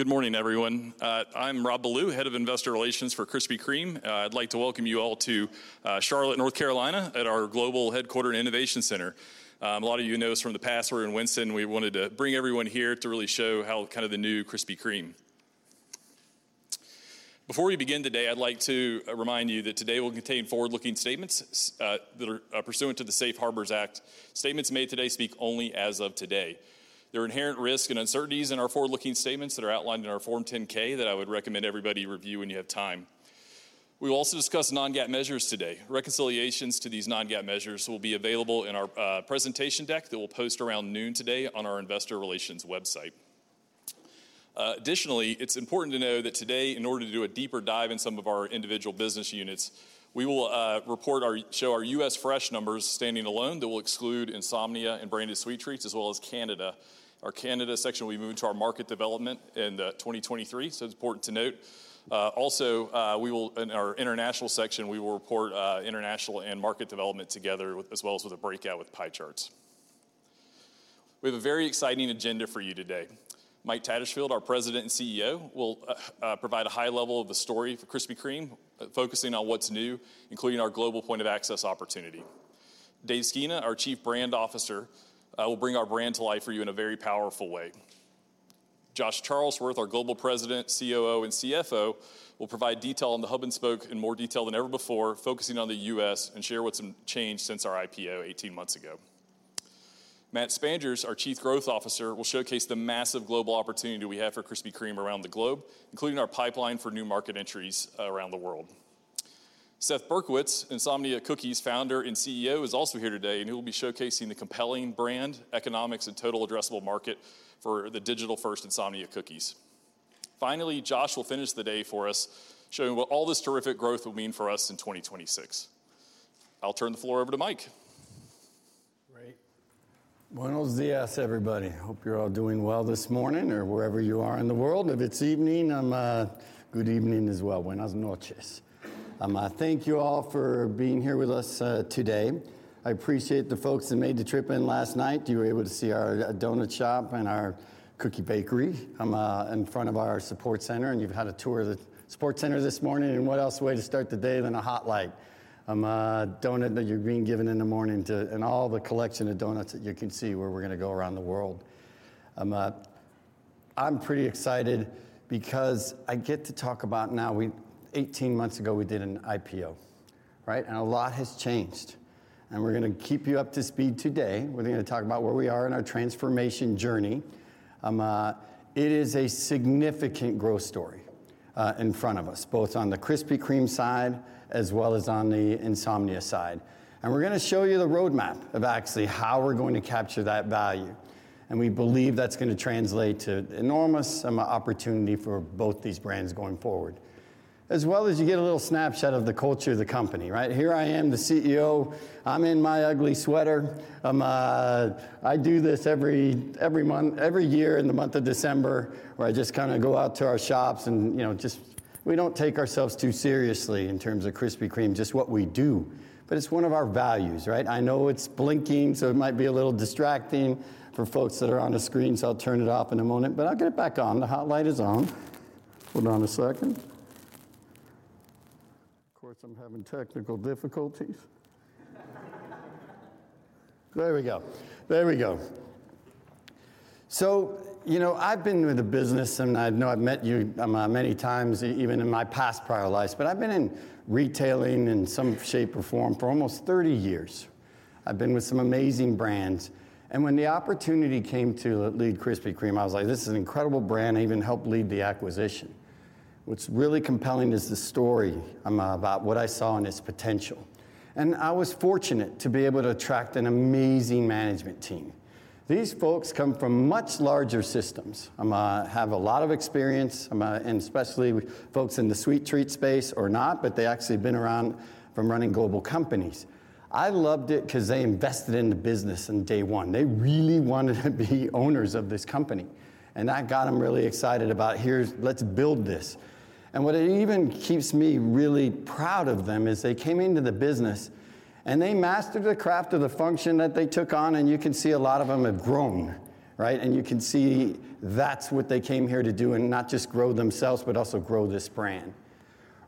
Good morning, everyone. I'm Rob Ballew, Head of Investor Relations for Krispy Kreme. I'd like to welcome you all to Charlotte, North Carolina, at our global headquarters and innovation center. A lot of you know us from the past. We were in Winston. We wanted to bring everyone here to really show kinda the new Krispy Kreme. Before we begin today, I'd like to remind you that today will contain forward-looking statements that are pursuant to the Safe Harbor Act. Statements made today speak only as of today. There are inherent risks and uncertainties in our forward-looking statements that are outlined in our Form 10-K that I would recommend everybody review when you have time. We will also discuss non-GAAP measures today. Reconciliations to these non-GAAP measures will be available in our presentation deck that we'll post around noon today on our Investor Relations website. Additionally, it's important to know that today, in order to do a deeper dive in some of our individual business units, we will show our U.S. fresh numbers standing alone that will exclude Insomnia and Branded Sweet Treats, as well as Canada. Our Canada section will be moved to our market development in 2023, it's important to note. Also, we will, in our international section, we will report international and market development together with, as well as with a breakout with pie charts. We have a very exciting agenda for you today. Mike Tattersfield, our President and CEO, will provide a high level of the story for Krispy Kreme, focusing on what's new, including our global point of access opportunity. Dave Skena, our Chief Brand Officer, will bring our brand to life for you in a very powerful way. Josh Charlesworth, our Global President, COO, and CFO, will provide detail Hub and Spoke in more detail than ever before, focusing on the U.S., and share what's changed since our IPO 18 months ago. Matthew Spanjers, our Chief Growth Officer, will showcase the massive global opportunity we have for Krispy Kreme around the globe, including our pipeline for new market entries around the world. Seth Berkowitz, Insomnia Cookies Founder and CEO, is also here today, and he will be showcasing the compelling brand, economics, and total addressable market for the digital-first Insomnia Cookies. Josh will finish the day for us, showing what all this terrific growth will mean for us in 2026. I'll turn the floor over to Mike. Great. Buenos dias, everybody. Hope you're all doing well this morning or wherever you are in the world. If it's evening, good evening as well. Buenas noches. Thank you all for being here with us today. I appreciate the folks that made the trip in last night. You were able to see our doughnut shop and our cookie bakery. I'm in front of our support center. You've had a tour of the support center this morning, and what else way to start the day than a Hot Light doughnut that you're being given in the morning and all the collection of doughnuts that you can see where we're gonna go around the world. I'm pretty excited because I get to talk about 18 months ago, we did an IPO, right? A lot has changed, and we're gonna keep you up to speed today. We're gonna talk about where we are in our transformation journey. It is a significant growth story in front of us, both on the Krispy Kreme side as well as on the Insomnia side. We're gonna show you the roadmap of actually how we're going to capture that value, and we believe that's gonna translate to enormous opportunity for both these brands going forward, as well as you get a little snapshot of the culture of the company, right? Here I am, the CEO. I'm in my ugly sweater. I do this every month, every year in the month of December, where I just kind of go out to our shops and, you know, we don't take ourselves too seriously in terms of Krispy Kreme, just what we do, but it's one of our values, right? I know it's blinking, so it might be a little distracting for folks that are on the screen, so I'll turn it off in a moment. I'll get it back on. The Hot Light is on. Hold on a second. Of course, I'm having technical difficulties. There we go. You know, I've been with the business, and I know I've met you many times, even in my past prior lives, but I've been in retailing in some shape or form for almost 30 years. I've been with some amazing brands. When the opportunity came to lead Krispy Kreme, I was like, "This is an incredible brand." I even helped lead the acquisition. What's really compelling is the story about what I saw and its potential. I was fortunate to be able to attract an amazing management team. These folks come from much larger systems, have a lot of experience, and especially with folks in the sweet treat space or not, but they actually have been around from running global companies. I loved it because they invested in the business in day one. They really wanted to be owners of this company, and that got them really excited about let's build this. What even keeps me really proud of them is they came into the business, they mastered the craft of the function that they took on, you can see a lot of them have grown, right? You can see that's what they came here to do, and not just grow themselves, but also grow this brand.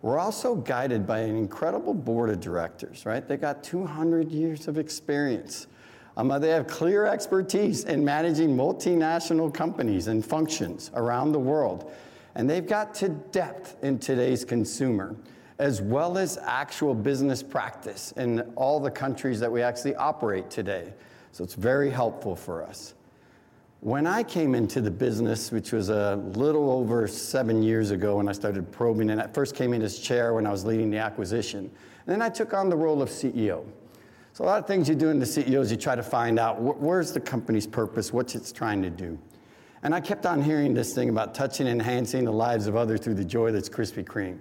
We're also guided by an incredible board of directors, right? They got 200 years of experience. They have clear expertise in managing multinational companies and functions around the world, and they've got to depth in today's consumer, as well as actual business practice in all the countries that we actually operate today. It's very helpful for us. When I came into the business, which was a little over seven years ago, when I started probing in, I first came in as chair when I was leading the acquisition. I took on the role of CEO. A lot of things you do in the CEO is you try to find out where's the company's purpose, what it's trying to do. I kept on hearing this thing about touching and enhancing the lives of others through the joy that's Krispy Kreme.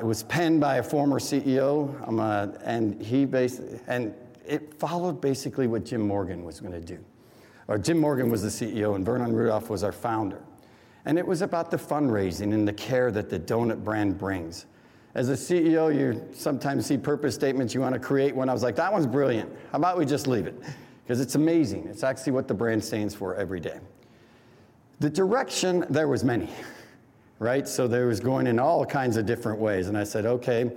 It was penned by a former CEO, and he followed basically what Jim Morgan was gonna do. Jim Morgan was the CEO, and Vernon Rudolph was our founder. It was about the fundraising and the care that the donut brand brings. As a CEO, you sometimes see purpose statements. You want to create one. I was like, "That one's brilliant. How about we just leave it?" It's amazing. It's actually what the brand stands for every day. The direction, there was many, right? There was going in all kinds of different ways. I said, "Okay,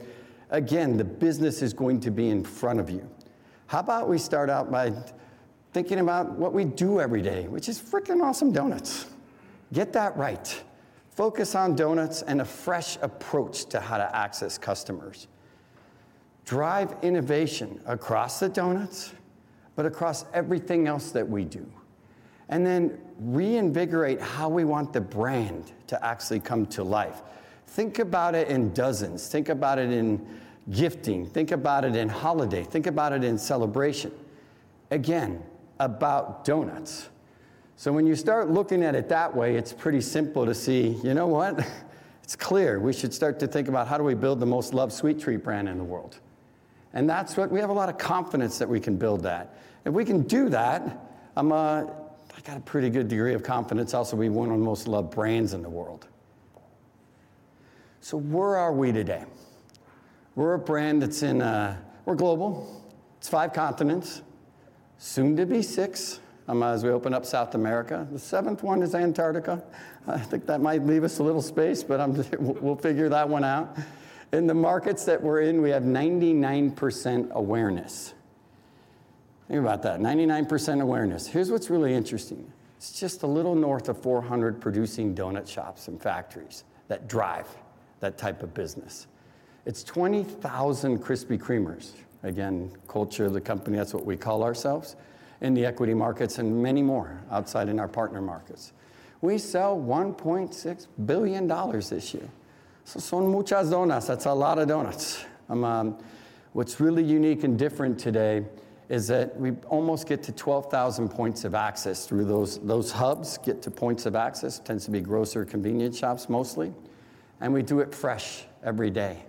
again, the business is going to be in front of you. How about we start out by thinking about what we do every day, which is freaking awesome donuts. Get that right. Focus on donuts and a fresh approach to how to access customers. Drive innovation across the donuts, across everything else that we do. Reinvigorate how we want the brand to actually come to life. Think about it in dozens. Think about it in gifting. Think about it in holiday. Think about it in celebration. About doughnuts. When you start looking at it that way, it's pretty simple to see, you know what? It's clear. We should start to think about how do we build the most loved sweet treat brand in the world. We have a lot of confidence that we can build that. If we can do that, I got a pretty good degree of confidence also we'll be one of the most loved brands in the world. Where are we today? We're a brand that's in, we're global. It's five continents. Soon to be six, as we open up South America. The seventh one is Antarctica. I think that might leave us a little space. We'll figure that one out. In the markets that we're in, we have 99% awareness. Think about that, 99% awareness. Here's what's really interesting. It's just a little north of 400 producing doughnut shops and factories that drive that type of business. It's 20,000 Krispy Kremers. Again, culture of the company, that's what we call ourselves, in the equity markets and many more outside in our partner markets. We sell $1.6 billion this year. Son muchas donas. That's a lot of doughnuts. What's really unique and different today is that we almost get to 12,000 points of access through those hubs, get to points of access, tends to be grocer, convenience shops mostly, and we do it fresh every day.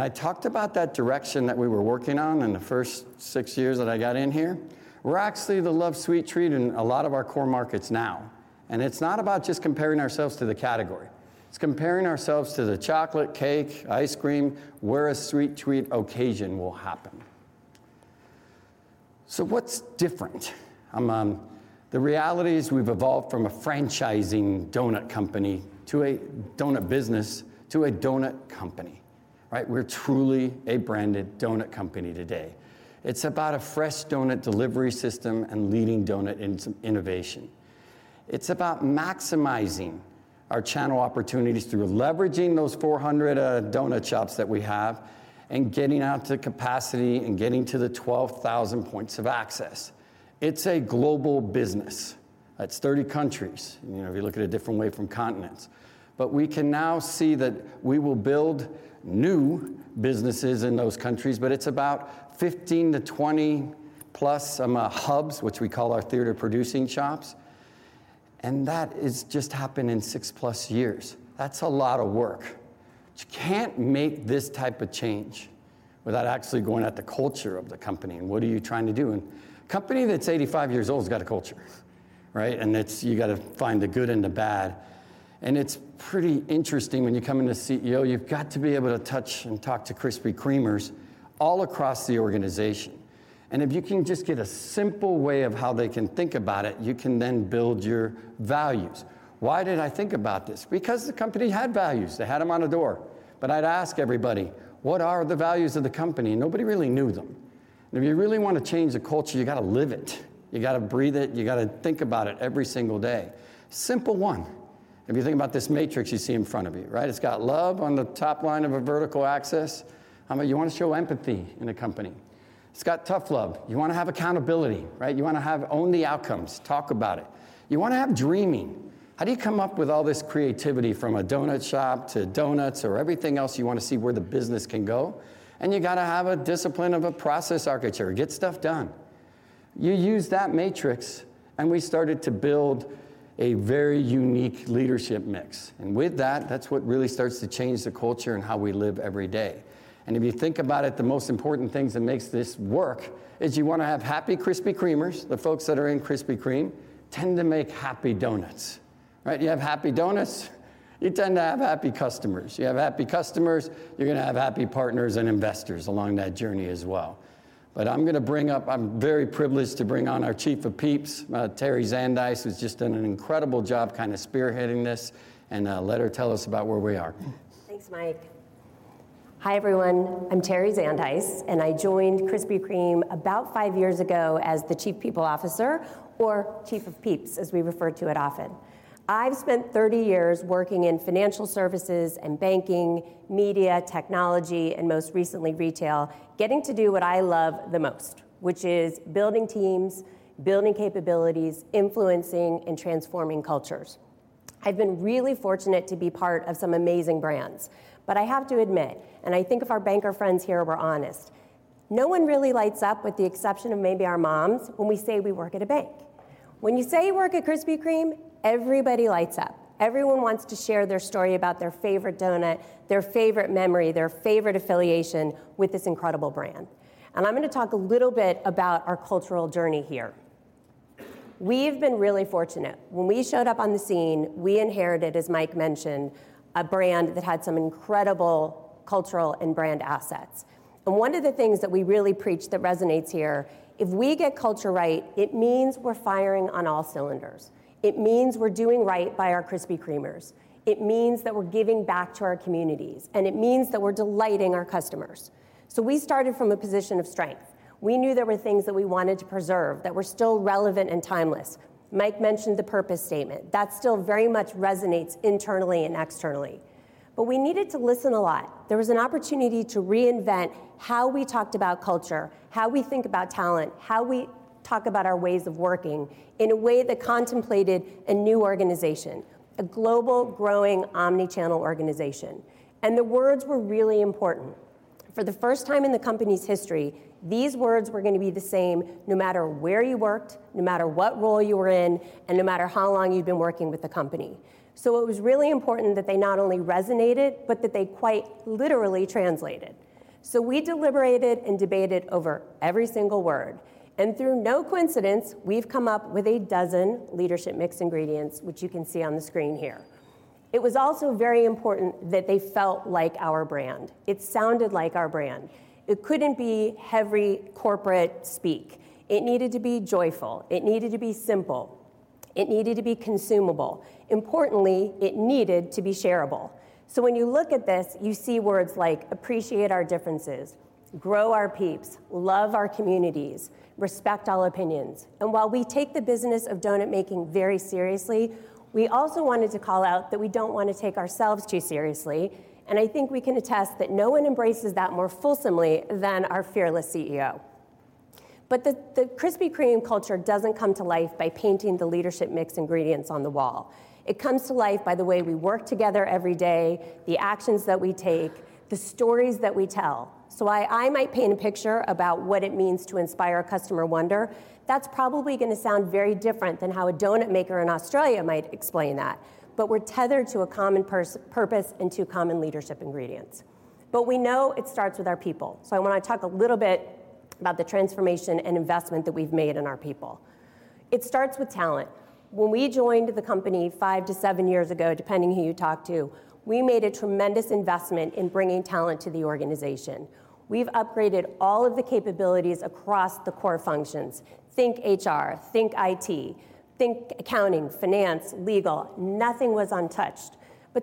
I talked about that direction that we were working on in the first six years that I got in here. We're actually the loved sweet treat in a lot of our core markets now. It's not about just comparing ourselves to the category. It's comparing ourselves to the chocolate cake, ice cream, where a sweet treat occasion will happen. What's different? The reality is we've evolved from a franchising doughnut company to a doughnut business to a doughnut company, right? We're truly a branded doughnut company today. It's about a fresh doughnut delivery system and leading doughnut in some innovation. It's about maximizing our channel opportunities through leveraging those 400 doughnut shops that we have and getting out to capacity and getting to the 12,000 points of access. It's a global business. That's 30 countries, you know, if you look at it different way from continents. We can now see that we will build new businesses in those countries, but it's about 15-20+ hubs, which we call our theater producing shops, and that is just happened in six plus years. That's a lot of work. You can't make this type of change without actually going at the culture of the company, and what are you trying to do? Company that's 85 years old has got a culture, right? It's, you got to find the good and the bad, and it's pretty interesting when you come in as CEO, you've got to be able to touch and talk to Krispy Kremers all across the organization. If you can just get a simple way of how they can think about it, you can then build your values. Why did I think about this? Because the company had values. They had them on a door. I'd ask everybody, "What are the values of the company?" Nobody really knew them. If you really wanna change the culture, you gotta live it. You gotta breathe it. You gotta think about it every single day. Simple one, if you think about this matrix you see in front of you, right? It's got love on the top line of a vertical axis. You wanna show empathy in a company. It's got tough love. You wanna have accountability, right? You wanna have own the outcomes. Talk about it. You wanna have dreaming. How do you come up with all this creativity from a doughnut shop to doughnuts or everything else you wanna see where the business can go? You gotta have a discipline of a process architecture. Get stuff done. You use that matrix, we started to build a very unique leadership mix. With that's what really starts to change the culture and how we live every day. If you think about it, the most important things that makes this work is you wanna have happy Krispy Kremers. The folks that are in Krispy Kreme tend to make happy donuts, right? You have happy donuts, you tend to have happy customers. You have happy customers, you're gonna have happy partners and investors along that journey as well. I'm gonna bring up, I'm very privileged to bring on our Chief of Peeps, Terri Zandhuis, who's just done an incredible job kind of spearheading this, and let her tell us about where we are. Thanks, Mike. Hi, everyone. I'm Terri Zandhuis. I joined Krispy Kreme about five years ago as the Chief People Officer or Chief of Peeps, as we refer to it often. I've spent 30 years working in financial services and banking, media, technology, and most recently retail, getting to do what I love the most, which is building teams, building capabilities, influencing, and transforming cultures. I've been really fortunate to be part of some amazing brands. I have to admit, and I think if our banker friends here were honest, no one really lights up, with the exception of maybe our moms, when we say we work at a bank. When you say you work at Krispy Kreme, everybody lights up. Everyone wants to share their story about their favorite doughnut, their favorite memory, their favorite affiliation with this incredible brand. I'm gonna talk a little bit about our cultural journey here. We've been really fortunate. When we showed up on the scene, we inherited, as Mike mentioned, a brand that had some incredible cultural and brand assets. One of the things that we really preach that resonates here, if we get culture right, it means we're firing on all cylinders. It means we're doing right by our Krispy Kremers. It means that we're giving back to our communities, and it means that we're delighting our customers. We started from a position of strength. We knew there were things that we wanted to preserve that were still relevant and timeless. Mike mentioned the purpose statement. That still very much resonates internally and externally. We needed to listen a lot. There was an opportunity to reinvent how we talked about culture, how we think about talent, how we talk about our ways of working in a way that contemplated a new organization, a global, growing, omnichannel organization. The words were really important. For the first time in the company's history, these words were gonna be the same no matter where you worked, no matter what role you were in, and no matter how long you'd been working with the company. It was really important that they not only resonated, but that they quite literally translated. We deliberated and debated over every single word. Through no coincidence, we've come up with a dozen leadership mix ingredients, which you can see on the screen here. It was also very important that they felt like our brand. It sounded like our brand. It couldn't be heavy corporate speak. It needed to be joyful. It needed to be simple. It needed to be consumable. Importantly, it needed to be shareable. When you look at this, you see words like appreciate our differences, grow our peeps, love our communities, respect all opinions. While we take the business of doughnut making very seriously, we also wanted to call out that we don't want to take ourselves too seriously. I think we can attest that no one embraces that more fulsomely than our fearless CEO. The Krispy Kreme culture doesn't come to life by painting the leadership mix ingredients on the wall. It comes to life by the way we work together every day, the actions that we take, the stories that we tell. I might paint a picture about what it means to inspire customer wonder. That's probably gonna sound very different than how a doughnut maker in Australia might explain that. We're tethered to a common purpose and to common leadership ingredients. We know it starts with our people, so I want to talk a little bit about the transformation and investment that we've made in our people. It starts with talent. When we joined the company five to seven years ago, depending who you talk to, we made a tremendous investment in bringing talent to the organization. We've upgraded all of the capabilities across the core functions. Think HR, think IT, think accounting, finance, legal. Nothing was untouched.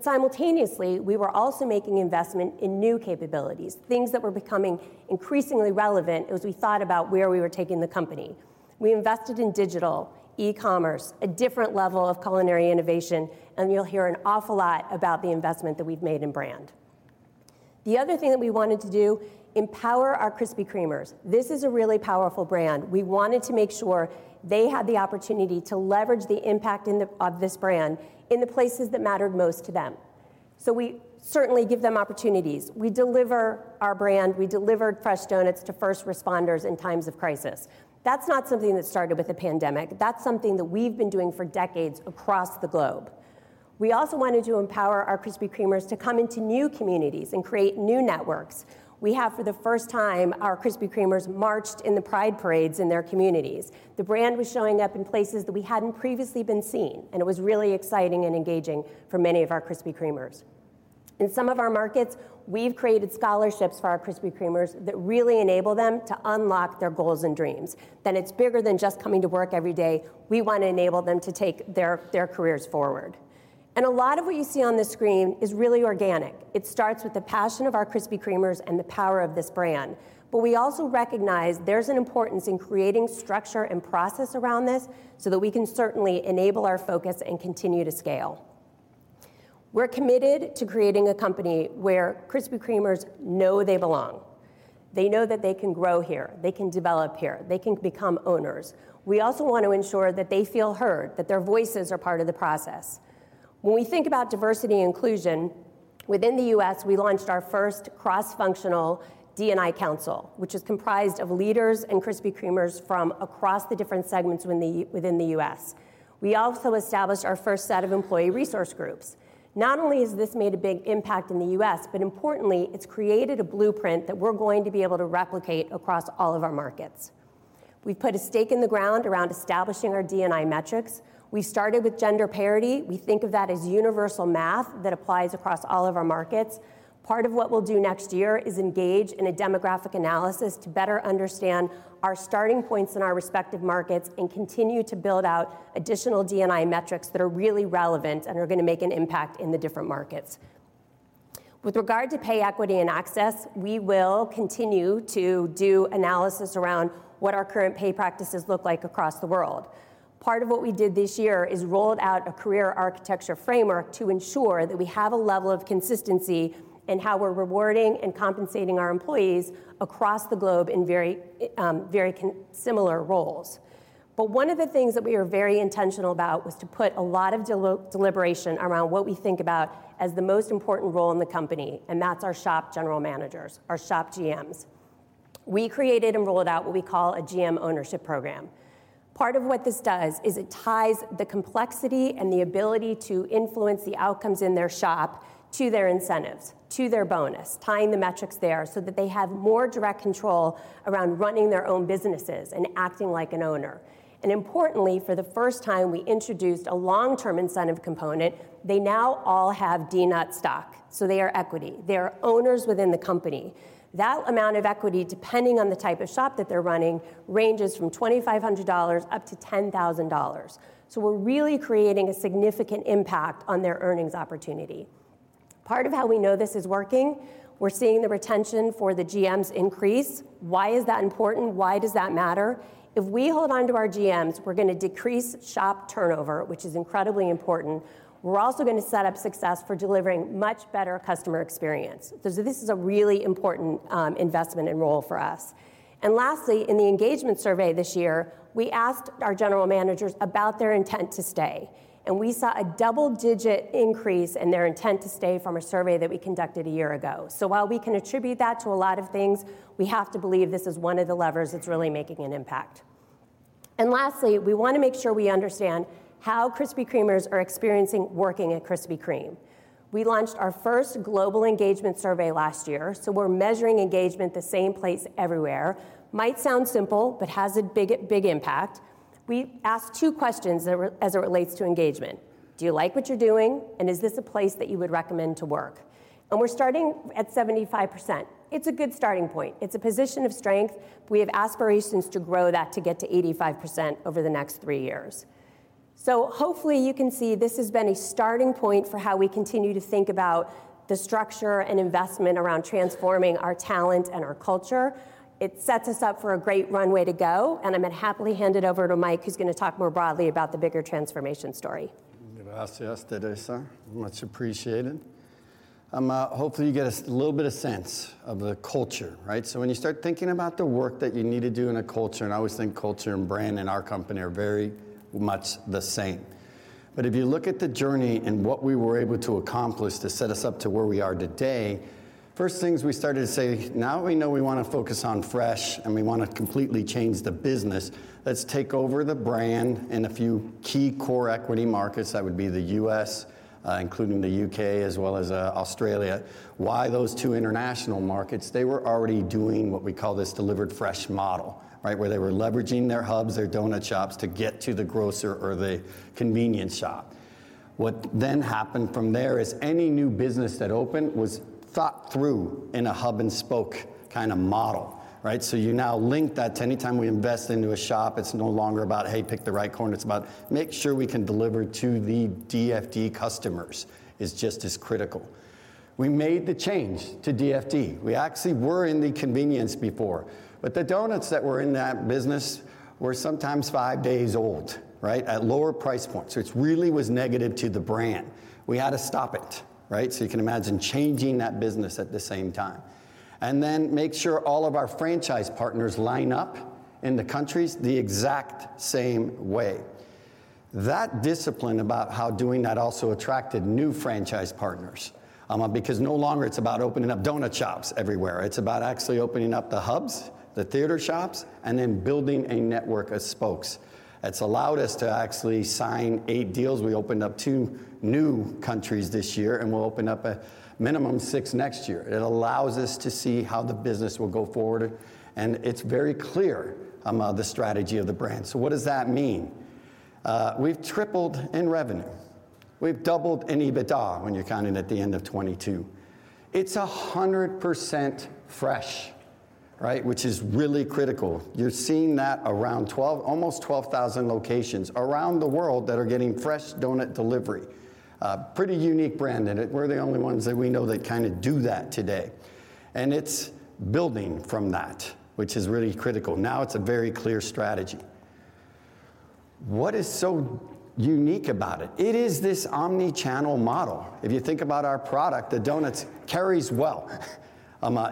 Simultaneously, we were also making investment in new capabilities, things that were becoming increasingly relevant as we thought about where we were taking the company. We invested in digital, e-commerce, a different level of culinary innovation, and you'll hear an awful lot about the investment that we've made in brand. The other thing that we wanted to do, empower our Krispy Kremers. This is a really powerful brand. We wanted to make sure they had the opportunity to leverage the impact of this brand in the places that mattered most to them. We certainly give them opportunities. We deliver our brand. We delivered fresh doughnuts to first responders in times of crisis. That's not something that started with the pandemic. That's something that we've been doing for decades across the globe. We also wanted to empower our Krispy Kremers to come into new communities and create new networks. We have for the first time, our Krispy Kremers marched in the pride parades in their communities. The brand was showing up in places that we hadn't previously been seen, and it was really exciting and engaging for many of our Krispy Kremers. In some of our markets, we've created scholarships for our Krispy Kremers that really enable them to unlock their goals and dreams, that it's bigger than just coming to work every day. We want to enable them to take their careers forward. A lot of what you see on this screen is really organic. It starts with the passion of our Krispy Kremers and the power of this brand. We also recognize there's an importance in creating structure and process around this so that we can certainly enable our focus and continue to scale. We're committed to creating a company where Krispy Kremers know they belong. They know that they can grow here, they can develop here, they can become owners. We also want to ensure that they feel heard, that their voices are part of the process. When we think about diversity and inclusion, within the U.S., we launched our first cross-functional D&I council, which is comprised of leaders and Krispy Kremers from across the different segments within the U.S. We also established our first set of employee resource groups. Not only has this made a big impact in the U.S., but importantly, it's created a blueprint that we're going to be able to replicate across all of our markets. We've put a stake in the ground around establishing our D&I metrics. We started with gender parity. We think of that as universal math that applies across all of our markets. Part of what we'll do next year is engage in a demographic analysis to better understand our starting points in our respective markets and continue to build out additional D&I metrics that are really relevant and are gonna make an impact in the different markets. With regard to pay equity and access, we will continue to do analysis around what our current pay practices look like across the world. Part of what we did this year is rolled out a career architecture framework to ensure that we have a level of consistency in how we're rewarding and compensating our employees across the globe in very, very similar roles. One of the things that we were very intentional about was to put a lot of deliberation around what we think about as the most important role in the company, and that's our shop general managers, our shop GMs. We created and rolled out what we call a GM ownership program. Part of what this does is it ties the complexity and the ability to influence the outcomes in their shop to their incentives, to their bonus, tying the metrics there so that they have more direct control around running their own businesses and acting like an owner. Importantly, for the first time, we introduced a long-term incentive component. They now all have DNUT stock, so they are equity. They are owners within the company. That amount of equity, depending on the type of shop that they're running, ranges from $2,500 up to $10,000. We're really creating a significant impact on their earnings opportunity. Part of how we know this is working, we're seeing the retention for the GMs increase. Why is that important? Why does that matter? If we hold on to our GMs, we're going to decrease shop turnover, which is incredibly important. We're also going to set up success for delivering much better customer experience. This is a really important investment and role for us. Lastly, in the engagement survey this year, we asked our general managers about their intent to stay, and we saw a double-digit increase in their intent to stay from a survey that we conducted a year ago. While we can attribute that to a lot of things, we have to believe this is one of the levers that's really making an impact. Lastly, we want to make sure we understand how Krispy Kremers are experiencing working at Krispy Kreme. We launched our first global engagement survey last year, so we're measuring engagement the same place everywhere. Might sound simple, but has a big impact. We asked two questions as it relates to engagement. Do you like what you're doing, and is this a place that you would recommend to work? We're starting at 75%. It's a good starting point. It's a position of strength. We have aspirations to grow that to get to 85% over the next three years. Hopefully you can see this has been a starting point for how we continue to think about the structure and investment around transforming our talent and our culture. It sets us up for a great runway to go. I'm going to happily hand it over to Mike, who's going to talk more broadly about the bigger transformation story. Gracias, Teresa. Much appreciated. Hopefully you get a little bit of sense of the culture, right? When you start thinking about the work that you need to do in a culture, and I always think culture and brand in our company are very much the same. If you look at the journey and what we were able to accomplish to set us up to where we are today, first things we started to say, now we know we want to focus on fresh and we want to completely change the business, let's take over the brand in a few key core equity markets. That would be the U.S., including the U.K. as well as Australia. Why those two international markets? They were already doing what we call this delivered fresh model, right? Where they were leveraging their hubs, their doughnut shops, to get to the grocer or the convenience shop. What then happened from there is any new business that opened was thought through Hub and Spoke kind of model, right? You now link that to any time we invest into a shop, it's no longer about, hey, pick the right corner. It's about make sure we can deliver to the DFD customers is just as critical. We made the change to DFD. We actually were in the convenience before, but the doughnuts that were in that business were sometimes five days old, right, at lower price points, which really was negative to the brand. We had to stop it, right? You can imagine changing that business at the same time. Make sure all of our franchise partners line up in the countries the exact same way. That discipline about how doing that also attracted new franchise partners, because no longer it's about opening up doughnut shops everywhere. It's about actually opening up the hubs, the theater shops, and then building a network of spokes. It's allowed us to actually sign eight deals. We opened up two new countries this year, and we'll open up a minimum of six next year. It allows us to see how the business will go forward, and it's very clear, the strategy of the brand. What does that mean? We've tripled in revenue. We've doubled in EBITDA when you're counting at the end of 2022. It's 100% fresh, right, which is really critical. You're seeing that around almost 12,000 locations around the world that are getting fresh doughnut delivery. Pretty unique brand, we're the only ones that we know that kind of do that today. It's building from that, which is really critical. Now it's a very clear strategy. What is so unique about it? It is this omnichannel model. If you think about our product, the doughnuts carries well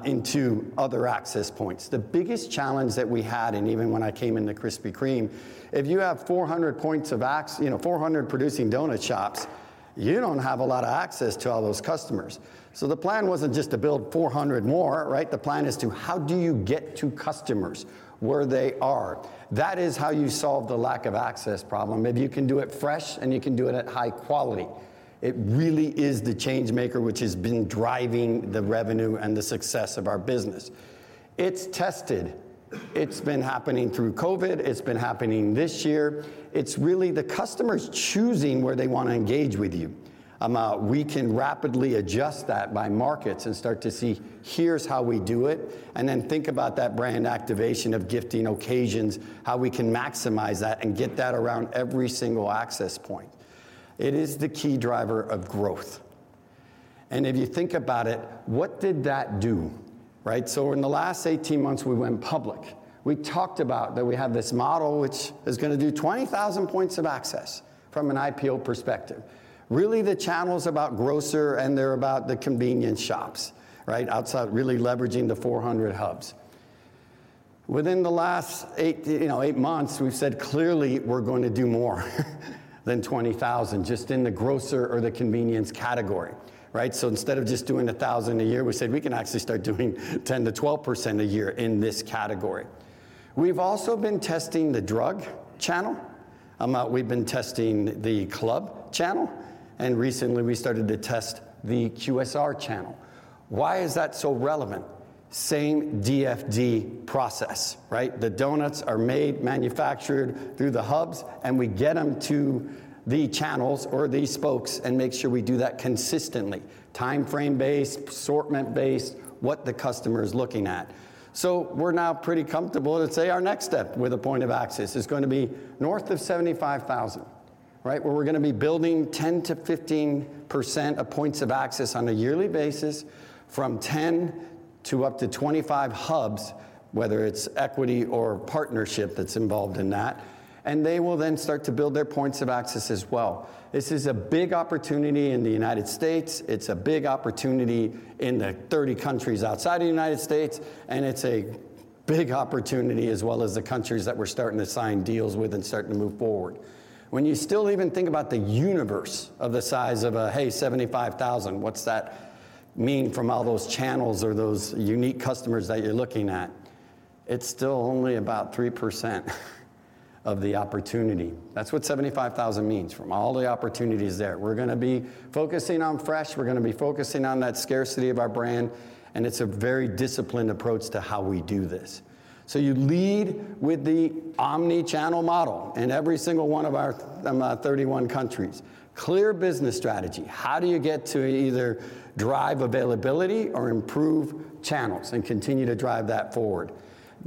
into other access points. The biggest challenge that we had, and even when I came into Krispy Kreme, if you have 400 points of you know, 400 producing doughnut shops, you don't have a lot of access to all those customers. The plan wasn't just to build 400 more, right? The plan is to how do you get to customers where they are? That is how you solve the lack of access problem. If you can do it fresh, and you can do it at high quality, it really is the change maker which has been driving the revenue and the success of our business. It's tested. It's been happening through COVID. It's been happening this year. It's really the customers choosing where they want to engage with you. We can rapidly adjust that by markets and start to see here's how we do it, and then think about that brand activation of gifting occasions, how we can maximize that and get that around every single access point. It is the key driver of growth. If you think about it, what did that do, right? In the last 18 months we went public. We talked about that we have this model which is going to do 20,000 points of access from an IPO perspective. Really, the channel's about grocer, and they're about the convenience shops, right, outside really leveraging the 400 hubs. Within the last eight months, we've said clearly we're going to do more than 20,000 just in the grocer or the convenience category, right? Instead of just doing 1,000 a year, we said we can actually start doing 10%-12% a year in this category. We've also been testing the drug channel, we've been testing the club channel, and recently we started to test the QSR channel. Why is that so relevant? Same DFD process, right? The donuts are made, manufactured through the hubs, and we get them to the channels or the spokes and make sure we do that consistently. Timeframe-based, assortment-based, what the customer is looking at. We're now pretty comfortable to say our next step with a point of access is going to be north of 75,000, right? Where we're going to be building 10%-15% of points of access on a yearly basis from 10 to up to 25 hubs, whether it's equity or partnership that's involved in that, and they will then start to build their points of access as well. This is a big opportunity in the United States. It's a big opportunity in the 30 countries outside of the United States. It's a big opportunity as well as the countries that we're starting to sign deals with and starting to move forward. When you still even think about the universe of the size of 75,000, what's that mean from all those channels or those unique customers that you're looking at? It's still only about 3% of the opportunity. That's what 75,000 means from all the opportunities there. We're gonna be focusing on fresh, we're gonna be focusing on that scarcity of our brand, and it's a very disciplined approach to how we do this. You lead with the omnichannel model in every single one of our 31 countries. Clear business strategy. How do you get to either drive availability or improve channels and continue to drive that forward?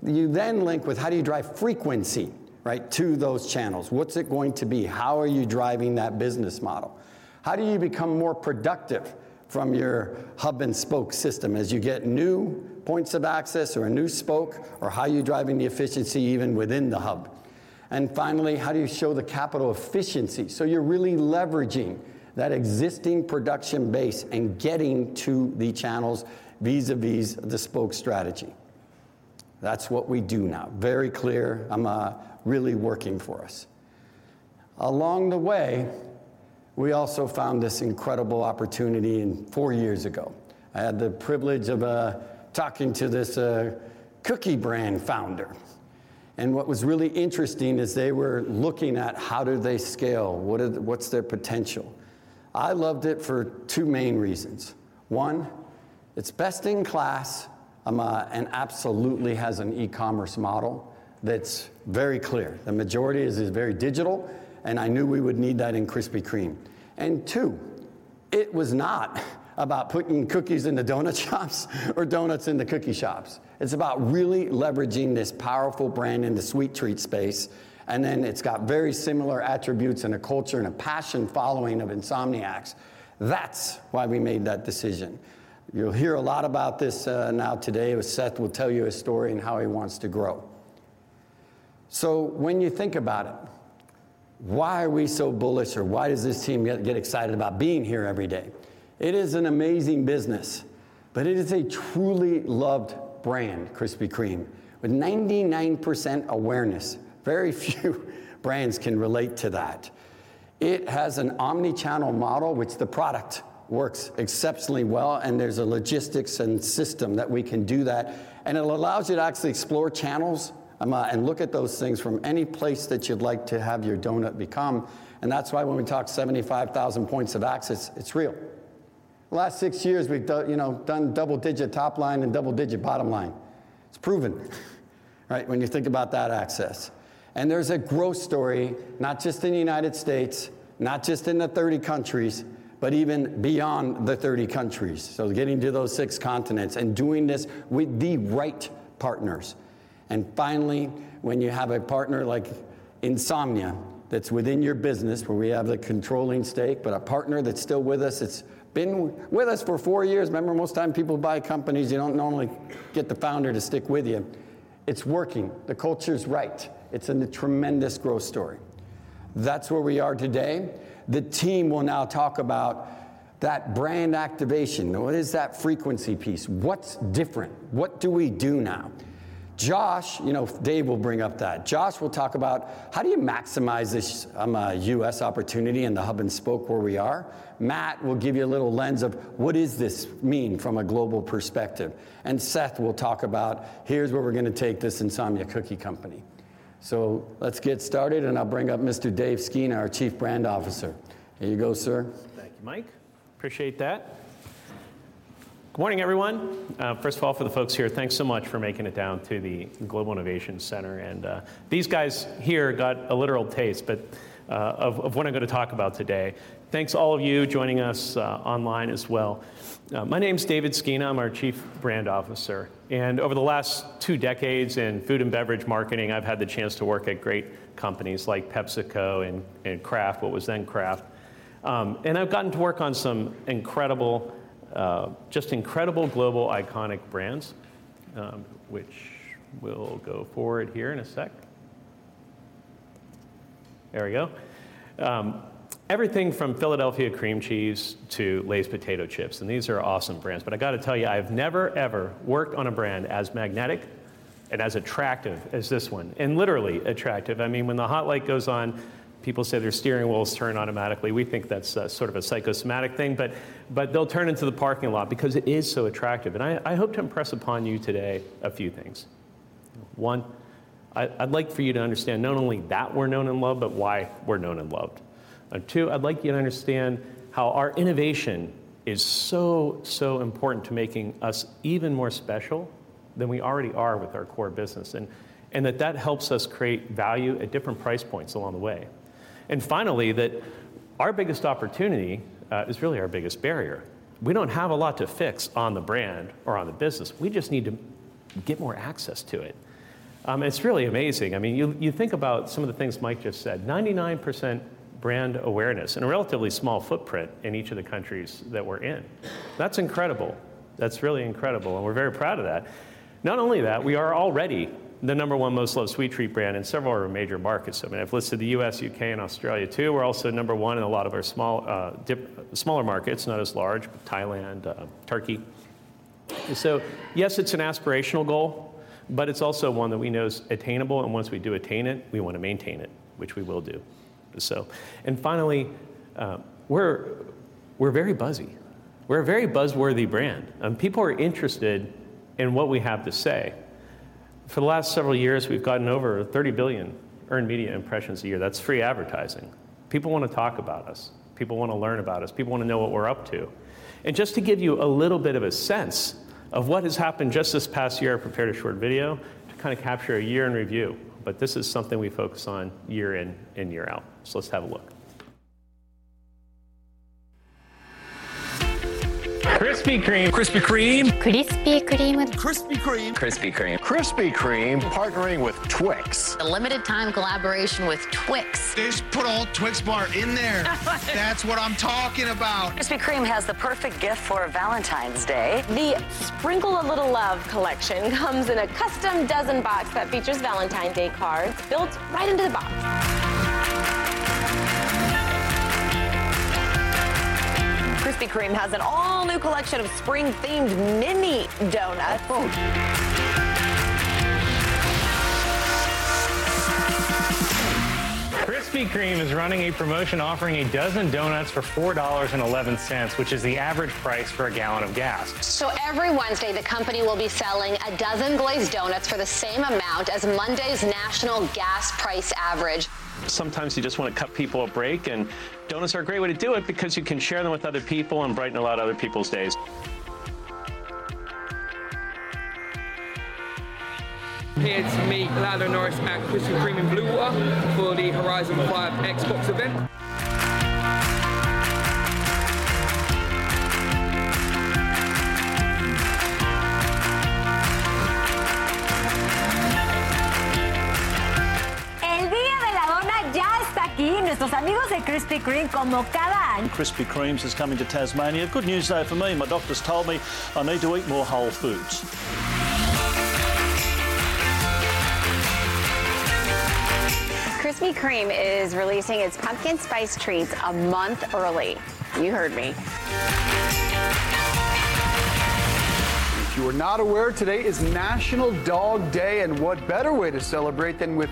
You then link with how do you drive frequency, right, to those channels? What's it going to be? How are you driving that business model? How do you beyou come more productive from your Hub and Spoke system as you get new points of access or a new spoke, or how are you driving the efficiency even within the hub? Finally, how do you show the capital efficiency? You're really leveraging that existing production base and getting to the channels vis-à-vis the spoke strategy. That's what we do now. Very clear, really working for us. Along the way, we also found this incredible opportunity four years ago. I had the privilege of talking to this cookie brand founder, and what was really interesting is they were looking at how do they scale, what's their potential. I loved it for two main reasons. One, it's best in class, and absolutely has an e-commerce model that's very clear. The majority is very digital, and I knew we would need that in Krispy Kreme. Two, it was not about putting cookies in the doughnut shops or doughnuts in the cookie shops. It's about really leveraging this powerful brand in the sweet treat space, and then it's got very similar attributes and a culture and a passion following of Insomniacs. That's why we made that decision. You'll hear a lot about this, now today, with Seth will tell you his story and how he wants to grow. When you think about it, why are we so bullish, or why does this team get excited about being here every day? It is an amazing business, but it is a truly loved brand, Krispy Kreme. With 99% awareness, very few brands can relate to that. It has an omnichannel model which the product works exceptionally well, and there's a logistics and system that we can do that, and it allows you to actually explore channels and look at those things from any place that you'd like to have your doughnut become. That's why when we talk 75,000 points of access, it's real. The last six years, we've you know, done double-digit top line and double-digit bottom line. It's proven, right? When you think about that access. There's a growth story, not just in the United States, not just in the 30 countries, but even beyond the 30 countries. Getting to those six continents and doing this with the right partners. Finally, when you have a partner like Insomnia Cookies that's within your business, where we have the controlling stake, but a partner that's still with us, that's been with us for four years. Remember, most time people buy companies, you don't normally get the founder to stick with you. It's working. The culture's right. It's in a tremendous growth story. That's where we are today. The team will now talk about that brand activation. What is that frequency piece? What's different? What do we do now? Josh, you know, Dave will bring up that. Josh will talk about how do you maximize this U.S. opportunity Hub and Spoke where we are. Matt will give you a little lens of what does this mean from a global perspective. Seth will talk about here's where we're gonna take this Insomnia Cookies company. Let's get started, and I'll bring up Mr. Dave Skena, our Chief Brand Officer. Here you go, sir. Thank you, Mike. Appreciate that. Good morning, everyone. First of all, for the folks here, thanks so much for making it down to the Global Innovation Center. These guys here got a literal taste, but of what I'm gonna talk about today. Thanks to all of you joining us online as well. My name's David Skena. I'm our Chief Brand Officer. Over the last two decades in food and beverage marketing, I've had the chance to work at great companies like PepsiCo and Kraft, what was then Kraft. I've gotten to work on some incredible, just incredible global iconic brands, which will go forward here in a sec. There we go. Everything from Philadelphia Cream Cheese to Lay's potato chips, and these are awesome brands. I gotta tell you, I have never, ever worked on a brand as magnetic and as attractive as this one, and literally attractive. I mean, when the Hot Light goes on, people say their steering wheels turn automatically. We think that's sort of a psychosomatic thing, but they'll turn into the parking lot because it is so attractive. I hope to impress upon you today a few things. One, I'd like you to understand not only that we're known and loved, but why we're known and loved. Two, I'd like you to understand how our innovation is so important to making us even more special than we already are with our core business, and that helps us create value at different price points along the way. Finally, that our biggest opportunity is really our biggest barrier. We don't have a lot to fix on the brand or on the business. We just need to get more access to it. It's really amazing. I mean, you think about some of the things Mike just said, 99% brand awareness in a relatively small footprint in each of the countries that we're in. That's incredible. That's really incredible. We're very proud of that. Not only that, we are already the number one most loved sweet treat brand in several of our major markets. I mean, I've listed the U.S., U.K., and Australia too. We're also number one in a lot of our small, smaller markets, not as large, Thailand, Turkey. Yes, it's an aspirational goal, but it's also one that we know is attainable. Once we do attain it, we wanna maintain it, which we will do. Finally, we're very buzzy. We're a very buzz-worthy brand, and people are interested in what we have to say. For the last several years, we've gotten over 30 billion earned media impressions a year. That's free advertising. People wanna talk about us. People wanna learn about us. People wanna know what we're up to. Just to give you a little bit of a sense of what has happened just this past year, I prepared a short video to kind of capture a year in review, but this is something we focus on year in and year out. Let's have a look. Krispy Kreme. Krispy Kreme. Krispy Kreme. Krispy Kreme. Krispy Kreme. Krispy Kreme partnering with Twix. A limited time collaboration with Twix. They just put a whole Twix bar in there. That's what I'm talking about. Krispy Kreme has the perfect gift for Valentine's Day. The Sprinkle a Little Love collection comes in a custom dozen box that features Valentine Day cards built right into the box. Krispy Kreme has an all new collection of spring themed mini donuts. Oh. Krispy Kreme is running a promotion offering a dozen donuts for $4.11, which is the average price for a gallon of gas. Every Wednesday, the company will be selling a dozen Glazed Doughnuts for the same amount as Monday's national gas price average. Sometimes you just wanna cut people a break. Doughnuts are a great way to do it because you can share them with other people and brighten a lot of other people's days. Here to meet Lando Norris at Krispy Kreme in Bluewater for the Forza Horizon 5 event. Krispy Kreme's is coming to Tasmania. Good news, though, for me, my doctor's told me I need to eat more whole foods. Krispy Kreme is releasing its pumpkin spice treats a month early. You heard me. If you are not aware, today is National Dog Day. What better way to celebrate than with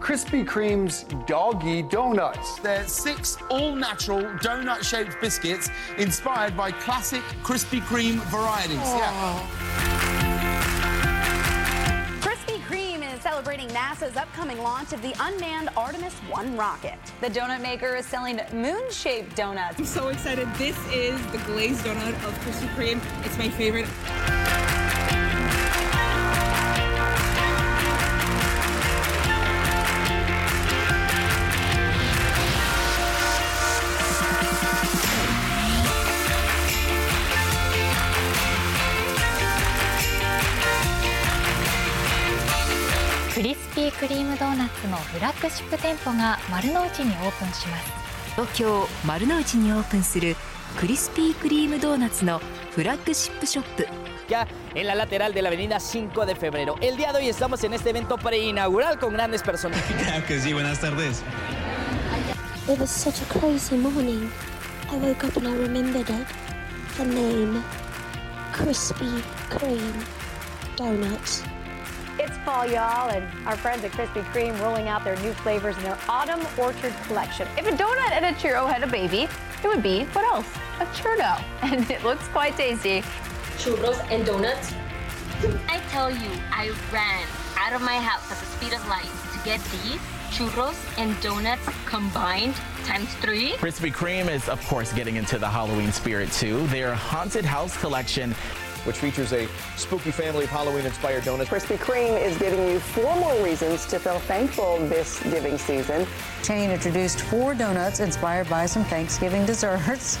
Krispy Kreme's doggy donuts? They're six all natural doughnut shaped biscuits inspired by classic Krispy Kreme varieties. Yeah. Krispy Kreme is celebrating NASA's upcoming launch of the unmanned Artemis I rocket. The donut maker is selling moon shaped donuts. I'm so excited. This is the glazed donut of Krispy Kreme. It's my favorite. It was such a crazy morning. I woke up and I remembered it, the name Krispy Kreme Donuts. It's fall, y'all, and our friends at Krispy Kreme rolling out their new flavors in their Autumn's Orchard collection. If a doughnut and a churro had a baby, it would be, what else? A ChurrDough. It looks quite tasty. Churros and donuts. I tell you, I ran out of my house at the speed of light to get these churros and donuts combined, times three. Krispy Kreme is, of course, getting into the Halloween spirit, too. Their Haunted House Collection Which features a spooky family of Halloween inspired doughnuts. Krispy Kreme is giving you four more reasons to feel thankful this giving season. Chain introduced four doughnuts inspired by some Thanksgiving desserts.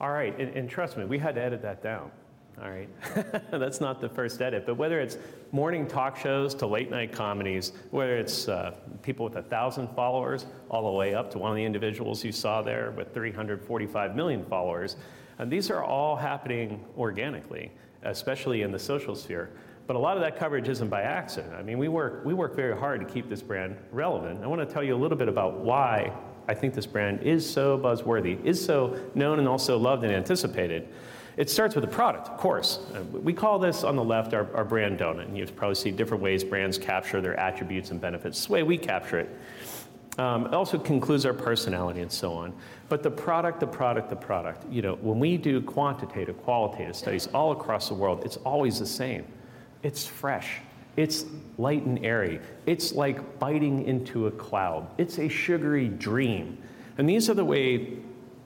All right. Trust me, we had to edit that down. All right. That's not the first edit. Whether it's morning talk shows to late night comedies, whether it's people with 1,000 followers all the way up to one of the individuals you saw there with 345 million followers, and these are all happening organically, especially in the social sphere. A lot of that coverage isn't by accident. I mean, we work very hard to keep this brand relevant. I want to tell you a little bit about why I think this brand is so buzz-worthy, is so known and also loved and anticipated. It starts with the product, of course. We call this on the left our brand doughnut, and you probably see different ways brands capture their attributes and benefits. This is the way we capture it. It also concludes our personality and so on. But the product, the product, the product. You know, when we do quantitative, qualitative studies all across the world, it's always the same. It's fresh, it's light and airy. It's like biting into a cloud. It's a sugary dream. These are the way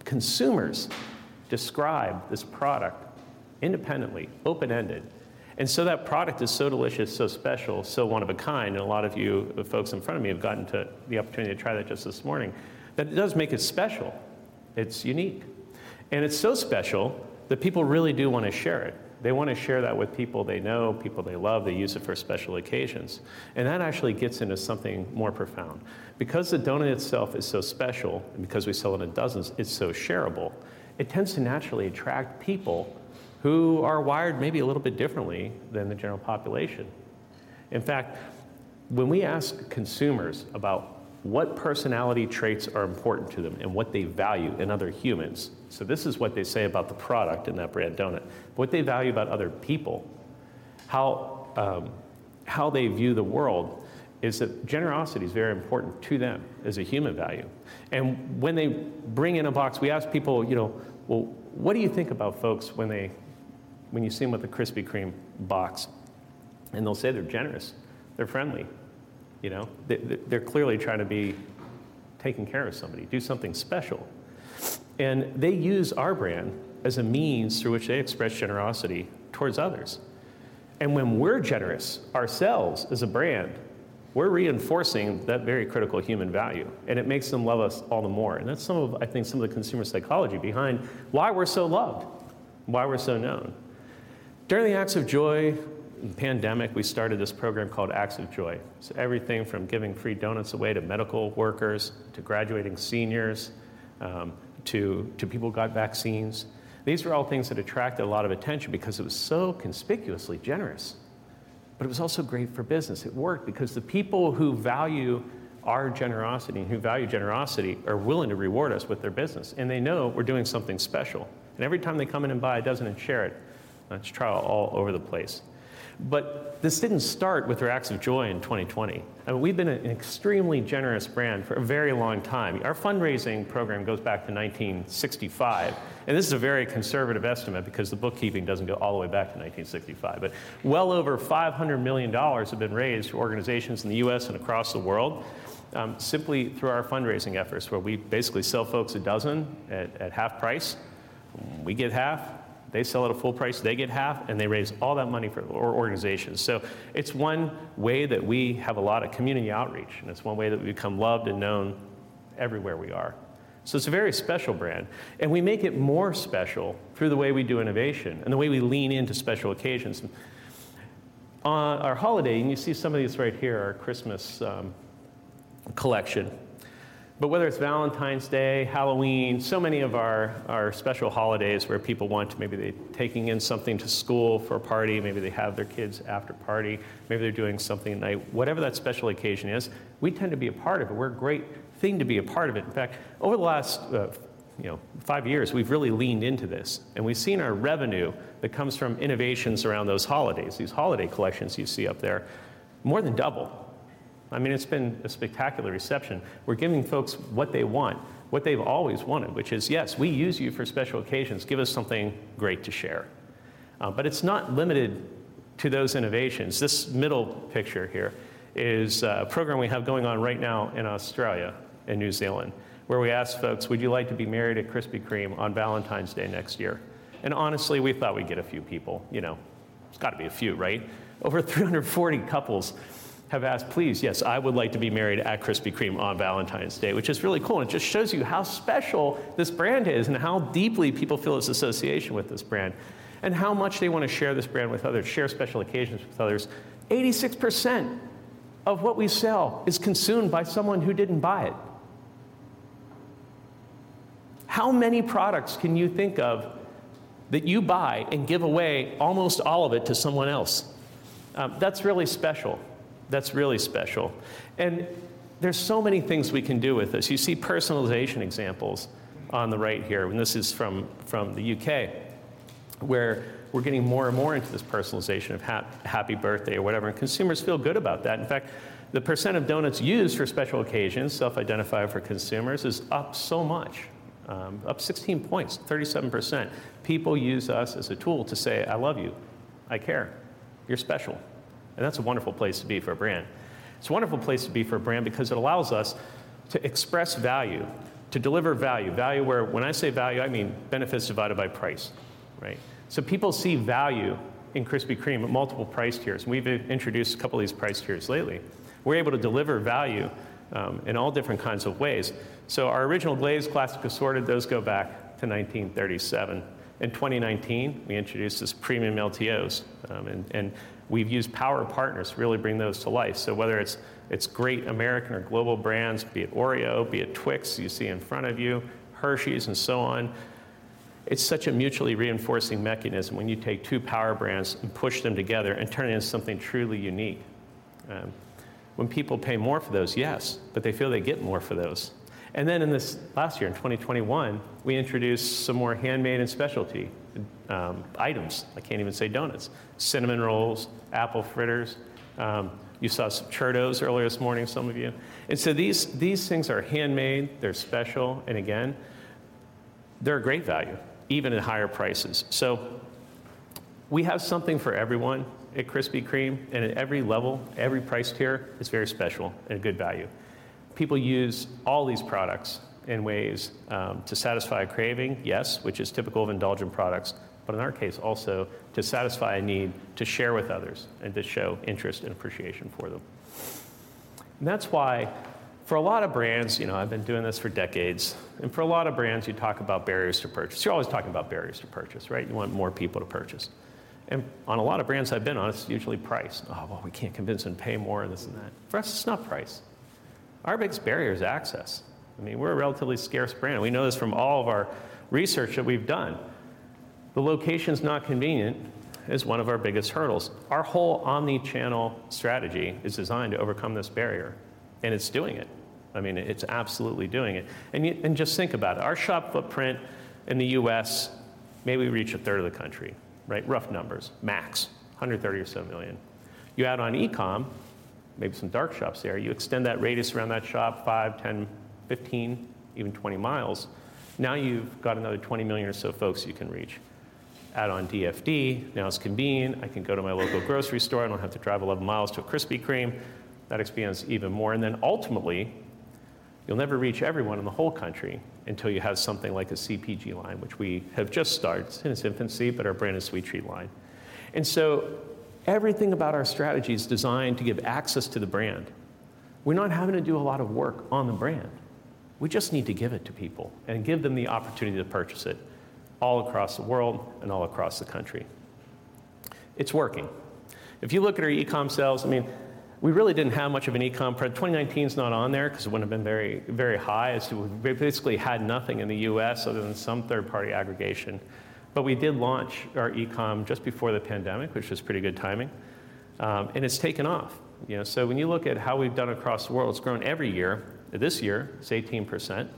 consumers describe this product independently, open-ended. That product is so delicious, so special, so one of a kind, and a lot of you, the folks in front of me, have gotten to the opportunity to try that just this morning, that it does make it special. It's unique. It's so special that people really do want to share it. They want to share that with people they know, people they love. They use it for special occasions. That actually gets into something more profound. The doughnut itself is so special, and because we sell it in dozens, it's so shareable, it tends to naturally attract people who are wired maybe a little bit differently than the general population. In fact, when we ask consumers about what personality traits are important to them and what they value in other humans, so this is what they say about the product in that brand doughnut, what they value about other people, how they view the world, is that generosity is very important to them as a human value. When they bring in a box, we ask people, you know, "Well, what do you think about folks when you see them with a Krispy Kreme box?" They'll say they're generous, they're friendly, you know. They're clearly trying to be taking care of somebody, do something special. They use our brand as a means through which they express generosity towards others. When we're generous ourselves as a brand, we're reinforcing that very critical human value, and it makes them love us all the more. That's some of, I think, some of the consumer psychology behind why we're so loved, why we're so known. During the Acts of Joy pandemic, we started this program called Acts of Joy. Everything from giving free doughnuts away to medical workers, to graduating seniors, to people who got vaccines. These were all things that attracted a lot of attention because it was so conspicuously generous. It was also great for business. It worked because the people who value our generosity and who value generosity are willing to reward us with their business, and they know we're doing something special. Every time they come in and buy a dozen and share it's trial all over the place. This didn't start with our Acts of Joy in 2020. I mean, we've been an extremely generous brand for a very long time. Our fundraising program goes back to 1965, and this is a very conservative estimate because the bookkeeping doesn't go all the way back to 1965. Well over $500 million have been raised for organizations in the U.S. and across the world, simply through our fundraising efforts, where we basically sell folks a dozen at half price. We get half, they sell it at full price, they get half, and they raise all that money for organizations. It's one way that we have a lot of community outreach, and it's one way that we become loved and known everywhere we are. It's a very special brand, and we make it more special through the way we do innovation and the way we lean into special occasions. On our holiday, and you see some of these right here, our Christmas collection. Whether it's Valentine's Day, Halloween, so many of our special holidays where people want to, maybe they're taking in something to school for a party, maybe they have their kids after party, maybe they're doing something at night. Whatever that special occasion is, we tend to be a part of it. We're a great thing to be a part of it. In fact, over the last, you know, five years, we've really leaned into this. We've seen our revenue that comes from innovations around those holidays, these holiday collections you see up there, more than double. I mean, it's been a spectacular reception. We're giving folks what they want, what they've always wanted, which is, yes, we use you for special occasions. Give us something great to share. It's not limited to those innovations. This middle picture here is a program we have going on right now in Australia and New Zealand, where we ask folks, "Would you like to be married at Krispy Kreme on Valentine's Day next year?" Honestly, we thought we'd get a few people. You know, there's got to be a few, right? Over 340 couples have asked, "Please, yes, I would like to be married at Krispy Kreme on Valentine's Day," which is really cool, it just shows you how special this brand is and how deeply people feel this association with this brand and how much they want to share this brand with others, share special occasions with others. 86% of what we sell is consumed by someone who didn't buy it. How many products can you think of that you buy and give away almost all of it to someone else? That's really special. That's really special. There's so many things we can do with this. You see personalization examples on the right here, and this is from the U.K., where we're getting more and more into this personalization of happy birthday or whatever, and consumers feel good about that. In fact, the percent of doughnuts used for special occasions, self-identified for consumers, is up so much, up 16 points, 37%. People use us as a tool to say, "I love you. I care. You're special." That's a wonderful place to be for a brand. It's a wonderful place to be for a brand because it allows us to express value, to deliver value. Value where when I say value, I mean benefits divided by price, right? People see value in Krispy Kreme at multiple price tiers, and we've introduced a couple of these price tiers lately. We're able to deliver value in all different kinds of ways. Our Original Glazed classic assorted, those go back to 1937. In 2019, we introduced this premium LTOs, and we've used power partners to really bring those to life. Whether it's great American or global brands, be it Oreo, be it Twix, you see in front of you, Hershey's and so on, it's such a mutually reinforcing mechanism when you take two power brands and push them together and turn it into something truly unique. When people pay more for those, yes, but they feel they get more for those. In this last year, in 2021, we introduced some more handmade and specialty items. I can't even say doughnuts. Cinnamon rolls, apple fritters, you saw some churros earlier this morning, some of you. These, these things are handmade, they're special, and again, they're a great value, even at higher prices. We have something for everyone at Krispy Kreme, and at every level, every price tier is very special and a good value. People use all these products in ways to satisfy a craving, yes, which is typical of indulgent products, but in our case also to satisfy a need to share with others and to show interest and appreciation for them. That's why for a lot of brands, you know, I've been doing this for decades, and for a lot of brands, you talk about barriers to purchase. You're always talking about barriers to purchase, right? You want more people to purchase. On a lot of brands I've been on, it's usually price. "Oh, well, we can't convince them to pay more," and this and that. For us, it's not price. Our biggest barrier is access. I mean, we're a relatively scarce brand. We know this from all of our research that we've done. The location's not convenient is one of our biggest hurdles. Our whole omnichannel strategy is designed to overcome this barrier, and it's doing it. I mean, it's absolutely doing it. Just think about it. Our shop footprint in the U.S., maybe we reach a third of the country, right? Rough numbers, max. $130 million or so. You add on e-com, maybe some dark shops there, you extend that radius around that shop five, 10, 15, even 20 miles, now you've got another $20 million or so folks you can reach. Add on DFD, now it's convenient. I can go to my local grocery store. I don't have to drive 11 miles to a Krispy Kreme. That expands even more. Ultimately, you'll never reach everyone in the whole country until you have something like a CPG line, which we have just started. It's in its infancy, our brand is Sweet Treat line. Everything about our strategy is designed to give access to the brand. We're not having to do a lot of work on the brand. We just need to give it to people and give them the opportunity to purchase it all across the world and all across the country. It's working. If you look at our e-com sales, I mean, we really didn't have much of an e-com. 2019 is not on there because it wouldn't have been very, very high, as we basically had nothing in the U.S. other than some third-party aggregation. We did launch our e-com just before the pandemic, which was pretty good timing, and it's taken off. You know, when you look at how we've done across the world, it's grown every year. This year it's 18%,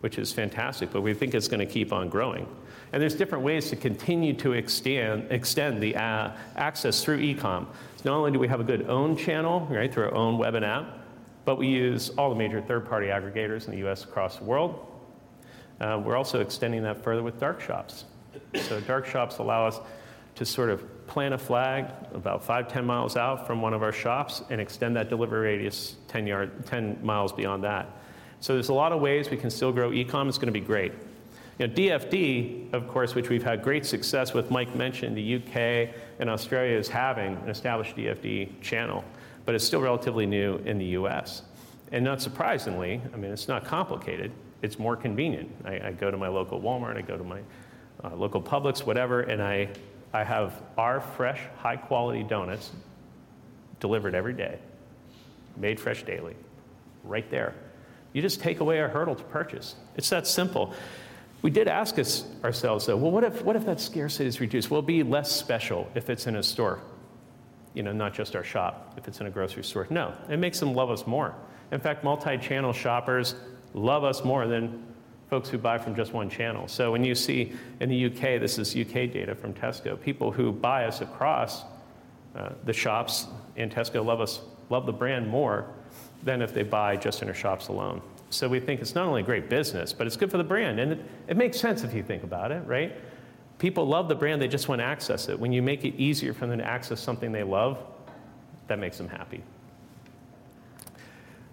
which is fantastic, we think it's gonna keep on growing. There's different ways to continue to extend the access through e-com. Not only do we have a good own channel, right, through our own web and app, but we use all the major third-party aggregators in the U.S. across the world. We're also extending that further with dark shops. dark shops allow us to sort of plant a flag about five, 10 miles out from one of our shops and extend that delivery radius 10 miles beyond that. there's a lot of ways we can still grow e-com. It's gonna be great. You know, DFD, of course, which we've had great success with, Mike mentioned the U.K. and Australia is having an established DFD channel, but it's still relatively new in the U.S. Not surprisingly, I mean, it's not complicated, it's more convenient. I go to my local Walmart, I go to my local Publix, whatever, and I have our fresh, high-quality doughnuts delivered every day, made fresh daily, right there. You just take away a hurdle to purchase. It's that simple. We did ask ourselves, though, "Well, what if that scarcity is reduced? Will it be less special if it's in a store, you know, not just our shop, if it's in a grocery store?" No, it makes them love us more. In fact, multi-channel shoppers love us more than folks who buy from just one channel. When you see in the U.K., this is U.K. data from Tesco, people who buy us across the shops in Tesco love the brand more than if they buy just in our shops alone. We think it's not only great business, but it makes sense if you think about it, right? People love the brand, they just want to access it. When you make it easier for them to access something they love, that makes them happy.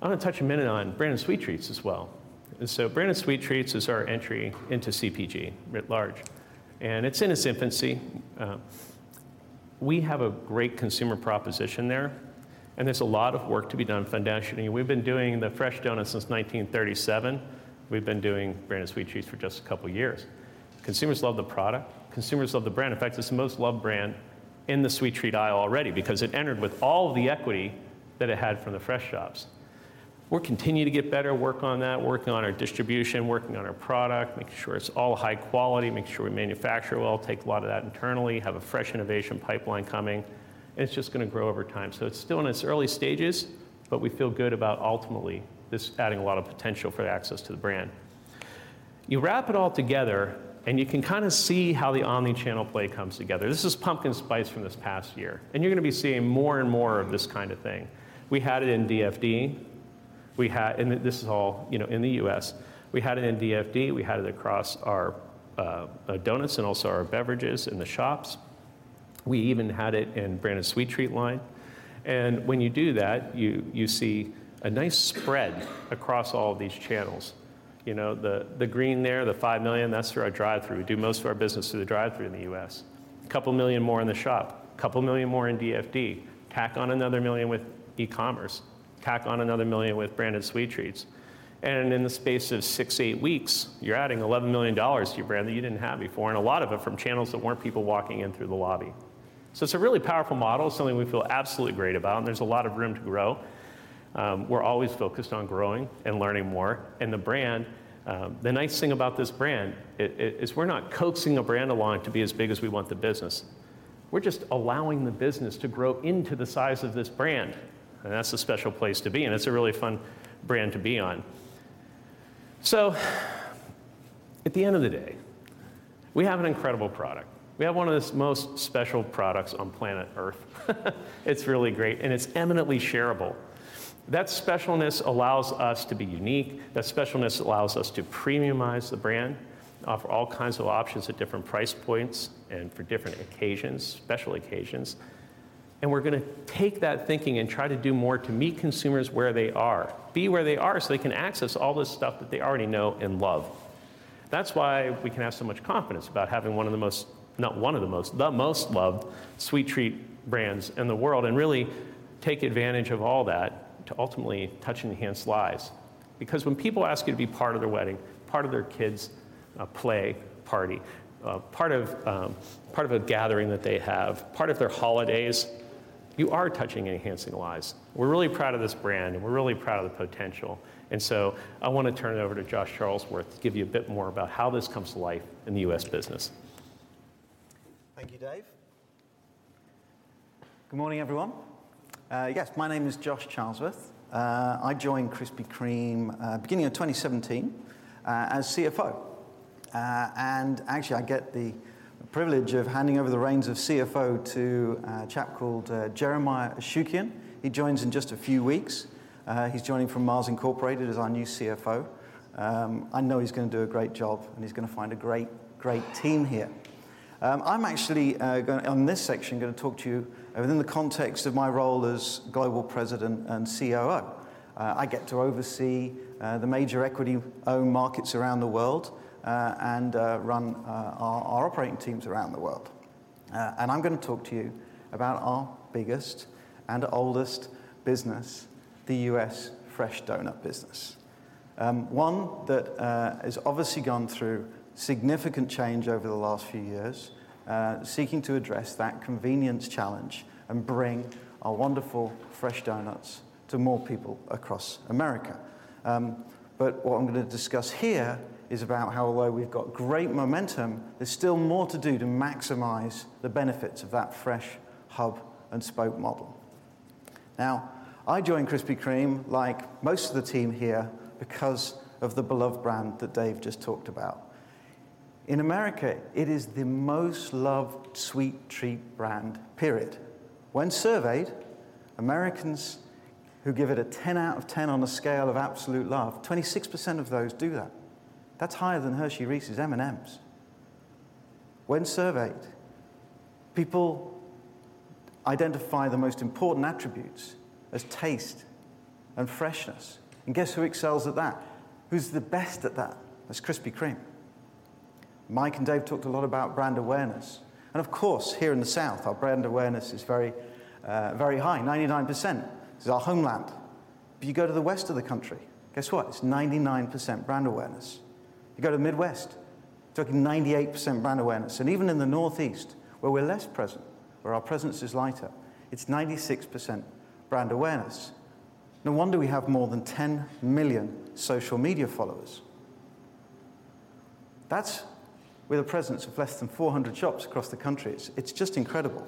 I want to touch a minute on Branded Sweet Treats as well. Branded Sweet Treats is our entry into CPG writ large, and it's in its infancy. We have a great consumer proposition there, and there's a lot of work to be done foundationally. We've been doing the fresh donuts since 1937. We've been doing Branded Sweet Treats for just a couple years. Consumers love the product. Consumers love the brand. In fact, it's the most loved brand in the sweet treat aisle already because it entered with all the equity that it had from the Fresh Shops. We'll continue to get better, work on that, working on our distribution, working on our product, making sure it's all high quality, making sure we manufacture well, take a lot of that internally, have a fresh innovation pipeline coming, and it's just gonna grow over time. It's still in its early stages, but we feel good about ultimately this adding a lot of potential for the access to the brand. You wrap it all together, and you can kind of see how the omnichannel play comes together. This is pumpkin spice from this past year, and you're gonna be seeing more and more of this kind of thing. We had it in DFD. We had, and this is all, you know, in the U.S. We had it in DFD, we had it across our doughnuts and also our beverages in the shops. We even had it in Branded Sweet Treats line. When you do that, you see a nice spread across all of these channels. You know, the green there, the $5 million, that's through our drive-thru. We do most of our business through the drive-thru in the U.S. $2 million more in the shop, $2 million more in DFD. Tack on another $1 million with e-commerce. Tack on another $1 million with Branded Sweet Treats. In the space of six to eight weeks, you're adding $11 million to your brand that you didn't have before, and a lot of it from channels that weren't people walking in through the lobby. It's a really powerful model, something we feel absolutely great about, and there's a lot of room to grow. We're always focused on growing and learning more. The brand, the nice thing about this brand is we're not coaxing a brand along to be as big as we want the business. We're just allowing the business to grow into the size of this brand, and that's a special place to be, and it's a really fun brand to be on. At the end of the day, we have an incredible product. We have one of the most special products on planet Earth. It's really great, and it's eminently shareable. That specialness allows us to be unique. That specialness allows us to premiumize the brand, offer all kinds of options at different price points and for different occasions, special occasions. We're gonna take that thinking and try to do more to meet consumers where they are, be where they are, so they can access all the stuff that they already know and love. That's why we can have so much confidence about having one of the most, not one of the most, the most loved sweet treat brands in the world, and really take advantage of all that to ultimately touch and enhance lives. When people ask you to be part of their wedding, part of their kids', play party, part of a gathering that they have, part of their holidays, you are touching and enhancing lives. We're really proud of this brand, and we're really proud of the potential. I wanna turn it over to Josh Charlesworth to give you a bit more about how this comes to life in the U.S. business. Thank you, Dave. Good morning, everyone. Yes, my name is Josh Charlesworth. I joined Krispy Kreme, beginning of 2017, as CFO. Actually, I get the privilege of handing over the reins of CFO to a chap called Jeremiah Ashukian. He joins in just a few weeks. He's joining from Mars Incorporated as our new CFO. I know he's gonna do a great job, and he's gonna find a great team here. I'm actually gonna on this section gonna talk to you within the context of my role as Global President and COO. I get to oversee the major equity-owned markets around the world, and run our operating teams around the world. I'm gonna talk to you about our biggest and oldest business, the U.S. fresh doughnut business. One that has obviously gone through significant change over the last few years, seeking to address that convenience challenge and bring our wonderful fresh doughnuts to more people across America. What I'm gonna discuss here is about how although we've got great momentum, there's still more to do to maximize the benefits of that fresh Hub and Spoke model. Now, I joined Krispy Kreme, like most of the team here, because of the beloved brand that Dave just talked about. In America, it is the most loved sweet treat brand, period. When surveyed, Americans who give it a 10 out of 10 on a scale of absolute love, 26% of those do that. That's higher than Hershey Reese's M&M's. When surveyed, people identify the most important attributes as taste and freshness. Guess who excels at that? Who's the best at that? It's Krispy Kreme. Mike and Dave talked a lot about brand awareness. Of course, here in the South, our brand awareness is very, very high, 99%. This is our homeland. You go to the West of the country, guess what? It's 99% brand awareness. You go to Midwest, talking 98% brand awareness. Even in the Northeast, where we're less present, where our presence is lighter, it's 96% brand awareness. No wonder we have more than 10 million social media followers. That's with a presence of less than 400 shops across the country. It's just incredible.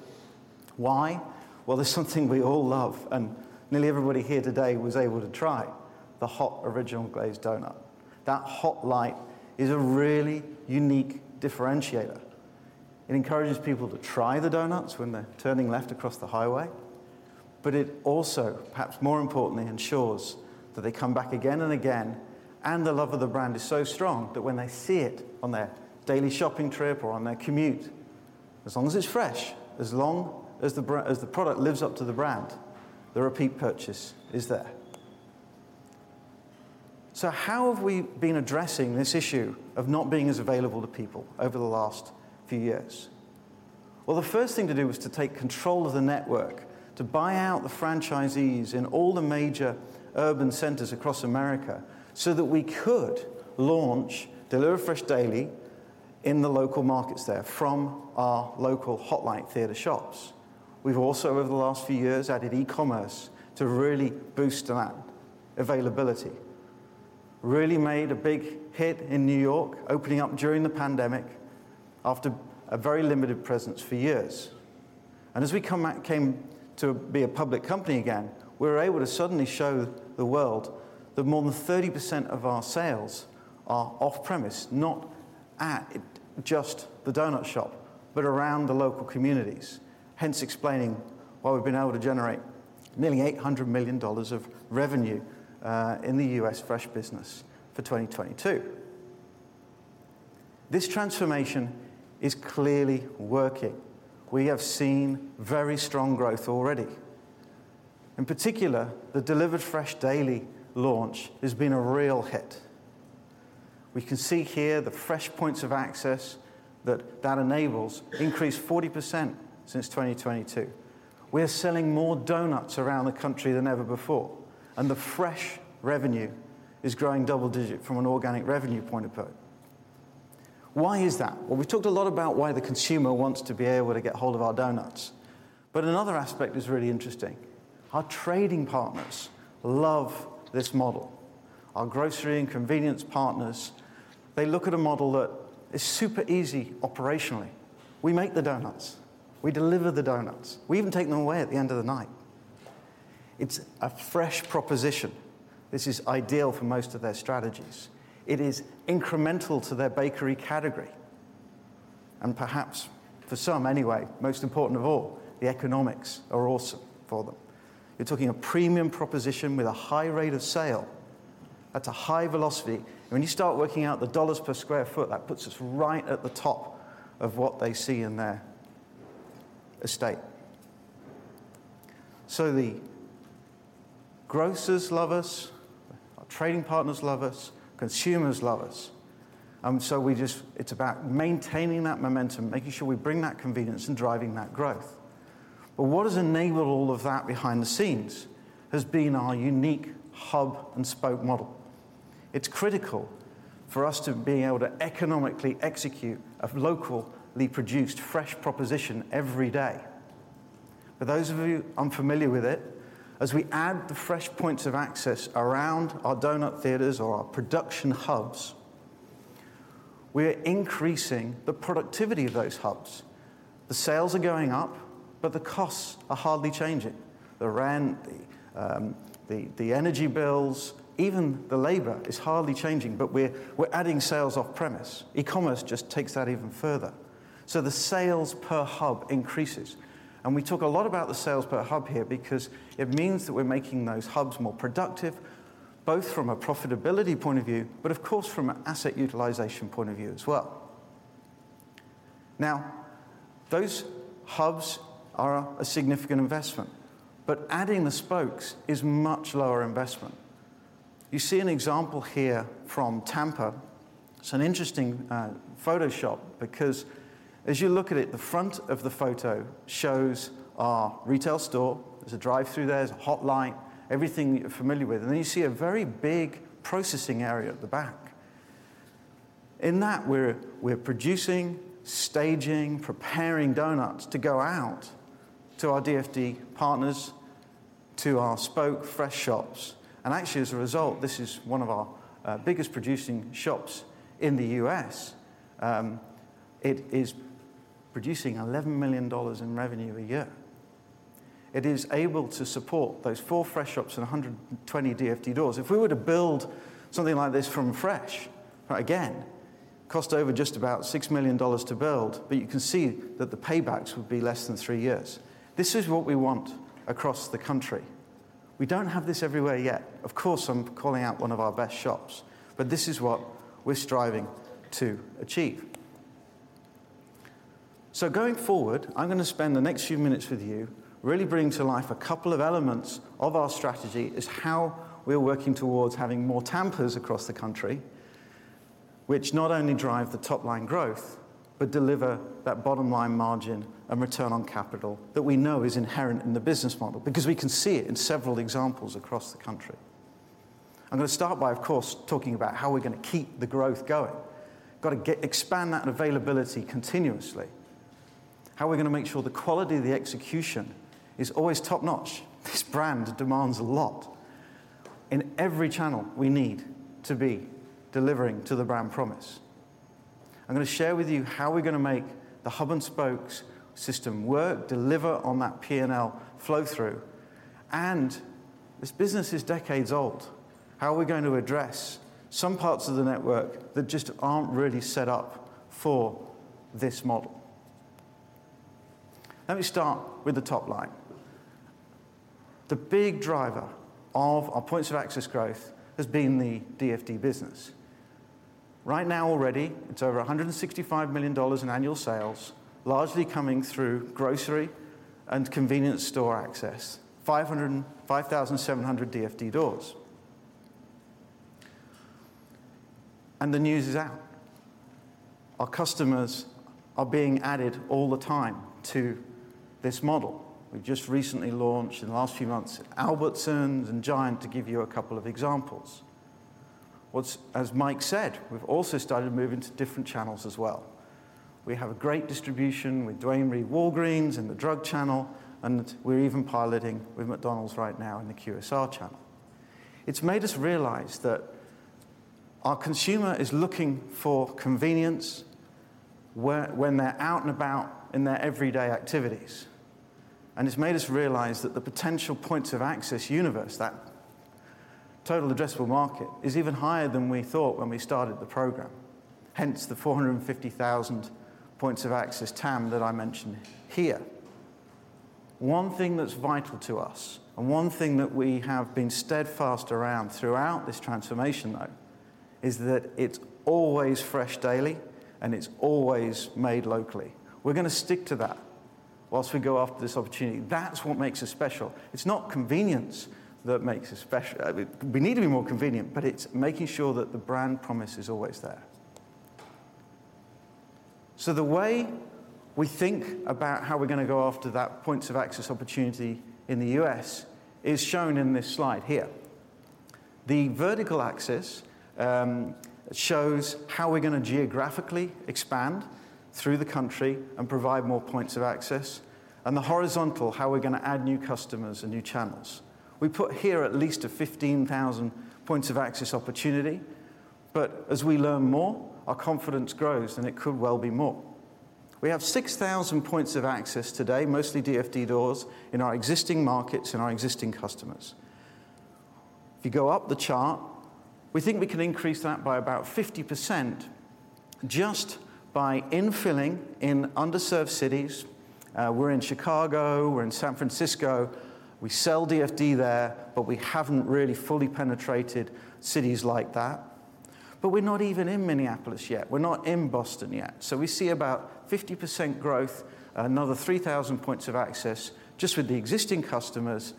Why? Well, there's something we all love, and nearly everybody here today was able to try, the hot Original Glazed doughnut. That Hot Light is a really unique differentiator. It encourages people to try the doughnuts when they're turning left across the highway. It also, perhaps more importantly, ensures that they come back again and again, and the love of the brand is so strong that when they see it on their daily shopping trip or on their commute, as long as it's fresh, as long as the product lives up to the brand, the repeat purchase is there. How have we been addressing this issue of not being as available to people over the last few years? The first thing to do was to take control of the network, to buy out the franchisees in all the major urban centers across America so that we could launch Delivered Fresh Daily in the local markets there from our local Hot Light Theater Shops. We've also, over the last few years, added e-commerce to really boost that availability. Really made a big hit in New York, opening up during the pandemic after a very limited presence for years. As we come back, came to be a public company again, we were able to suddenly show the world that more than 30% of our sales are off-premise, not in-store at just the doughnut shop, but around the local communities, hence explaining why we've been able to generate nearly $800 million of revenue in the U.S. fresh business for 2022. This transformation is clearly working. We have seen very strong growth already. In particular, the Delivered Fresh Daily launch has been a real hit. We can see here the fresh points of access that enables increased 40% since 2022. We are selling more donuts around the country than ever before. The fresh revenue is growing double-digit from an organic revenue point of view. Why is that? Well, we've talked a lot about why the consumer wants to be able to get hold of our donuts. Another aspect is really interesting. Our trading partners love this model. Our grocery and convenience partners, they look at a model that is super easy operationally. We make the donuts. We deliver the donuts. We even take them away at the end of the night. It's a fresh proposition. This is ideal for most of their strategies. It is incremental to their bakery category. Perhaps, for some anyway, most important of all, the economics are awesome for them. You're talking a premium proposition with a high rate of sale at a high velocity. When you start working out the dollar per square feet, that puts us right at the top of what they see in their estate. The grocers love us, our trading partners love us, consumers love us. We it's about maintaining that momentum, making sure we bring that convenience, and driving that growth. What has enabled all of that behind the scenes has been Hub and Spoke model. It's critical for us to be able to economically execute a locally produced fresh proposition every day. For those of you unfamiliar with it, as we add the fresh points of access around our donut theaters or our production hubs, we are increasing the productivity of those hubs. The sales are going up, but the costs are hardly changing. The ran, the energy bills, even the labor is hardly changing, but we're adding sales off-premise. E-commerce just takes that even further. The sales per hub increases. We talk a lot about the sales per hub here because it means that we're making those hubs more productive, both from a profitability point of view, but of course from an asset utilization point of view as well. Those hubs are a significant investment, but adding the spokes is much lower investment. You see an example here from Tampa. It's an interesting Photoshop, because as you look at it, the front of the photo shows our retail store. There's a drive-through there's a Hot Light, everything you're familiar with. You see a very big processing area at the back. In that, we're producing, staging, preparing donuts to go out to our DFD partners, to our spoke Fresh Shops. Actually, as a result, this is one of our biggest producing shops in the U.S. It is producing $11 million in revenue a year. It is able to support those four Fresh Shops and 120 DFD doors. If we were to build something like this from fresh, again, cost over just about $6 million to build, but you can see that the paybacks would be less than three years. This is what we want across the country. We don't have this everywhere yet. Of course, I'm calling out one of our best shops, but this is what we're striving to achieve. Going forward, I'm gonna spend the next few minutes with you really bringing to life a couple of elements of our strategy is how we're working towards having more Tampas across the country, which not only drive the top-line growth, but deliver that bottom-line margin and return on capital that we know is inherent in the business model, because we can see it in several examples across the country. I'm gonna start by, of course, talking about how we're gonna keep the growth going. Gotta expand that availability continuously. How are we gonna make sure the quality of the execution is always top-notch? This brand demands a lot. In every channel, we need to be delivering to the brand promise. I'm gonna share with you how we're gonna Hub and Spoke system work, deliver on that P&L flow through. This business is decades old. How are we going to address some parts of the network that just aren't really set up for this model? Let me start with the top line. The big driver of our points of access growth has been the DFD business. Right now already, it's over $165 million in annual sales, largely coming through grocery and convenience store access, 505,700 DFD doors. The news is out. Our customers are being added all the time to this model. We've just recently launched in the last few months at Albertsons and Giant, to give you a couple of examples. As Mike said, we've also started moving to different channels as well. We have a great distribution with Duane Reade Walgreens and the drug channel, we're even piloting with McDonald's right now in the QSR channel. It's made us realize that our consumer is looking for convenience when they're out and about in their everyday activities. It's made us realize that the potential points of access universe, that Total Addressable Market is even higher than we thought when we started the program, hence the 450,000 points of access TAM that I mentioned here. One thing that's vital to us, and one thing that we have been steadfast around throughout this transformation, though, is that it's always fresh daily and it's always made locally. We're gonna stick to that whilst we go after this opportunity. That's what makes us special. It's not convenience that makes us special. We need to be more convenient, but it's making sure that the brand promise is always there. The way we think about how we're gonna go after that points of access opportunity in the U.S. is shown in this slide here. The vertical axis shows how we're gonna geographically expand through the country and provide more points of access. The horizontal, how we're gonna add new customers and new channels. We put here at least a 15,000 points of access opportunity. As we learn more, our confidence grows, and it could well be more. We have 6,000 points of access today, mostly DFD doors in our existing markets and our existing customers. If you go up the chart, we think we can increase that by about 50% just by infilling in underserved cities. We're in Chicago, we're in San Francisco. We sell DFD there, but we haven't really fully penetrated cities like that. We're not even in Minneapolis yet. We're not in Boston yet. We see about 50% growth, another 3,000 points of access just with the existing customers.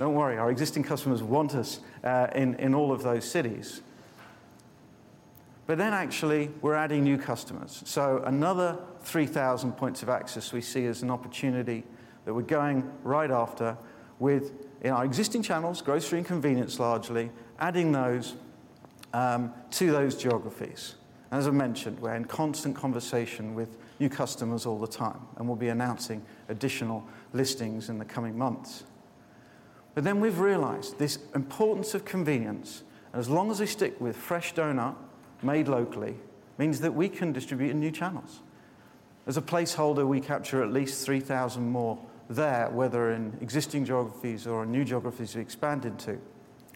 Don't worry, our existing customers want us in all of those cities. Actually we're adding new customers. Another 3,000 points of access we see as an opportunity that we're going right after with in our existing channels, grocery and convenience largely, adding those to those geographies. As I mentioned, we're in constant conversation with new customers all the time, and we'll be announcing additional listings in the coming months. We've realized this importance of convenience, and as long as they stick with fresh doughnut made locally, means that we can distribute in new channels. As a placeholder, we capture at least 3,000 more there, whether in existing geographies or new geographies we expand into.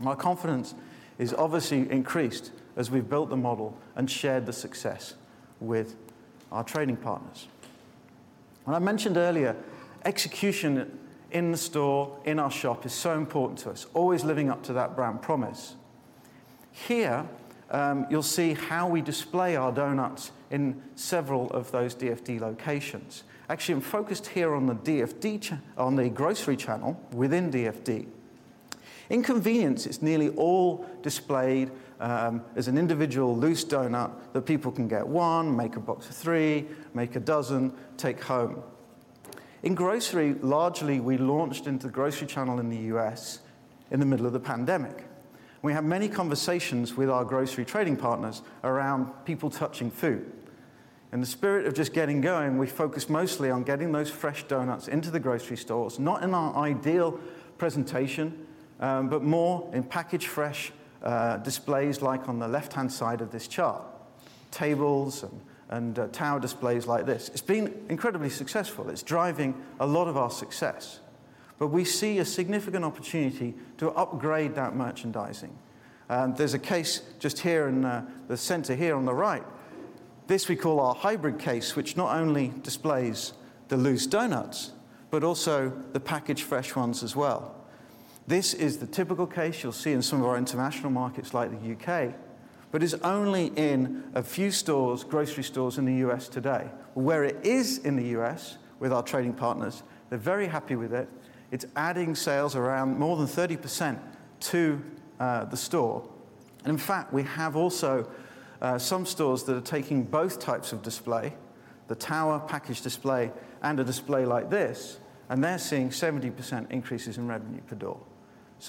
Our confidence is obviously increased as we've built the model and shared the success with our trading partners. I mentioned earlier, execution in the store, in our shop is so important to us, always living up to that brand promise. Here, you'll see how we display our donuts in several of those DFD locations. Actually, we're focused here on the DFD on the grocery channel within DFD. In convenience, it's nearly all displayed, as an individual loose donut that people can get one, make a box of three, make a dozen, take home. In grocery, largely, we launched into the grocery channel in the U.S. in the middle of the pandemic. We have many conversations with our grocery trading partners around people touching food. In the spirit of just getting going, we focused mostly on getting those fresh doughnuts into the grocery stores, not in our ideal presentation, but more in packaged fresh displays like on the left-hand side of this chart, tables and tower displays like this. It's been incredibly successful. It's driving a lot of our success. We see a significant opportunity to upgrade that merchandising. There's a case just here in the center here on the right. This we call our hybrid case, which not only displays the loose doughnuts, but also the packaged fresh ones as well. This is the typical case you'll see in some of our international markets like the U.K., but is only in a few stores, grocery stores in the U.S. today. Where it is in the U.S. with our trading partners, they're very happy with it. It's adding sales around more than 30% to the store. In fact, we have also some stores that are taking both types of display, the tower package display and a display like this, and they're seeing 70% increases in revenue per door.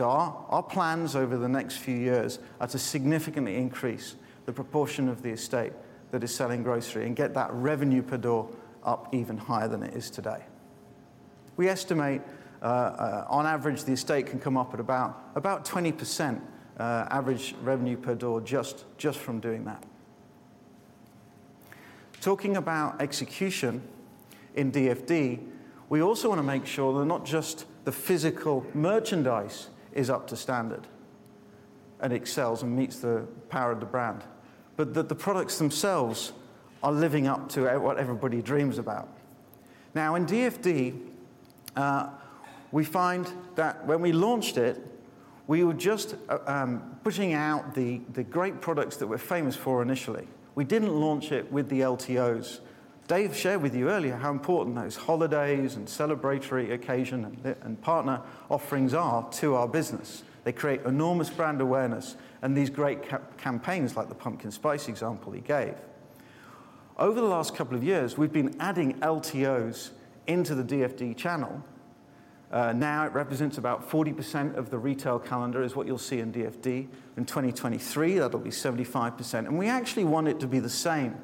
Our plans over the next few years are to significantly increase the proportion of the estate that is selling grocery and get that revenue per door up even higher than it is today. We estimate on average, the estate can come up at about 20% average revenue per door just from doing that. Talking about execution in DFD, we also wanna make sure that not just the physical merchandise is up to standard and excels and meets the power of the brand, but that the products themselves are living up to what everybody dreams about. In DFD, we find that when we launched it, we were just pushing out the great products that we're famous for initially. We didn't launch it with the LTOs. Dave shared with you earlier how important those holidays and celebratory occasion and partner offerings are to our business. They create enormous brand awareness and these great campaigns like the pumpkin spice example he gave. Over the last couple of years, we've been adding LTOs into the DFD channel. Now it represents about 40% of the retail calendar is what you'll see in DFD. In 2023, that'll be 75%. We actually want it to be the same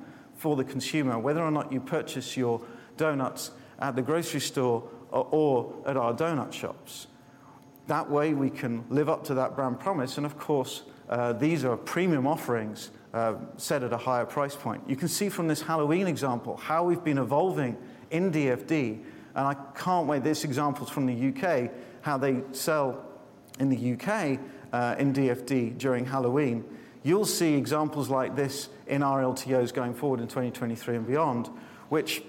for the consumer, whether or not you purchase your donuts at the grocery store or at our donut shops. That way, we can live up to that brand promise. Of course, these are premium offerings, set at a higher price point. You can see from this Halloween example how we've been evolving in DFD, and I can't wait. This example's from the U.K., in the U.K., in DFD during Halloween, you'll see examples like this in our LTOs going forward in 2023 and beyond, which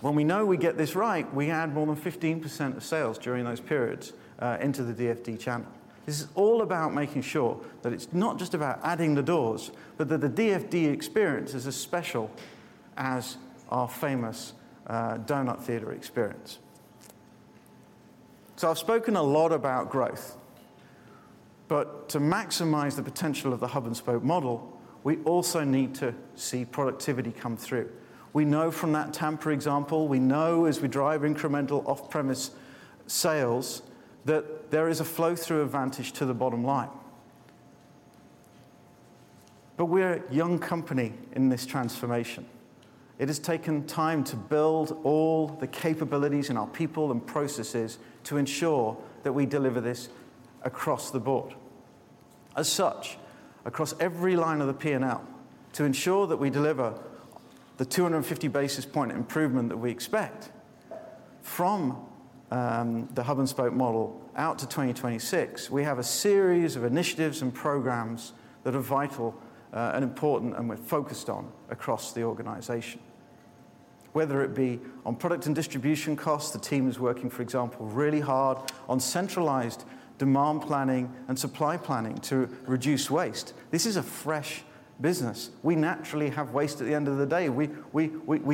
when we know we get this right, we add more than 15% of sales during those periods into the DFD channel. This is all about making sure that it's not just about adding the doors, but that the DFD experience is as special as our famous doughnut theater experience. I've spoken a lot about growth, but to maximize the potential Hub and Spoke model, we also need to see productivity come through. We know from that Tampa example, we know as we drive incremental off-premise sales, that there is a flow-through advantage to the bottom line. We're a young company in this transformation. It has taken time to build all the capabilities in our people and processes to ensure that we deliver this across the board. As such, across every line of the P&L, to ensure that we deliver the 250 basis point improvement that we expect Hub and Spoke model out to 2026, we have a series of initiatives and programs that are vital and important, and we're focused on across the organization. Whether it be on product and distribution costs, the team is working, for example, really hard on centralized demand planning and supply planning to reduce waste. This is a fresh business. We naturally have waste at the end of the day. We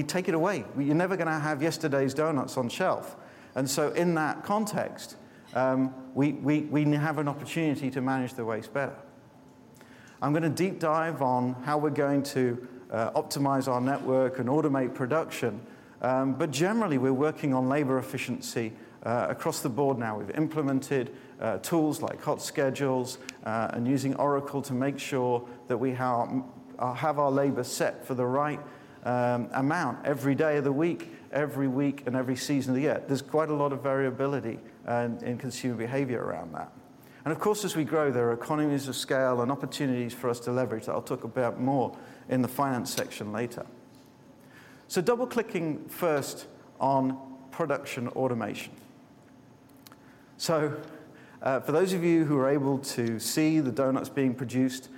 take it away. We're never gonna have yesterday's donuts on shelf. In that context, we have an opportunity to manage the waste better. I'm gonna deep dive on how we're going to optimize our network and automate production. Generally, we're working on labor efficiency, across the board now. We've implemented tools like HotSchedules, and using Oracle to make sure that we have our labor set for the right amount every day of the week, every week, and every season of the year. There's quite a lot of variability in consumer behavior around that. Of course, as we grow, there are economies of scale and opportunities for us to leverage. I'll talk about more in the finance section later. Double-clicking first on production automation. For those of you who are able to see the doughnuts being produced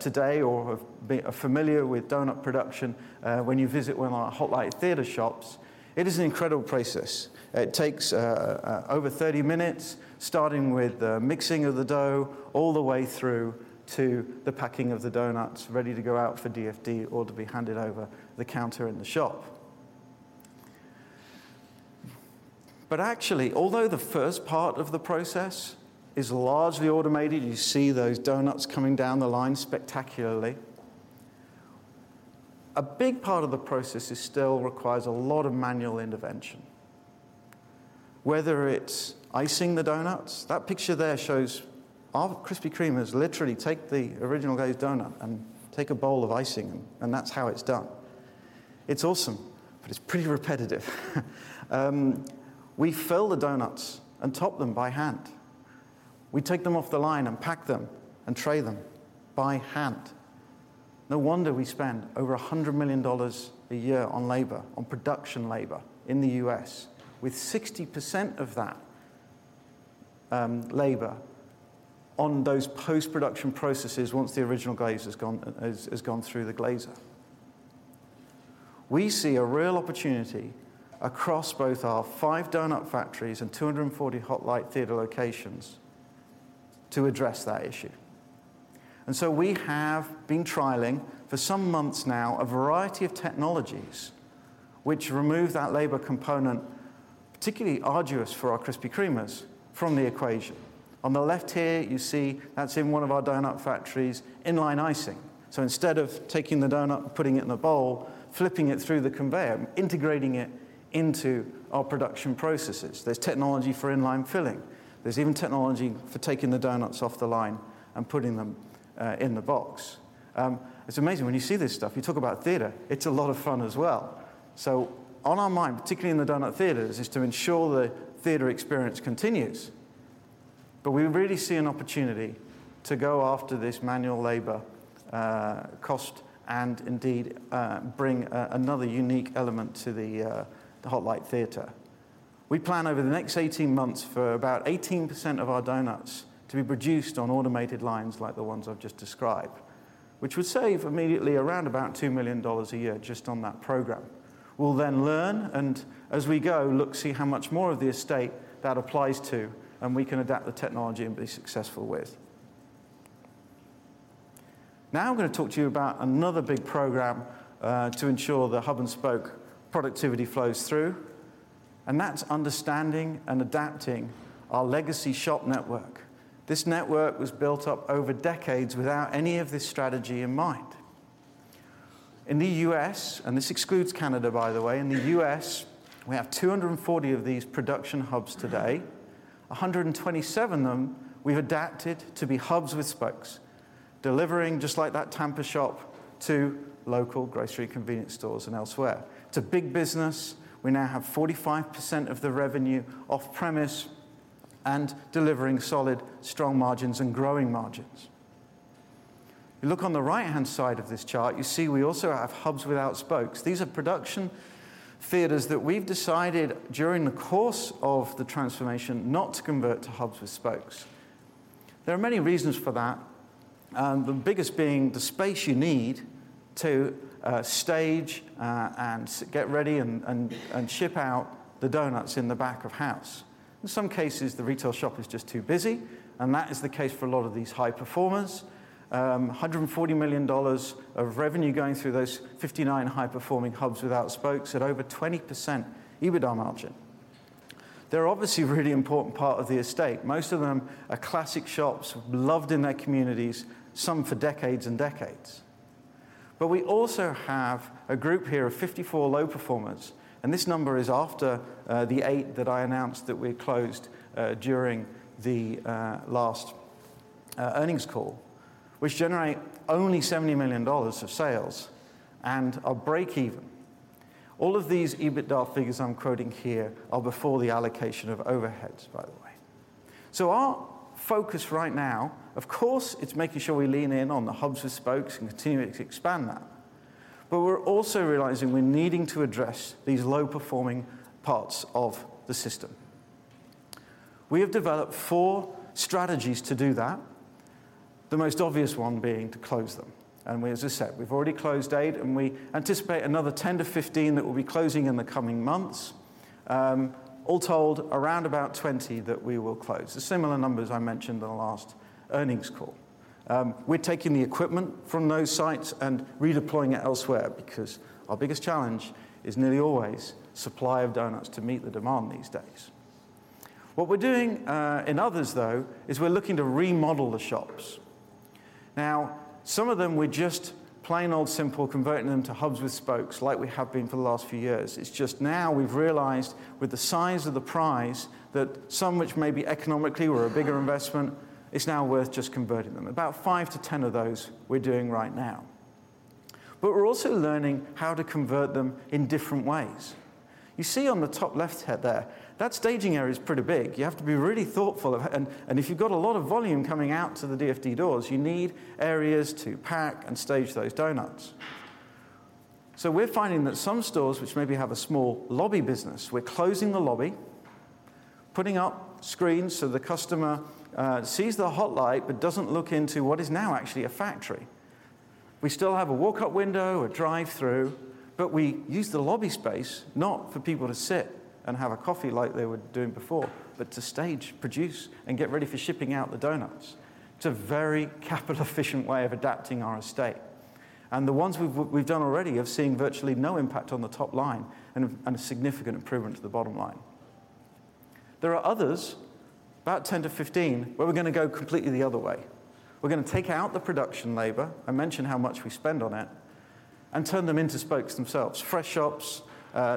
today or are familiar with doughnut production, when you visit one of our Hot Light Theater Shops, it is an incredible process. It takes over 30 minutes, starting with the mixing of the dough all the way through to the packing of the doughnuts ready to go out for DFD or to be handed over the counter in the shop. Actually, although the first part of the process is largely automated, you see those doughnuts coming down the line spectacularly, a big part of the process is still requires a lot of manual intervention. Whether it's icing the doughnuts, that picture there shows our Krispy Kreme is literally take the Original Glazed doughnut and take a bowl of icing, that's how it's done. It's awesome, it's pretty repetitive. We fill the doughnuts and top them by hand. We take them off the line and pack them and tray them by hand. No wonder we spend over $100 million a year on labor, on production labor in the U.S., with 60% of that labor on those post-production processes once the Original Glazed has gone through the glazer. We see a real opportunity across both our five doughnut factories and 240 Hot Light Theater locations to address that issue. We have been trialing for some months now a variety of technologies which remove that labor component, particularly arduous for our Krispy Kremers, from the equation. On the left here, you see that's in one of our donut factories, in-line icing, instead of taking the donut and putting it in a bowl, flipping it through the conveyor, integrating it into our production processes. There's technology for in-line filling. There's even technology for taking the donuts off the line and putting them in the box. It's amazing when you see this stuff, you talk about theater, it's a lot of fun as well. On our mind, particularly in the donut theaters, is to ensure the theater experience continues. We really see an opportunity to go after this manual labor cost and indeed bring another unique element to the Hot Light Theater. We plan over the next 18 months for about 18% of our donuts to be produced on automated lines like the ones I've just described, which would save immediately around about $2 million a year just on that program. We'll then learn, and as we go, look, see how much more of the estate that applies to and we can adapt the technology and be successful with. I'm gonna talk to you about another big program to ensure the Hub and Spoke productivity flows through, and that's understanding and adapting our legacy shop network. This network was built up over decades without any of this strategy in mind. In the US, this excludes Canada, by the way, in the U.S., we have 240 of these production hubs today. 127 of them we've adapted to be hubs with spokes, delivering just like that Tampa shop to local grocery convenience stores and elsewhere. It's a big business. We now have 45% of the revenue off-premise and delivering solid, strong margins and growing margins. You look on the right-hand side of this chart, you see we also have hubs without spokes. These are production theaters that we've decided during the course of the transformation not to convert to hubs with spokes. There are many reasons for that, the biggest being the space you need to stage and get ready and ship out the doughnuts in the back of house. In some cases, the retail shop is just too busy, and that is the case for a lot of these high performers. $140 million of revenue going through those 59 high-performing hubs without spokes at over 20% EBITDA margin. They're obviously a really important part of the estate. Most of them are classic shops loved in their communities, some for decades and decades. We also have a group here of 54 low performers, and this number is after the eight that I announced that we closed during the last earnings call, which generate only $70 million of sales and are breakeven. All of these EBITDA figures I'm quoting here are before the allocation of overheads, by the way. Our focus right now, of course, it's making sure we lean in on the hubs with spokes and continuing to expand that. We're also realizing we're needing to address these low-performing parts of the system. We have developed four strategies to do that. The most obvious one being to close them. We, as I said, we've already closed eight, and we anticipate another 10-15 that we'll be closing in the coming months. All told, around about 20 that we will close. The similar numbers I mentioned in the last earnings call. We're taking the equipment from those sites and redeploying it elsewhere because our biggest challenge is nearly always supply of doughnuts to meet the demand these days. What we're doing in others, though, is we're looking to remodel the shops. Some of them we're just plain old simple converting Hub and Spoke like we have been for the last few years. It's just now we've realized with the size of the prize that some which may be economically were a bigger investment, it's now worth just converting them. About 5-10 of those we're doing right now. We're also learning how to convert them in different ways. You see on the top left head there, that staging area is pretty big. You have to be really thoughtful. If you've got a lot of volume coming out to the DFD doors, you need areas to pack and stage those doughnuts. We're finding that some stores which maybe have a small lobby business, we're closing the lobby, putting up screens so the customer sees the Hot Light but doesn't look into what is now actually a factory. We still have a walk-up window, a drive-through, we use the lobby space not for people to sit and have a coffee like they were doing before, but to stage, produce, and get ready for shipping out the donuts. It's a very capital efficient way of adapting our estate. The ones we've done already have seen virtually no impact on the top line and a significant improvement to the bottom line. There are others, about 10-15, where we're gonna go completely the other way. We're gonna take out the production labor, I mentioned how much we spend on it, and turn them into spokes themselves. Fresh Shops,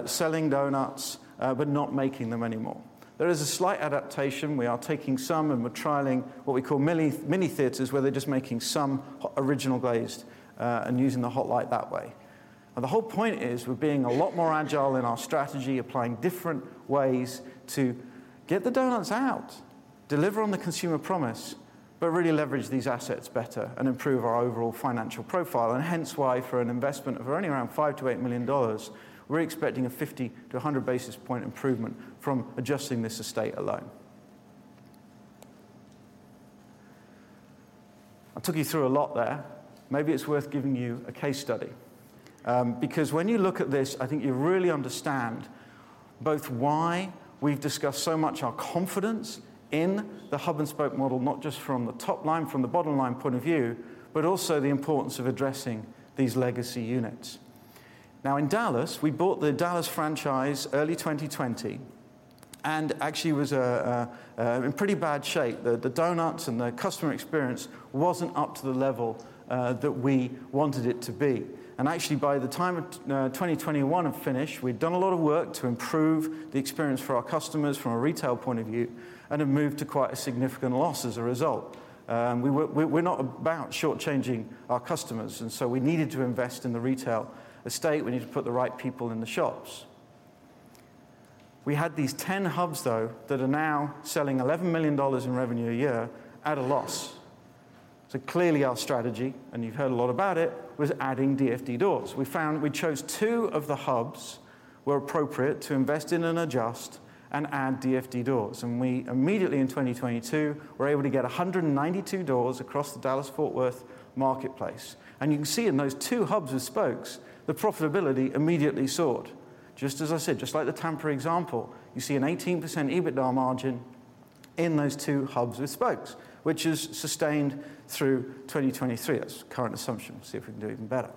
selling donuts, but not making them anymore. There is a slight adaptation. We are taking some and we're trialing what we call mini theaters, where they're just making some Original Glazed, and using the Hot Light that way. The whole point is we're being a lot more agile in our strategy, applying different ways to get the donuts out, deliver on the consumer promise, but really leverage these assets better and improve our overall financial profile. Hence why for an investment of only around $5 million-$8 million, we're expecting a 50-100 basis point improvement from adjusting this estate alone. I took you through a lot there. Maybe it's worth giving you a case study. When you look at this, I think you really understand both why we've discussed so much our confidence Hub and Spoke model, not just from the top line, from the bottom line point of view, but also the importance of addressing these legacy units. In Dallas, we bought the Dallas franchise early 2020, actually was in pretty bad shape. The doughnuts and the customer experience wasn't up to the level that we wanted it to be. By the time 2021 had finished, we'd done a lot of work to improve the experience for our customers from a retail point of view and have moved to quite a significant loss as a result. We're not about short-changing our customers, we needed to invest in the retail estate. We needed to put the right people in the shops. We had these 10 hubs, though, that are now selling $11 million in revenue a year at a loss. Clearly our strategy, and you've heard a lot about it, was adding DFD doors. We found we chose two of the hubs were appropriate to invest in and adjust and add DFD doors. We immediately in 2022 were able to get 192 doors across the Dallas-Fort Worth marketplace. You can see in those two hubs with spokes, the profitability immediately soared. Just as I said, just like the Tampa example, you see an 18% EBITDA margin in those two hubs with spokes, which is sustained through 2023. That's current assumption. We'll see if we can do even better.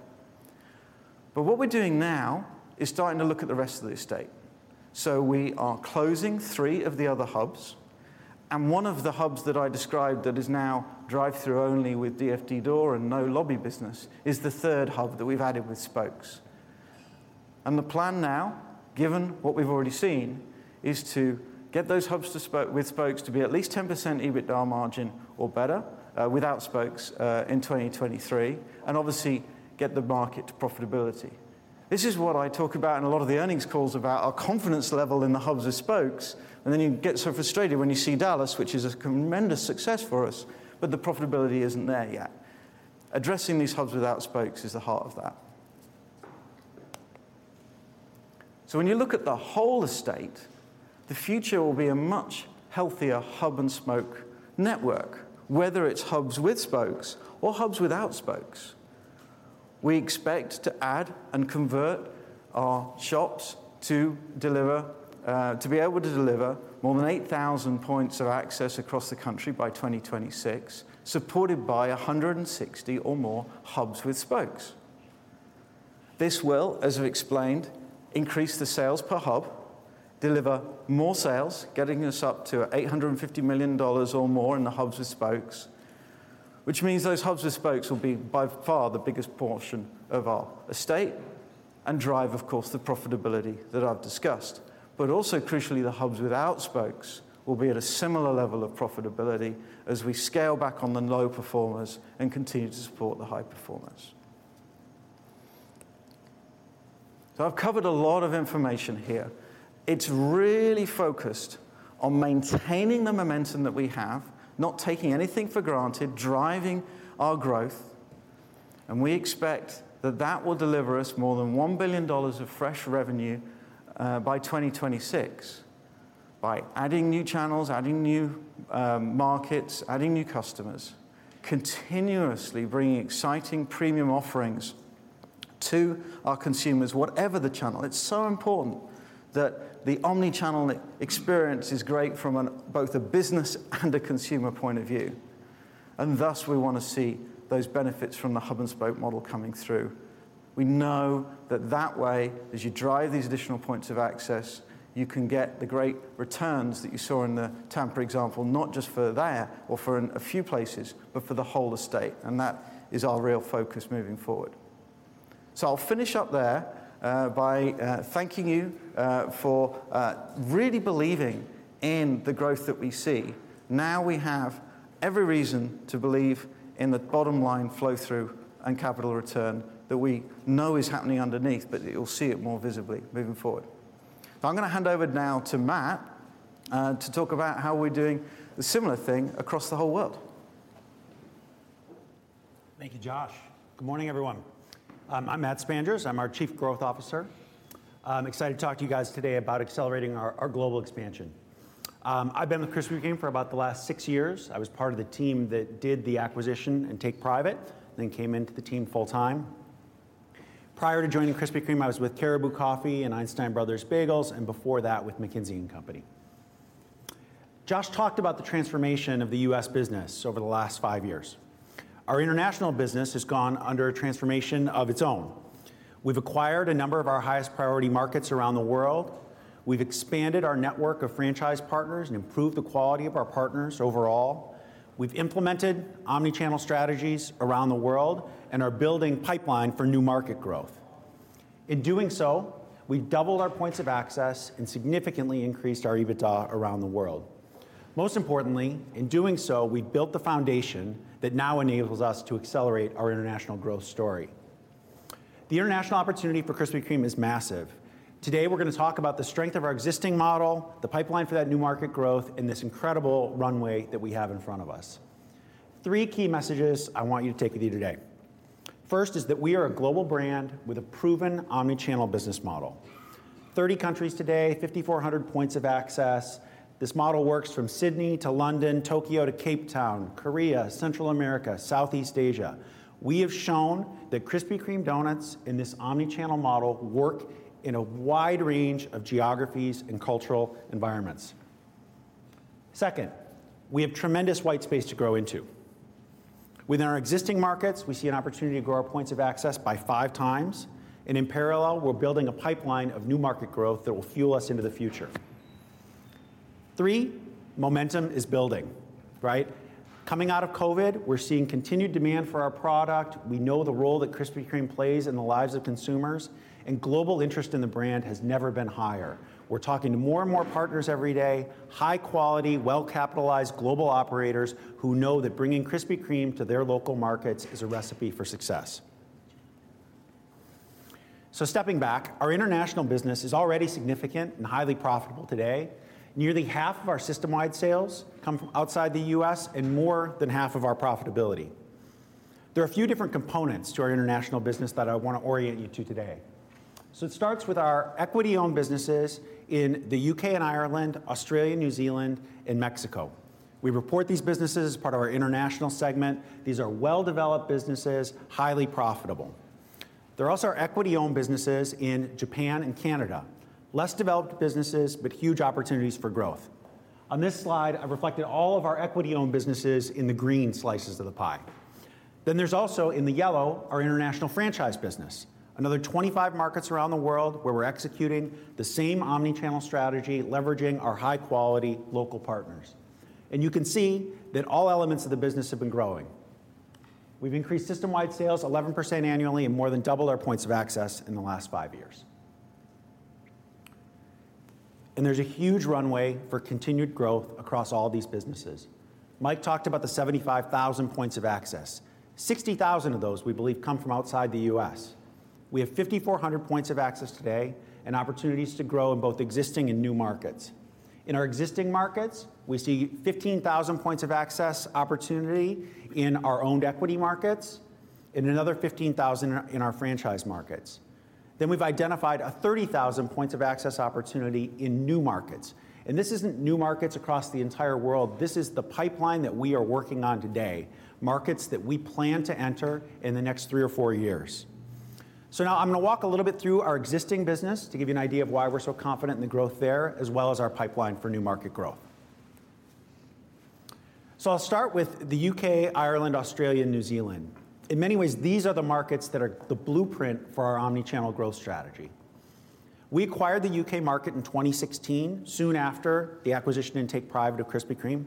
What we're doing now is starting to look at the rest of the estate. We are closing three of the other hubs, and one of the hubs that I described that is now drive-through only with DFD door and no lobby business is the third hub that we've added with spokes. The plan now, given what we've already seen, is to get those hubs with spokes to be at least 10% EBITDA margin or better, without spokes, in 2023, and obviously get the market to profitability. This is what I talk about in a lot of the earnings calls about our confidence level in the hubs and spokes. You get so frustrated when you see Dallas, which is a tremendous success for us, but the profitability isn't there yet. Addressing these hubs without spokes is the heart of that. When you look at the whole estate, the future will be a Hub and Spoke network, whether it's hubs with spokes or hubs without spokes. We expect to add and convert our shops to deliver, to be able to deliver more than 8,000 points of access across the country by 2026, supported by 160 or more Hubs with Spokes. This will, as I've explained, increase the sales per Hub, deliver more sales, getting us up to $850 million or more in the Hubs with Spokes. Those Hubs with Spokes will be by far the biggest portion of our estate and drive, of course, the profitability that I've discussed. Also crucially, the hubs without spokes will be at a similar level of profitability as we scale back on the low performers and continue to support the high performers. I've covered a lot of information here. It's really focused on maintaining the momentum that we have, not taking anything for granted, driving our growth, and we expect that will deliver us more than $1 billion of fresh revenue by 2026. By adding new channels, adding new markets, adding new customers, continuously bringing exciting premium offerings to our consumers, whatever the channel. It's so important that the omnichannel experience is great from both a business and a consumer point of view. Thus we wanna see those benefits Hub and Spoke model coming through. We know that that way, as you drive these additional points of access, you can get the great returns that you saw in the Tampa example, not just for there or for a few places, but for the whole estate. That is our real focus moving forward. I'll finish up there by thanking you for really believing in the growth that we see. Now we have every reason to believe in the bottom line flow-through and capital return that we know is happening underneath. You'll see it more visibly moving forward. I'm gonna hand over now to Matt to talk about how we're doing a similar thing across the whole world. Thank you, Josh. Good morning, everyone. I'm Matt Spanjers. I'm our Chief Growth Officer. I'm excited to talk to you guys today about accelerating our global expansion. I've been with Krispy Kreme for about the last six years. I was part of the team that did the acquisition and take private, then came into the team full-time. Prior to joining Krispy Kreme, I was with Caribou Coffee and Einstein Bros. Bagels, and before that with McKinsey & Company. Josh talked about the transformation of the U.S. business over the last five years. Our international business has gone under a transformation of its own. We've acquired a number of our highest priority markets around the world. We've expanded our network of franchise partners and improved the quality of our partners overall. We've implemented omnichannel strategies around the world and are building pipeline for new market growth. In doing so, we've doubled our points of access and significantly increased our EBITDA around the world. Most importantly, in doing so, we built the foundation that now enables us to accelerate our international growth story. The international opportunity for Krispy Kreme is massive. Today, we're gonna talk about the strength of our existing model, the pipeline for that new market growth, and this incredible runway that we have in front of us. Three key messages I want you to take with you today. First is that we are a global brand with a proven omnichannel business model. 30 countries today, 5,400 points of access. This model works from Sydney to London, Tokyo to Cape Town, Korea, Central America, Southeast Asia. We have shown that Krispy Kreme Donuts and this omnichannel model work in a wide range of geographies and cultural environments. We have tremendous white space to grow into. Within our existing markets, we see an opportunity to grow our points of access by 5x. In parallel, we're building a pipeline of new market growth that will fuel us into the future. Three, momentum is building, right? Coming out of COVID, we're seeing continued demand for our product. We know the role that Krispy Kreme plays in the lives of consumers, and global interest in the brand has never been higher. We're talking to more and more partners every day, high quality, well-capitalized global operators who know that bringing Krispy Kreme to their local markets is a recipe for success. Stepping back, our international business is already significant and highly profitable today. Nearly half of our system-wide sales come from outside the U.S. and more than half of our profitability. There are a few different components to our international business that I wanna orient you to today. It starts with our equity-owned businesses in the U.K. and Ireland, Australia, New Zealand, and Mexico. We report these businesses as part of our international segment. These are well-developed businesses, highly profitable. There are also our equity-owned businesses in Japan and Canada. Less developed businesses, huge opportunities for growth. On this slide, I've reflected all of our equity-owned businesses in the green slices of the pie. There's also, in the yellow, our international franchise business, another 25 markets around the world where we're executing the same omnichannel strategy, leveraging our high-quality local partners. You can see that all elements of the business have been growing. We've increased system-wide sales 11% annually and more than doubled our points of access in the last five years. There's a huge runway for continued growth across all these businesses. Mike talked about the 75,000 points of access. 60,000 of those we believe come from outside the U.S. We have 5,400 points of access today and opportunities to grow in both existing and new markets. In our existing markets, we see 15,000 points of access opportunity in our owned equity markets and another 15,000 in our franchise markets. We've identified a 30,000 points of access opportunity in new markets. This isn't new markets across the entire world. This is the pipeline that we are working on today, markets that we plan to enter in the next three or four years. Now I'm going to walk a little bit through our existing business to give you an idea of why we're so confident in the growth there, as well as our pipeline for new market growth. I'll start with the U.K., Ireland, Australia, and New Zealand. In many ways, these are the markets that are Hub and Spoke growth strategy. We acquired the U.K. market in 2016, soon after the acquisition and take private of Krispy Kreme.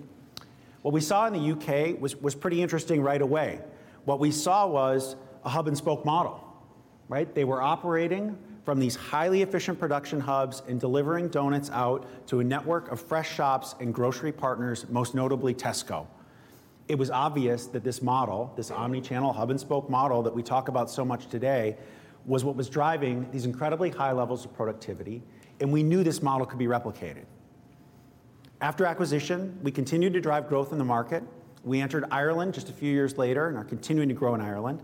What we saw in the U.K. was pretty interesting right away. What we saw Hub and Spoke model, right? They were operating from these highly efficient production hubs and delivering doughnuts out to a network of Fresh Shops and grocery partners, most notably Tesco. It was obvious that this model, Hub and Spoke model that we talk about so much today, was what was driving these incredibly high levels of productivity. We knew this model could be replicated. After acquisition, we continued to drive growth in the market. We entered Ireland just a few years later and are continuing to grow in Ireland.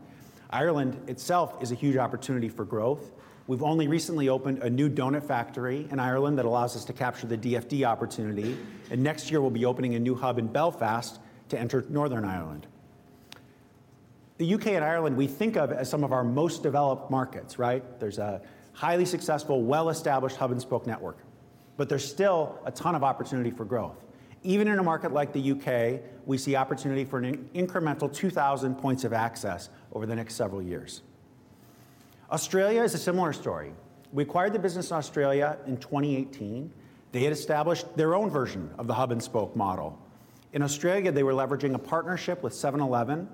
Ireland itself is a huge opportunity for growth. We've only recently opened a new donut factory in Ireland that allows us to capture the D.F.D. opportunity. Next year we'll be opening a new hub in Belfast to enter Northern Ireland. The U.K. and Ireland we think of as some of our most developed markets, right? There's a highly Hub and Spoke network. There's still a ton of opportunity for growth. Even in a market like the U.K., we see opportunity for an incremental 2,000 points of access over the next several years. Australia is a similar story. We acquired the business in Australia in 2018. They had established their own version Hub and Spoke model. In Australia, they were leveraging a partnership with 7-Eleven,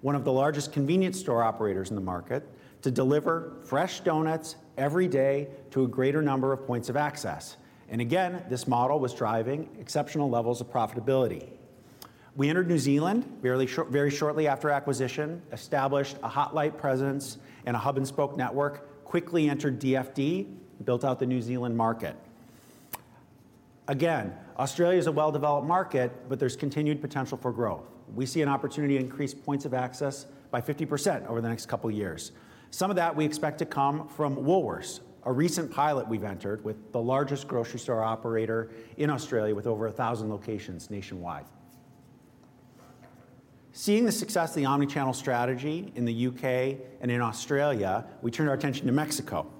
one of the largest convenience store operators in the market, to deliver fresh doughnuts every day to a greater number of points of access. Again, this model was driving exceptional levels of profitability. We entered New Zealand very shortly after acquisition, established a Hot Light presence Hub and Spoke network, quickly entered DFD, built out the New Zealand market. Australia is a well-developed market, but there's continued potential for growth. We see an opportunity to increase points of access by 50% over the next couple of years. Some of that we expect to come from Woolworths, a recent pilot we've entered with the largest grocery store operator in Australia with over 1,000 locations nationwide. Seeing the success of the omnichannel strategy in the U.K. and in Australia, we turned our attention to Mexico.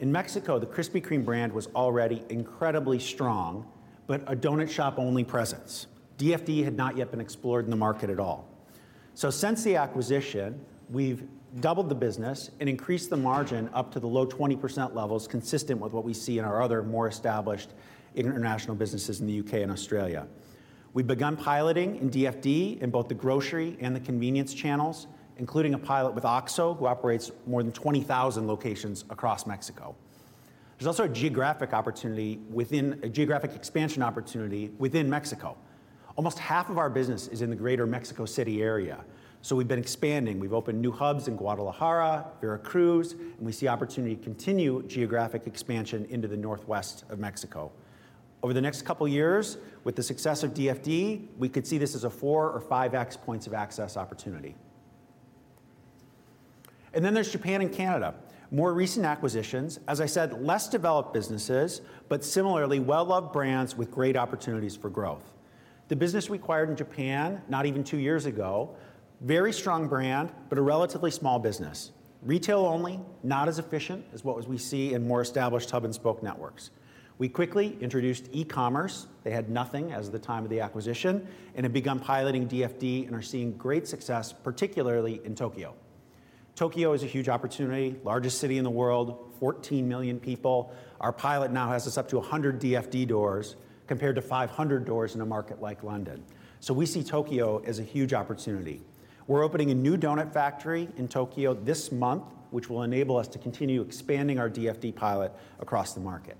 In Mexico, the Krispy Kreme brand was already incredibly strong, but a donut shop only presence. DFD had not yet been explored in the market at all. Since the acquisition, we've doubled the business and increased the margin up to the low 20% levels consistent with what we see in our other more established international businesses in the U.K. and Australia. We've begun piloting in DFD in both the grocery and the convenience channels, including a pilot with OXXO, who operates more than 20,000 locations across Mexico. There's also a geographic expansion opportunity within Mexico. Almost half of our business is in the greater Mexico City area, so we've been expanding. We've opened new hubs in Guadalajara, Veracruz, and we see opportunity to continue geographic expansion into the northwest of Mexico. Over the next couple of years, with the success of DFD, we could see this as a 4x or 5x points of access opportunity. There's Japan and Canada, more recent acquisitions, as I said, less developed businesses, but similarly well-loved brands with great opportunities for growth. The business we acquired in Japan not even two years ago, very strong brand, but a relatively small business. Retail only, not as efficient as what we see in more established Hub and Spoke networks. We quickly introduced e-commerce. They had nothing as of the time of the acquisition and have begun piloting DFD and are seeing great success, particularly in Tokyo. Tokyo is a huge opportunity, largest city in the world, 14 million people. Our pilot now has us up to 100 DFD doors compared to 500 doors in a market like London. We see Tokyo as a huge opportunity. We're opening a new doughnut factory in Tokyo this month, which will enable us to continue expanding our DFD pilot across the market.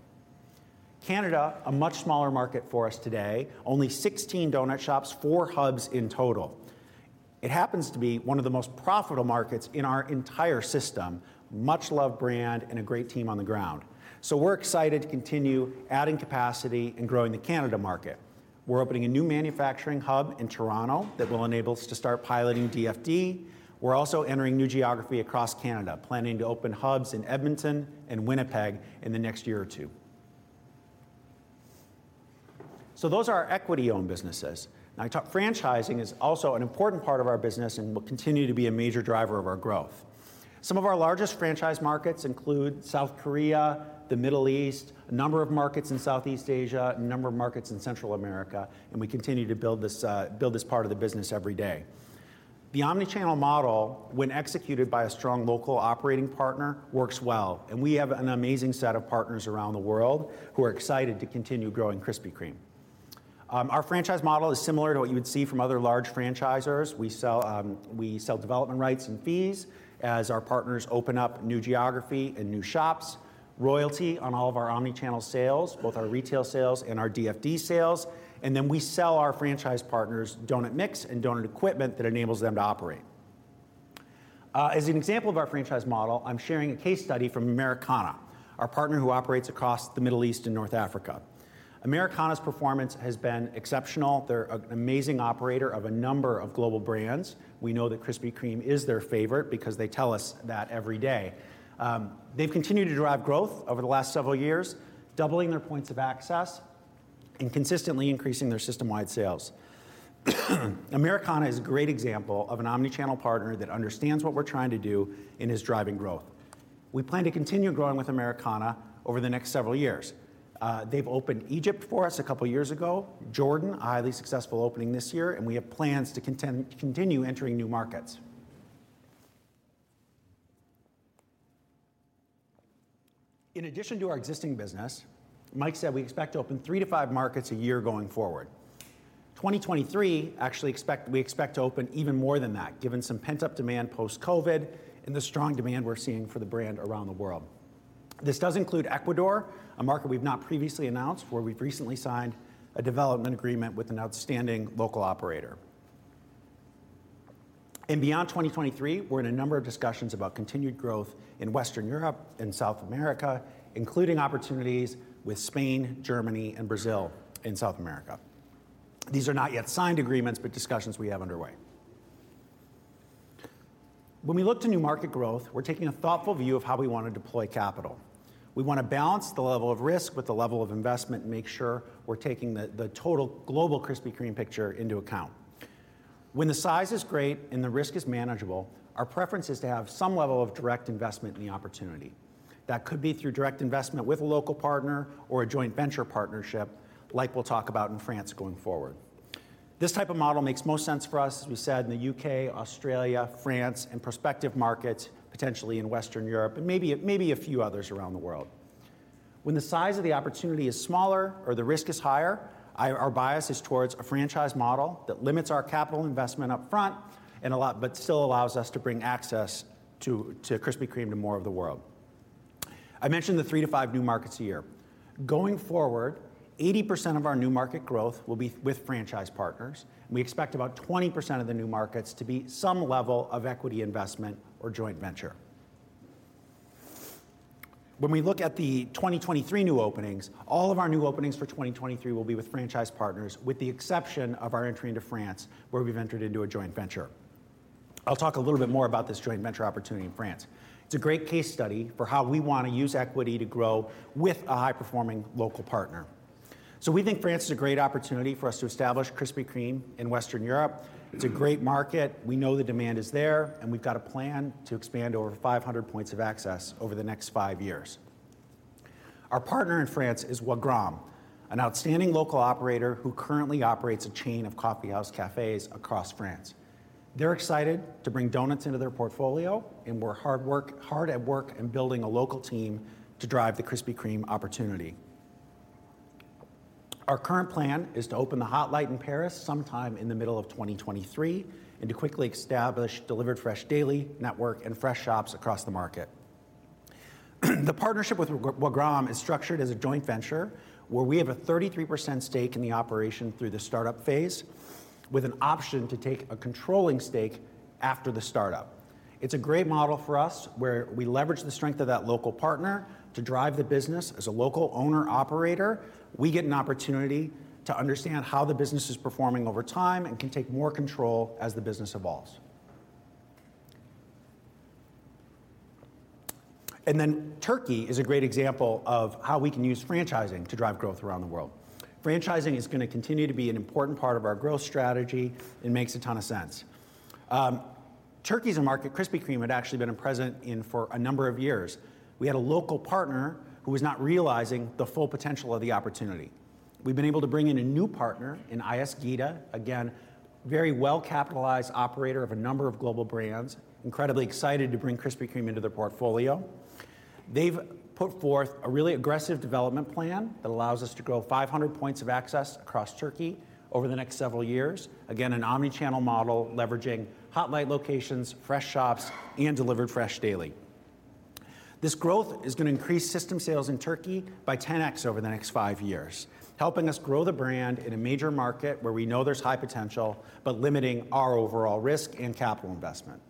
Canada, a much smaller market for us today, only 16 doughnut shops, four hubs in total. It happens to be one of the most profitable markets in our entire system, much loved brand, and a great team on the ground. We're excited to continue adding capacity and growing the Canada market. We're opening a new manufacturing hub in Toronto that will enable us to start piloting DFD. We're also entering new geography across Canada, planning to open hubs in Edmonton and Winnipeg in the next year or two. Those are our equity-owned businesses. Franchising is also an important part of our business and will continue to be a major driver of our growth. Some of our largest franchise markets include South Korea, the Middle East, a number of markets in Southeast Asia, a number of markets in Central America, and we continue to build this part of the business every day. The omnichannel model, when executed by a strong local operating partner, works well. We have an amazing set of partners around the world who are excited to continue growing Krispy Kreme. Our franchise model is similar to what you would see from other large franchisers. We sell development rights and fees as our partners open up new geography and new shops, royalty on all of our omnichannel sales, both our retail sales and our DFD sales. Then we sell our franchise partners doughnut mix and doughnut equipment that enables them to operate. As an example of our franchise model, I'm sharing a case study from Americana, our partner who operates across the Middle East and North Africa. Americana's performance has been exceptional. They're an amazing operator of a number of global brands. We know that Krispy Kreme is their favorite because they tell us that every day. They've continued to drive growth over the last several years, doubling their points of access and consistently increasing their system-wide sales. Americana is a great example of an omnichannel partner that understands what we're trying to do and is driving growth. We plan to continue growing with Americana over the next several years. They've opened Egypt for us two years ago, Jordan, a highly successful opening this year, and we have plans to continue entering new markets. In addition to our existing business, Mike said we expect to open three to five markets a year going forward. 2023, we expect to open even more than that, given some pent-up demand post-COVID and the strong demand we're seeing for the brand around the world. This does include Ecuador, a market we've not previously announced, where we've recently signed a development agreement with an outstanding local operator. Beyond 2023, we're in a number of discussions about continued growth in Western Europe and South America, including opportunities with Spain, Germany, and Brazil in South America. These are not yet signed agreements, but discussions we have underway. When we look to new market growth, we're taking a thoughtful view of how we want to deploy capital. We want to balance the level of risk with the level of investment and make sure we're taking the total global Krispy Kreme picture into account. When the size is great and the risk is manageable, our preference is to have some level of direct investment in the opportunity. That could be through direct investment with a local partner or a joint venture partnership, like we'll talk about in France going forward. This type of model makes most sense for us, as we said, in the U.K., Australia, France, and prospective markets, potentially in Western Europe, and maybe a few others around the world. When the size of the opportunity is smaller or the risk is higher, our bias is towards a franchise model that limits our capital investment up front but still allows us to bring access to Krispy Kreme to more of the world. I mentioned the three to five new markets a year. Going forward, 80% of our new market growth will be with franchise partners. We expect about 20% of the new markets to be some level of equity investment or joint venture. When we look at the 2023 new openings, all of our new openings for 2023 will be with franchise partners, with the exception of our entry into France, where we've entered into a joint venture. I'll talk a little bit more about this joint venture opportunity in France. It's a great case study for how we want to use equity to grow with a high-performing local partner. We think France is a great opportunity for us to establish Krispy Kreme in Western Europe. It's a great market. We know the demand is there, and we've got a plan to expand over 500 points of access over the next five years. Our partner in France is Wagram, an outstanding local operator who currently operates a chain of coffee house cafes across France. They're excited to bring doughnuts into their portfolio. We're hard at work in building a local team to drive the Krispy Kreme opportunity. Our current plan is to open the Hot Light in Paris sometime in the middle of 2023 and to quickly establish Delivered Fresh Daily network and Fresh Shops across the market. The partnership with Wagram is structured as a joint venture where we have a 33% stake in the operation through the startup phase, with an option to take a controlling stake after the startup. It's a great model for us, where we leverage the strength of that local partner to drive the business as a local owner-operator. We get an opportunity to understand how the business is performing over time and can take more control as the business evolves. Turkey is a great example of how we can use franchising to drive growth around the world. Franchising is gonna continue to be an important part of our growth strategy and makes a ton of sense. Turkey's a market Krispy Kreme had actually been present in for a number of years. We had a local partner who was not realizing the full potential of the opportunity. We've been able to bring in a new partner in IS Gida, again, very well-capitalized operator of a number of global brands, incredibly excited to bring Krispy Kreme into their portfolio. They've put forth a really aggressive development plan that allows us to grow 500 points of access across Turkey over the next several years. An omnichannel model leveraging Hot Light locations, Fresh Shops, and Delivered Fresh Daily. This growth is gonna increase system sales in Turkey by 10x over the next five years, helping us grow the brand in a major market where we know there's high potential, but limiting our overall risk and capital investment.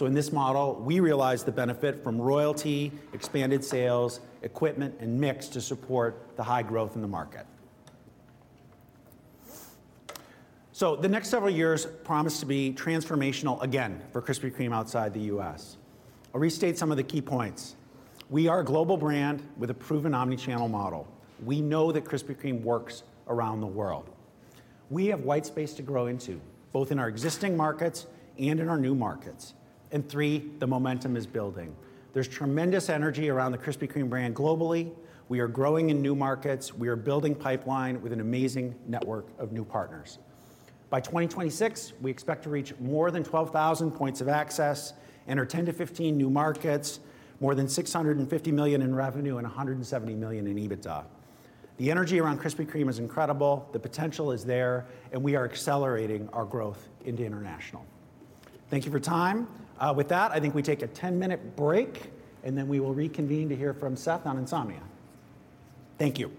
In this model, we realize the benefit from royalty, expanded sales, equipment, and mix to support the high growth in the market. The next several years promise to be transformational again for Krispy Kreme outside the U.S. I'll restate some of the key points. We are a global brand with a proven omnichannel model. We know that Krispy Kreme works around the world. We have white space to grow into, both in our existing markets and in our new markets. Three, the momentum is building. There's tremendous energy around the Krispy Kreme brand globally. We are growing in new markets. We are building pipeline with an amazing network of new partners. By 2026, we expect to reach more than 12,000 points of access, enter 10-15 new markets, more than $650 million in revenue, and $170 million in EBITDA. The energy around Krispy Kreme is incredible, the potential is there, and we are accelerating our growth into international. Thank you for time. With that, I think we take a 10-minute break, and then we will reconvene to hear from Seth on Insomnia. Thank you.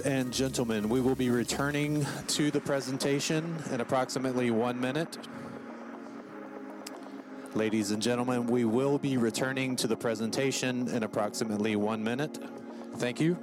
Ladies and gentlemen, we will be returning to the presentation in approximately one minute. Thank you.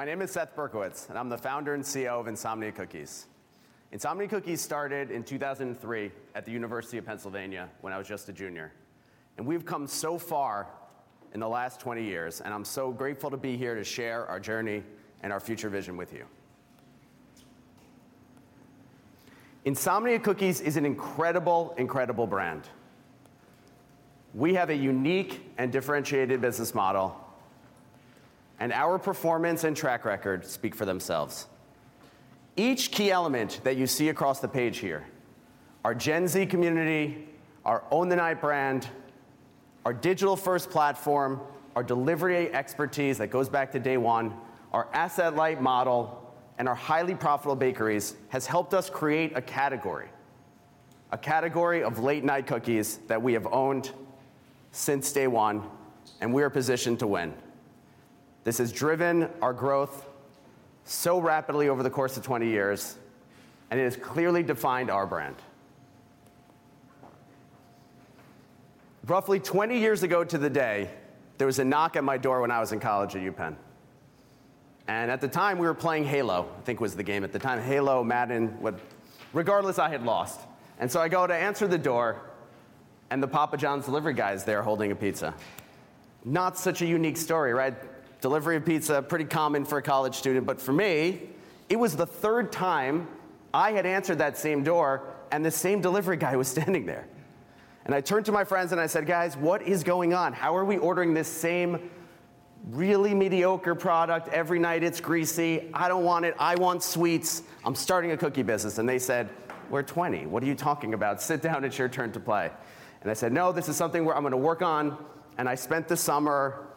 Hi, my name is Seth Berkowitz, and I'm the Founder and CEO of Insomnia Cookies. Insomnia Cookies started in 2003 at the University of Pennsylvania when I was just a junior. We've come so far in the last 20 years, and I'm so grateful to be here to share our journey and our future vision with you. Insomnia Cookies is an incredible brand. We have a unique and differentiated business model. Our performance and track record speak for themselves. Each key element that you see across the page here, our Gen Z community, our Own the Night brand, our digital-first platform, our delivery expertise that goes back to day one, our asset-light model, and our highly profitable bakeries has helped us create a category, a category of late-night cookies that we have owned since day one, and we are positioned to win. This has driven our growth so rapidly over the course of 20 years, and it has clearly defined our brand. Roughly 20 years ago to the day, there was a knock at my door when I was in college at UPenn. At the time, we were playing Halo, I think was the game at the time, Halo, Madden. Regardless, I had lost. So I go to answer the door, and the Papa John's delivery guy is there holding a pizza. Not such a unique story, right? Delivery of pizza, pretty common for a college student. For me, it was the third time I had answered that same door, and the same delivery guy was standing there. I turned to my friends, and I said, "Guys, what is going on? How are we ordering this same really mediocre product every night? It's greasy. I don't want it. I want sweets. I'm starting a cookie business." They said, "We're 20. What are you talking about? Sit down. It's your turn to play." I said, "No, this is something I'm going to work on." I spent the summer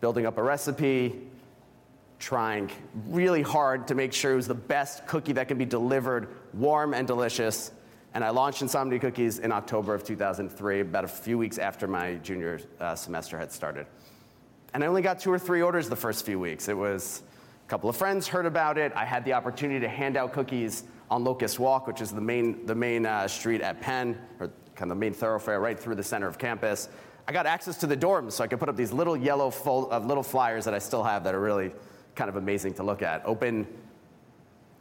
building up a recipe, trying really hard to make sure it was the best cookie that could be delivered warm and delicious. I launched Insomnia Cookies in October of 2003, about a few weeks after my junior semester had started. I only got two or three orders the first few weeks. It was a couple of friends heard about it. I had the opportunity to hand out cookies on Locust Walk, which is the main street at Penn, or kind of the main thoroughfare right through the center of campus. I got access to the dorms so I could put up these little yellow flyers that I still have that are really kind of amazing to look at. Open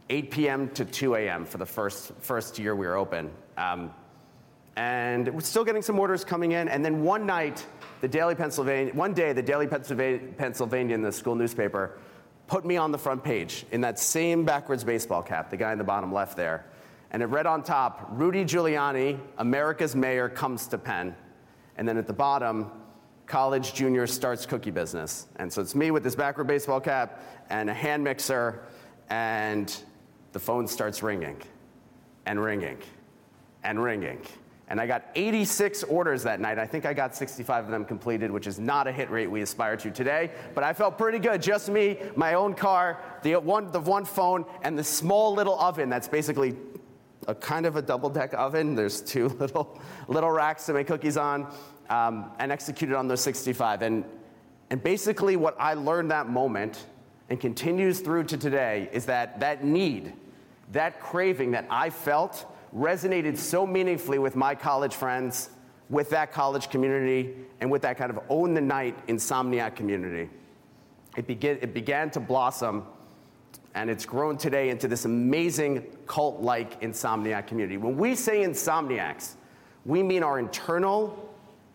8:00 P.M. to 2:00 A.M. for the first year we were open. We're still getting some orders coming in. One night, The Daily Pennsylvanian, the school newspaper, put me on the front page in that same backwards baseball cap, the guy in the bottom left there. It read on top, Rudy Giuliani, America's mayor, comes to Penn. At the bottom, college junior starts cookie business. It's me with this backward baseball cap and a hand mixer, and the phone starts ringing. I got 86 orders that night. I think I got 65 of them completed, which is not a hit rate we aspire to today. I felt pretty good. Just me, my own car, the one phone, and the small little oven that's basically a kind of a double-deck oven. There's two little racks to make cookies on and executed on those 65. Basically what I learned that moment and continues through to today is that that need, that craving that I felt resonated so meaningfully with my college friends, with that college community, and with that kind of own the night Insomniac community. It began to blossom, and it's grown today into this amazing cult-like Insomniac community. When we say Insomniacs, we mean our internal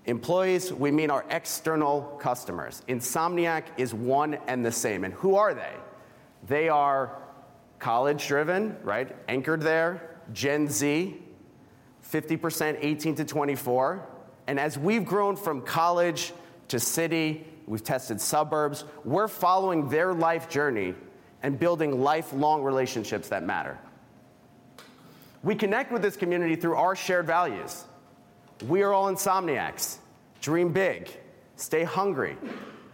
employees. We mean our external customers. Insomniac is one and the same. Who are they? They are college-driven, right? Anchored there, Gen Z, 50% 18-24. As we've grown from college to city, we've tested suburbs, we're following their life journey and building lifelong relationships that matter. We connect with this community through our shared values. We are all Insomniacs. Dream big. Stay hungry.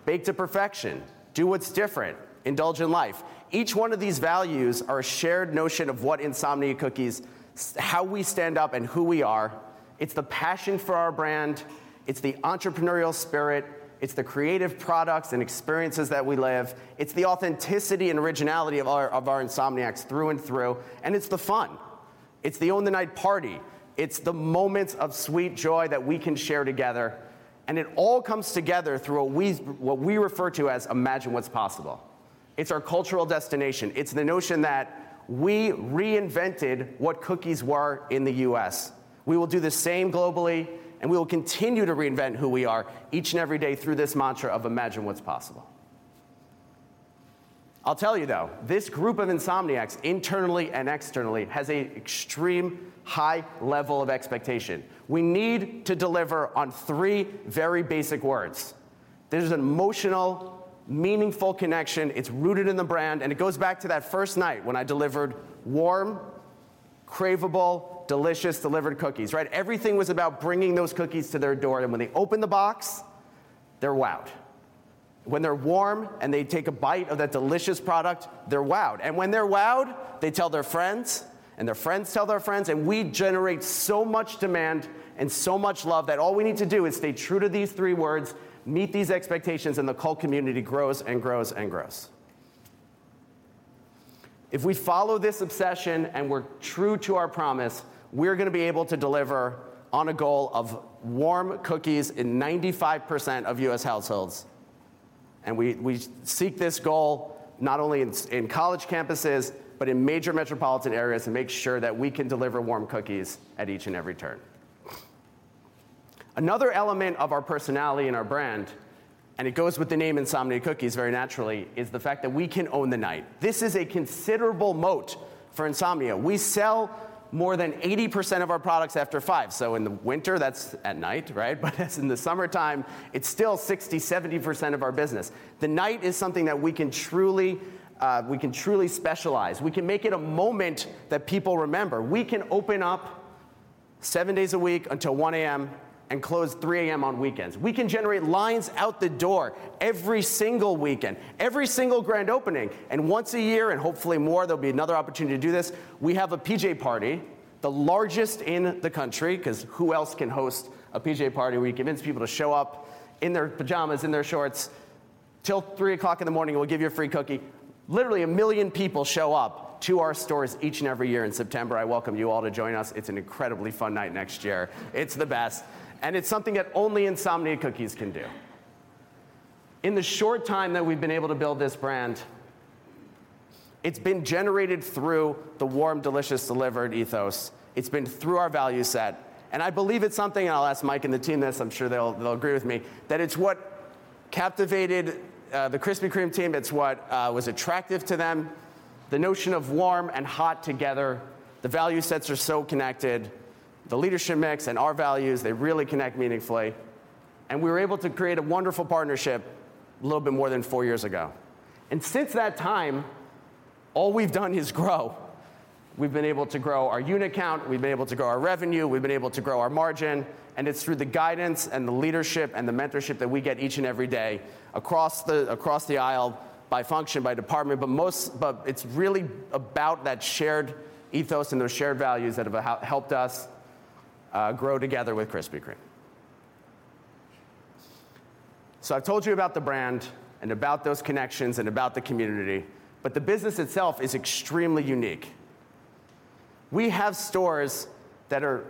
Bake to perfection. Do what's different. Indulge in life. Each one of these values are a shared notion of what Insomnia Cookies, how we stand up and who we are. It's the passion for our brand. It's the entrepreneurial spirit. It's the creative products and experiences that we live. It's the authenticity and originality of our Insomniacs through and through. It's the fun. It's the own the night party. It's the moments of sweet joy that we can share together. It all comes together through what we refer to as imagine what's possible. It's our cultural destination. It's the notion that we reinvented what cookies were in the U.S. We will do the same globally. We will continue to reinvent who we are each and every day through this mantra of imagine what's possible. I'll tell you, though, this group of Insomniacs internally and externally has an extreme high level of expectation. We need to deliver on three very basic words. There's an emotional, meaningful connection. It's rooted in the brand. It goes back to that first night when I delivered warm, craveable, delicious delivered cookies, right? Everything was about bringing those cookies to their door. When they open the box, they're wowed. When they're warm and they take a bite of that delicious product, they're wowed. When they're wowed, they tell their friends, and their friends tell their friends, and we generate so much demand and so much love that all we need to do is stay true to these three words, meet these expectations, and the cult community grows and grows and grows. If we follow this obsession and we're true to our promise, we're gonna be able to deliver on a goal of warm cookies in 95% of U.S. households. We seek this goal not only in college campuses, but in major metropolitan areas to make sure that we can deliver warm cookies at each and every turn. Another element of our personality and our brand, and it goes with the name Insomnia Cookies very naturally, is the fact that we can own the night. This is a considerable moat for Insomnia. We sell more than 80% of our products after five. In the winter, that's at night, right? In the summertime, it's still 60%-70% of our business. The night is something that we can truly specialize. We can make it a moment that people remember. We can open up seven days a week until 1:00 A.M. and close 3:00 A.M. on weekends. We can generate lines out the door every single weekend, every single grand opening, and once a year, and hopefully more, there'll be another opportunity to do this, we have a PJ Party, the largest in the country, 'cause who else can host a PJ Party? We convince people to show up in their pajamas, in their shorts, till 3:00 A.M., we'll give you a free cookie. Literally a million people show up to our stores each and every year in September. I welcome you all to join us. It's an incredibly fun night next year. It's the best, and it's something that only Insomnia Cookies can do. In the short time that we've been able to build this brand, it's been generated through the warm, delicious delivered ethos. It's been through our value set, and I believe it's something, and I'll ask Mike and the team this, I'm sure they'll agree with me, that it's what captivated the Krispy Kreme team. It's what was attractive to them. The notion of warm and hot together, the value sets are so connected. The leadership mix and our values, they really connect meaningfully, and we were able to create a wonderful partnership a little bit more than four years ago. Since that time, all we've done is grow. We've been able to grow our unit count, we've been able to grow our revenue, we've been able to grow our margin, it's through the guidance and the leadership and the mentorship that we get each and every day across the aisle by function, by department. But it's really about that shared ethos and those shared values that have helped us grow together with Krispy Kreme. I've told you about the brand and about those connections and about the community, but the business itself is extremely unique. We have stores that are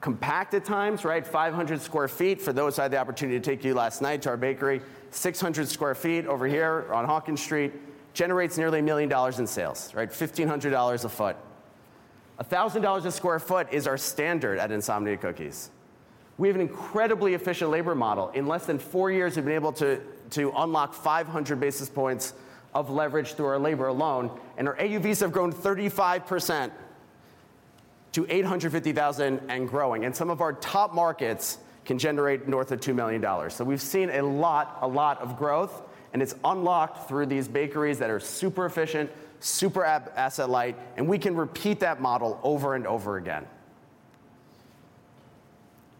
compact at times, right, 500 sq ft for those I had the opportunity to take you last night to our bakery. 600 sq ft over here on Hawkins Street generates nearly $1 million in sales, right? $1,500 a foot. $1,000 a square foot is our standard at Insomnia Cookies. We have an incredibly efficient labor model. In less than four years, we've been able to unlock 500 basis points of leverage through our labor alone, our AUVs have grown 35% to $850,000 and growing. Some of our top markets can generate north of $2 million. We've seen a lot of growth, and it's unlocked through these bakeries that are super efficient, super asset light, and we can repeat that model over and over again.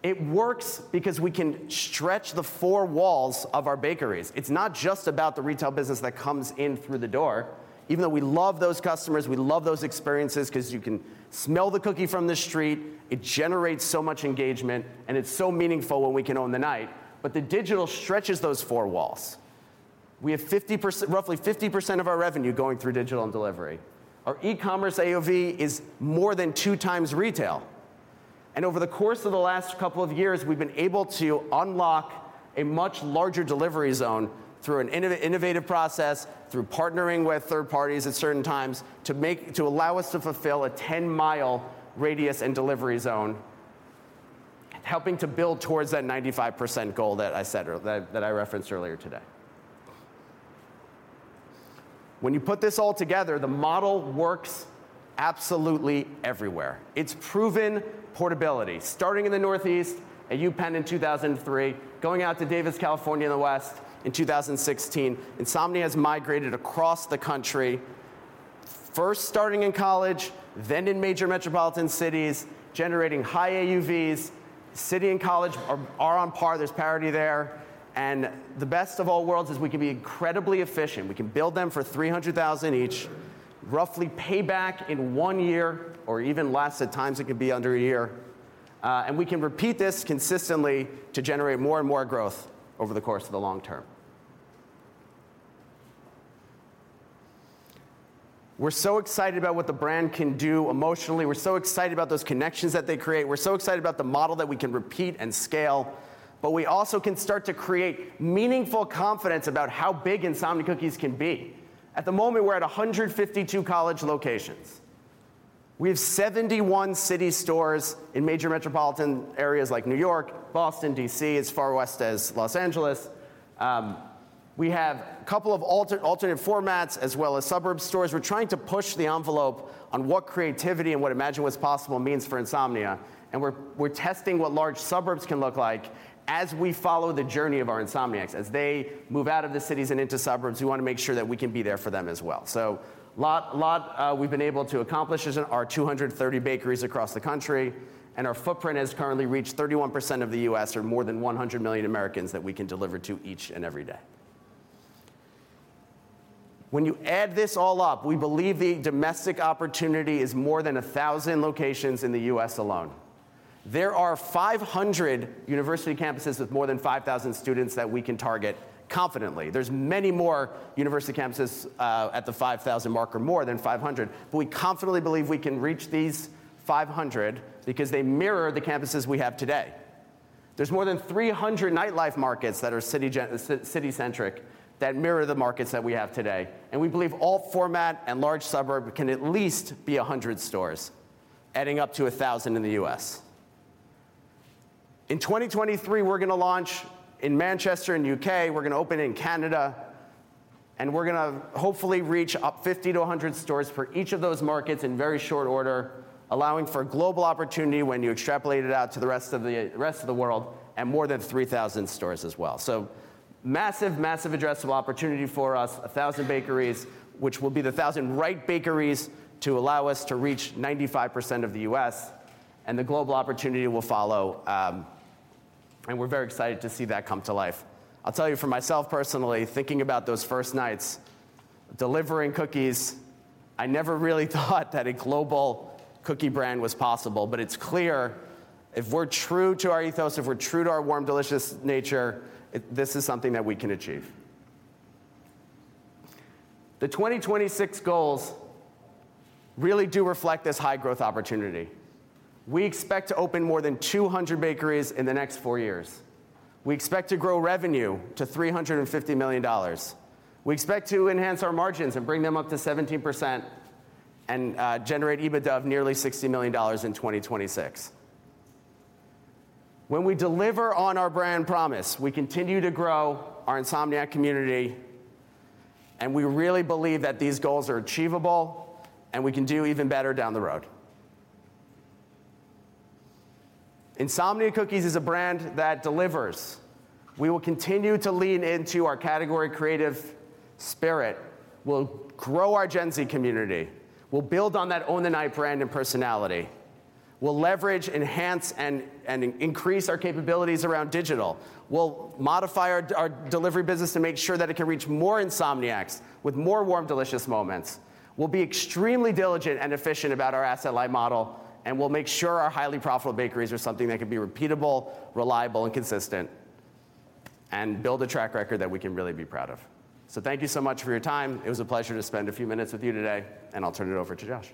It works because we can stretch the four walls of our bakeries. It's not just about the retail business that comes in through the door, even though we love those customers, we love those experiences 'cause you can smell the cookie from the street. It generates so much engagement, and it's so meaningful when we can own the night. The digital stretches those four walls. We have roughly 50% of our revenue going through digital and delivery. Our e-commerce AOV is more than 2x retail. Over the course of the last couple of years, we've been able to unlock a much larger delivery zone through an innovative process, through partnering with third parties at certain times to allow us to fulfill a 10-mile radius and delivery zone, helping to build towards that 95% goal that I referenced earlier today. When you put this all together, the model works absolutely everywhere. It's proven portability. Starting in the Northeast at UPenn in 2003, going out to Davis, California, in the West in 2016, Insomnia has migrated across the country, first starting in college, then in major metropolitan cities, generating high AUVs. City and college are on par. There's parity there. The best of all worlds is we can be incredibly efficient. We can build them for $300,000 each, roughly pay back in one year or even less. At times, it could be under a year. We can repeat this consistently to generate more and more growth over the course of the long term. We're so excited about what the brand can do emotionally. We're so excited about those connections that they create. We're excited about the model that we can repeat and scale, but we also can start to create meaningful confidence about how big Insomnia Cookies can be. At the moment, we're at 152 college locations. We have 71 city stores in major metropolitan areas like New York, Boston, D.C., as far west as L.A. We have a couple of alternate formats as well as suburb stores. We're trying to push the envelope on what creativity and what imagine what's possible means for Insomnia, and we're testing what large suburbs can look like as we follow the journey of our Insomniacs. As they move out of the cities and into suburbs, we wanna make sure that we can be there for them as well. Lot we've been able to accomplish is our 230 bakeries across the country, and our footprint has currently reached 31% of the U.S., or more than 100 million Americans that we can deliver to each and every day. When you add this all up, we believe the domestic opportunity is more than 1,000 locations in the U.S. alone. There are 500 university campuses with more than 5,000 students that we can target confidently. There's many more university campuses at the 5,000 mark or more than 500, but we confidently believe we can reach these 500 because they mirror the campuses we have today. There's more than 300 nightlife markets that are city-centric that mirror the markets that we have today, we believe alt format and large suburb can at least be a hundred stores, adding up to a thousand in the U.S. In 2023, we're gonna launch in Manchester, in U.K., we're gonna open in Canada, we're gonna hopefully reach up 50-100 stores for each of those markets in very short order, allowing for global opportunity when you extrapolate it out to the rest of the world and more than 3,000 stores as well. Massive addressable opportunity for us. A thousand bakeries, which will be the thousand right bakeries to allow us to reach 95% of the U.S. and the global opportunity will follow, we're very excited to see that come to life. I'll tell you for myself personally, thinking about those first nights delivering cookies, I never really thought that a global cookie brand was possible. It's clear if we're true to our ethos, if we're true to our warm, delicious nature, this is something that we can achieve. The 2026 goals really do reflect this high growth opportunity. We expect to open more than 200 bakeries in the next four years. We expect to grow revenue to $350 million. We expect to enhance our margins and bring them up to 17% and, generate EBITDA of nearly $60 million in 2026. When we deliver on our brand promise, we continue to grow our Insomniac community, We really believe that these goals are achievable, and we can do even better down the road. Insomnia Cookies is a brand that delivers. We will continue to lean into our category creative spirit. We'll grow our Gen Z community. We'll build on that own-the-night brand and personality. We'll leverage, enhance, and increase our capabilities around digital. We'll modify our delivery business to make sure that it can reach more Insomniacs with more warm, delicious moments. We'll be extremely diligent and efficient about our asset-light model, and we'll make sure our highly profitable bakeries are something that can be repeatable, reliable, and consistent and build a track record that we can really be proud of. Thank you so much for your time. It was a pleasure to spend a few minutes with you today, and I'll turn it over to Josh.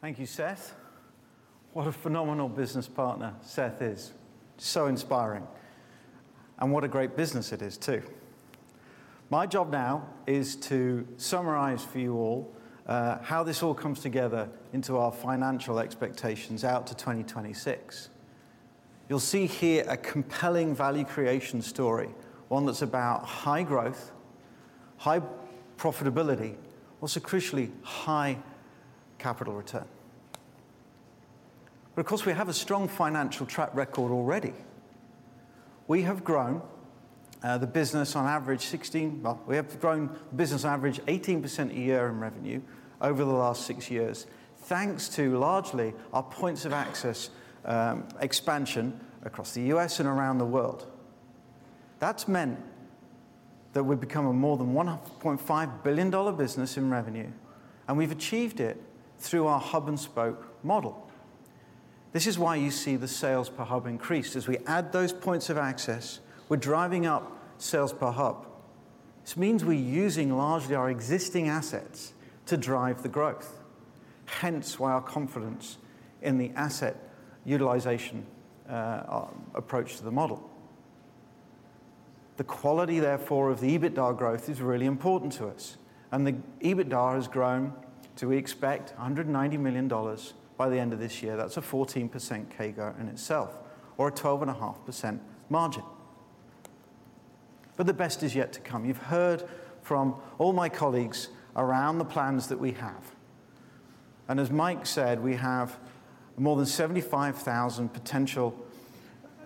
Thank you, Seth. What a phenomenal business partner Seth is. Inspiring, and what a great business it is too. My job now is to summarize for you all how this all comes together into our financial expectations out to 2026. You'll see here a compelling value creation story, one that's about high growth, high profitability, also crucially high capital return. Of course, we have a strong financial track record already. We have grown the business on average 18% a year in revenue over the last six years, thanks to largely our points of access expansion across the U.S. and around the world. That's meant that we've become a more than $1.5 billion business in revenue, and we've achieved it through our Hub and Spoke model. This is why you see the sales per hub increase. As we add those points of access, we're driving up sales per hub. This means we're using largely our existing assets to drive the growth, hence why our confidence in the asset utilization approach to the model. The quality, therefore, of the EBITDA growth is really important to us, and the EBITDA has grown to, we expect, $190 million by the end of this year. That's a 14% CAGR in itself or a 12.5% margin. The best is yet to come. You've heard from all my colleagues around the plans that we have, and as Mike said, we have more than 75,000 potential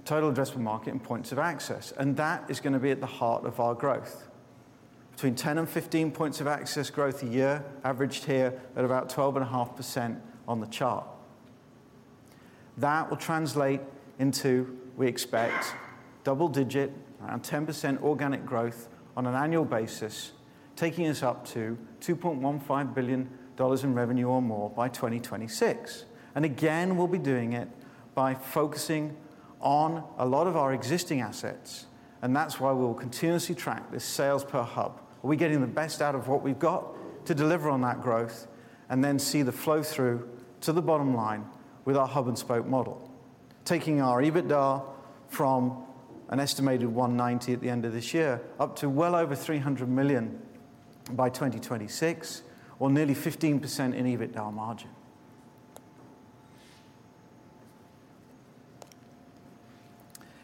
total addressable market and points of access, and that is gonna be at the heart of our growth. Between 10 and 15 points of access growth a year, averaged here at about 12.5% on the chart. That will translate into, we expect, double-digit, 10% organic growth on an annual basis, taking us up to $2.15 billion in revenue or more by 2026. Again, we'll be doing it by focusing on a lot of our existing assets. That's why we will continuously track this sales per hub. Are we getting the best out of what we've got to deliver on that growth? See the flow through to the bottom line Hub and Spoke model, taking our EBITDA from an estimated $190 million at the end of this year up to well over $300 million by 2026 or nearly 15% in EBITDA margin.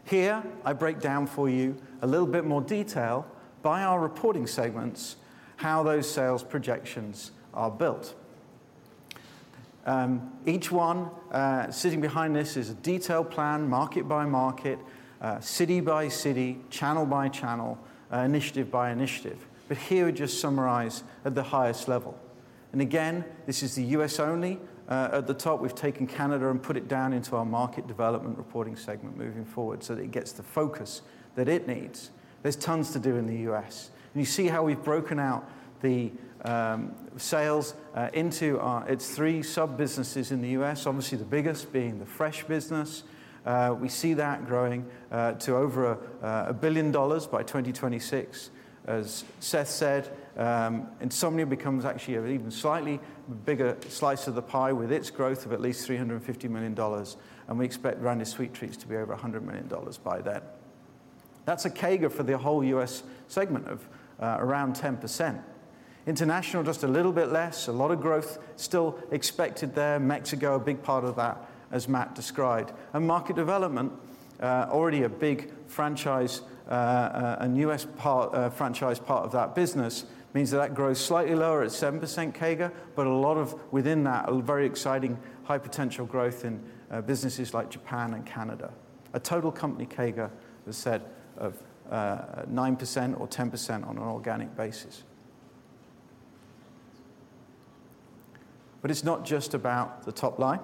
Here, I break down for you a little bit more detail by our reporting segments how those sales projections are built. Each one, sitting behind this is a detailed plan, market by market, city by city, channel by channel, initiative by initiative. Here we just summarize at the highest level. Again, this is the U.S. only. At the top, we've taken Canada and put it down into our market development reporting segment moving forward so that it gets the focus that it needs. There's tons to do in the U.S. You see how we've broken out the sales into its three sub-businesses in the U.S., obviously the biggest being the fresh business. We see that growing to over $1 billion by 2026. As Seth said, Insomnia becomes actually an even slightly bigger slice of the pie with its growth of at least $350 million, and we expect Branded Sweet Treats to be over $100 million by then. That's a CAGR for the whole U.S. segment of around 10%. International, just a little bit less, a lot of growth still expected there. Mexico, a big part of that, as Matt described. Market development, already a big franchise, and U.S. part, franchise part of that business means that that grows slightly lower at 7% CAGR, but a lot of within that, a very exciting high potential growth in businesses like Japan and Canada. Total company CAGR was said of 9% or 10% on an organic basis. It's not just about the top line.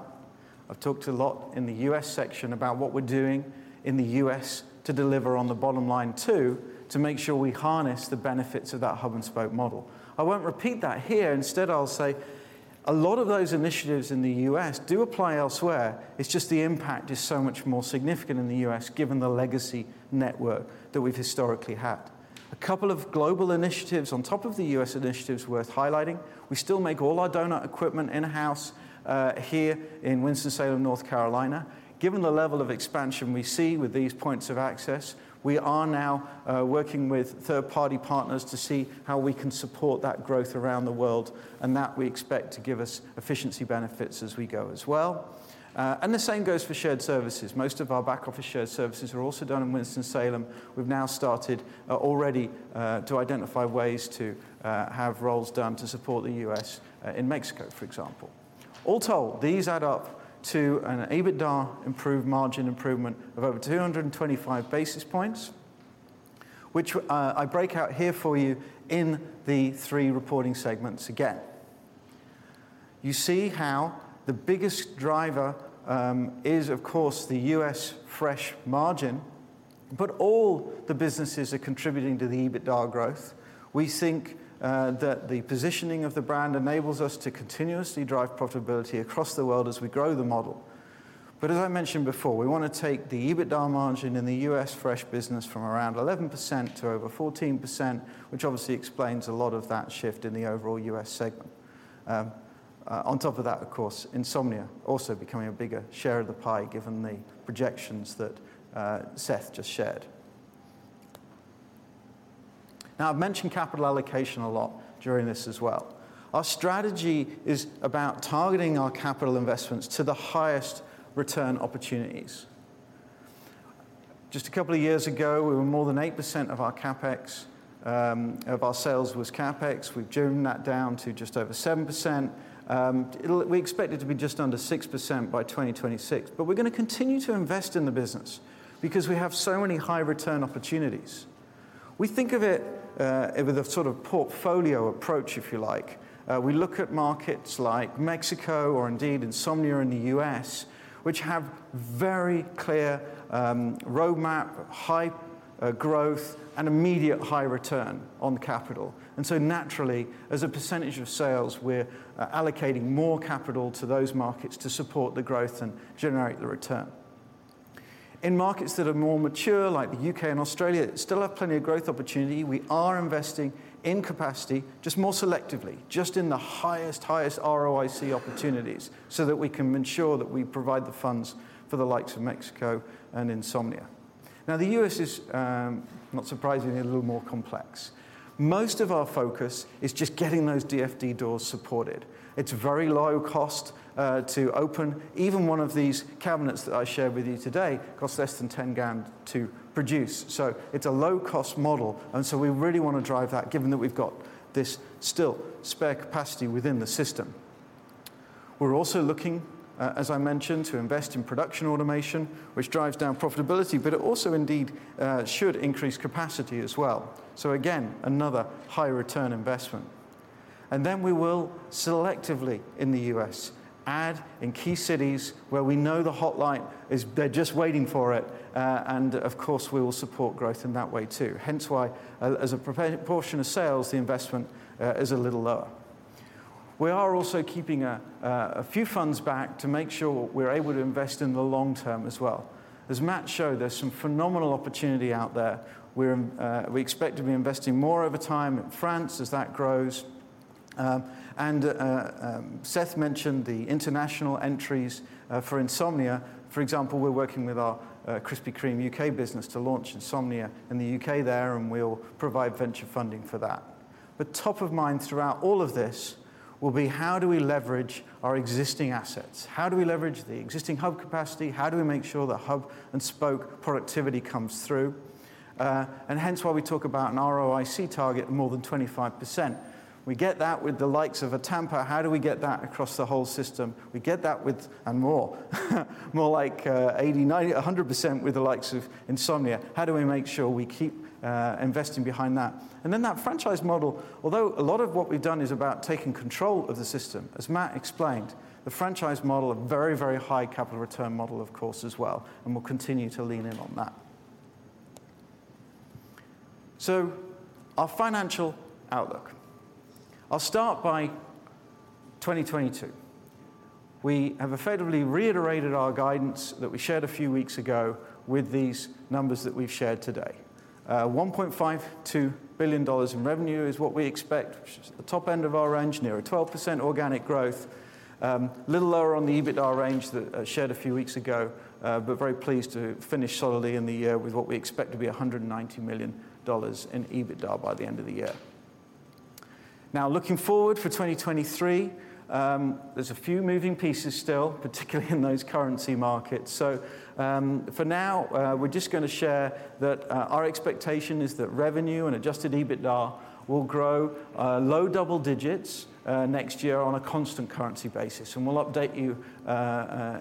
I've talked a lot in the U.S. section about what we're doing in the U.S. to deliver on the bottom line, too, to make sure we harness the benefits of that hub-and-spoke model. I won't repeat that here. Instead, I'll say a lot of those initiatives in the U.S. do apply elsewhere. It's just the impact is so much more significant in the U.S., given the legacy network that we've historically had. A couple of global initiatives on top of the U.S. initiatives worth highlighting. We still make all our donut equipment in-house, here in Winston-Salem, North Carolina. Given the level of expansion we see with these points of access, we are now working with third-party partners to see how we can support that growth around the world, and that we expect to give us efficiency benefits as we go as well. The same goes for shared services. Most of our back office shared services are also done in Winston-Salem. We've now started already to identify ways to have roles done to support the U.S. in Mexico, for example. All told, these add up to an EBITDA improved margin improvement of over 225 basis points, which I break out here for you in the three reporting segments again. You see how the biggest driver is, of course, the U.S. fresh margin, but all the businesses are contributing to the EBITDA growth. We think that the positioning of the brand enables us to continuously drive profitability across the world as we grow the model. As I mentioned before, we wanna take the EBITDA margin in the U.S. fresh business from around 11% to over 14%, which obviously explains a lot of that shift in the overall U.S. segment. On top of that, of course, Insomnia also becoming a bigger share of the pie, given the projections that Seth just shared. I've mentioned capital allocation a lot during this as well. Our strategy is about targeting our capital investments to the highest return opportunities. Just a couple of years ago, we were more than 8% of our CapEx, of our sales was CapEx. We've driven that down to just over 7%. We expect it to be just under 6% by 2026. We're gonna continue to invest in the business because we have so many high return opportunities. We think of it with a sort of portfolio approach, if you like. We look at markets like Mexico or indeed Insomnia in the U.S., which have very clear roadmap, high growth and immediate high return on capital. Naturally, as a percentage of sales, we're allocating more capital to those markets to support the growth and generate the return. In markets that are more mature, like the U.K. and Australia, that still have plenty of growth opportunity, we are investing in capacity just more selectively, just in the highest ROIC opportunities so that we can ensure that we provide the funds for the likes of Mexico and Insomnia. The U.S. is, not surprisingly, a little more complex. Most of our focus is just getting those DFD doors supported. It's very low cost to open. Even one of these cabinets that I shared with you today costs less than $10,000 to produce. It's a low cost model, we really wanna drive that given that we've got this still spare capacity within the system. We're also looking, as I mentioned, to invest in production automation, which drives down profitability, but it also indeed should increase capacity as well. Again, another high return investment. We will selectively in the U.S. add in key cities where we know the Hot Light they're just waiting for it. Of course, we will support growth in that way too. Hence why as a proportion of sales, the investment is a little lower. We are also keeping a few funds back to make sure we're able to invest in the long term as well. As Matt showed, there's some phenomenal opportunity out there. We expect to be investing more over time in France as that grows. Seth mentioned the international entries for Insomnia. For example, we're working with our Krispy Kreme U.K. business to launch Insomnia in the U.K. there, and we'll provide venture funding for that. Top of mind throughout all of this will be how do we leverage our existing assets? How do we leverage the existing hub capacity? How do we make Hub and Spoke productivity comes through? Hence why we talk about an ROIC target more than 25%. We get that with the likes of a Tampa. How do we get that across the whole system? We get that with and more like 80%, 90%, 100% with the likes of Insomnia. How do we make sure we keep investing behind that? That franchise model, although a lot of what we've done is about taking control of the system, as Matt explained, the franchise model, a very, very high capital return model of course as well, and we'll continue to lean in on that. Our financial outlook. I'll start by 2022. We have effectively reiterated our guidance that we shared a few weeks ago with these numbers that we've shared today. $1.52 billion in revenue is what we expect, which is at the top end of our range, near a 12% organic growth. Little lower on the EBITDA range that I shared a few weeks ago, but very pleased to finish solidly in the year with what we expect to be $190 million in EBITDA by the end of the year. Looking forward for 2023, there's a few moving pieces still, particularly in those currency markets. For now, we're just gonna share that our expectation is that revenue and adjusted EBITDA will grow low double digits next year on a constant currency basis. We'll update you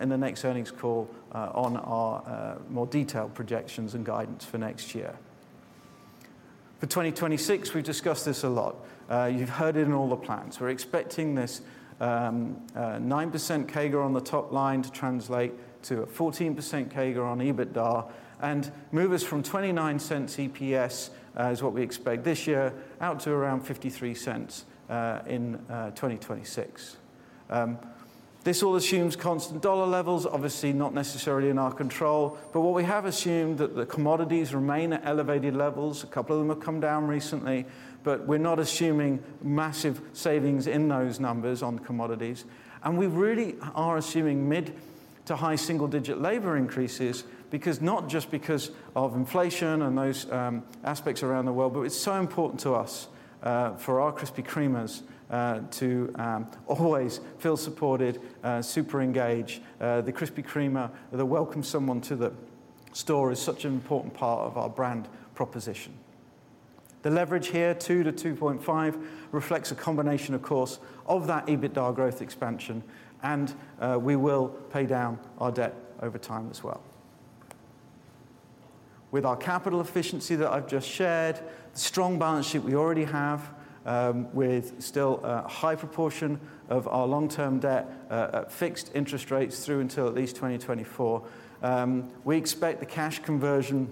in the next earnings call on our more detailed projections and guidance for next year. For 2026, we've discussed this a lot. You've heard it in all the plans. We're expecting this 9% CAGR on the top line to translate to a 14% CAGR on EBITDA and move us from $0.29 EPS is what we expect this year, out to around $0.53 in 2026. This all assumes constant dollar levels, obviously not necessarily in our control. What we have assumed that the commodities remain at elevated levels. A couple of them have come down recently, but we're not assuming massive savings in those numbers on commodities. We really are assuming mid to high single-digit labor increases because not just because of inflation and those aspects around the world, but it's so important to us, for our Krispy Kremers, to always feel supported, super engaged. The Krispy Kreme that welcome someone to the store is such an important part of our brand proposition. The leverage here, 2x-2.5x, reflects a combination, of course, of that EBITDA growth expansion, and we will pay down our debt over time as well. With our capital efficiency that I've just shared, the strong balance sheet we already have, with still a high proportion of our long-term debt at fixed interest rates through until at least 2024, we expect the cash conversion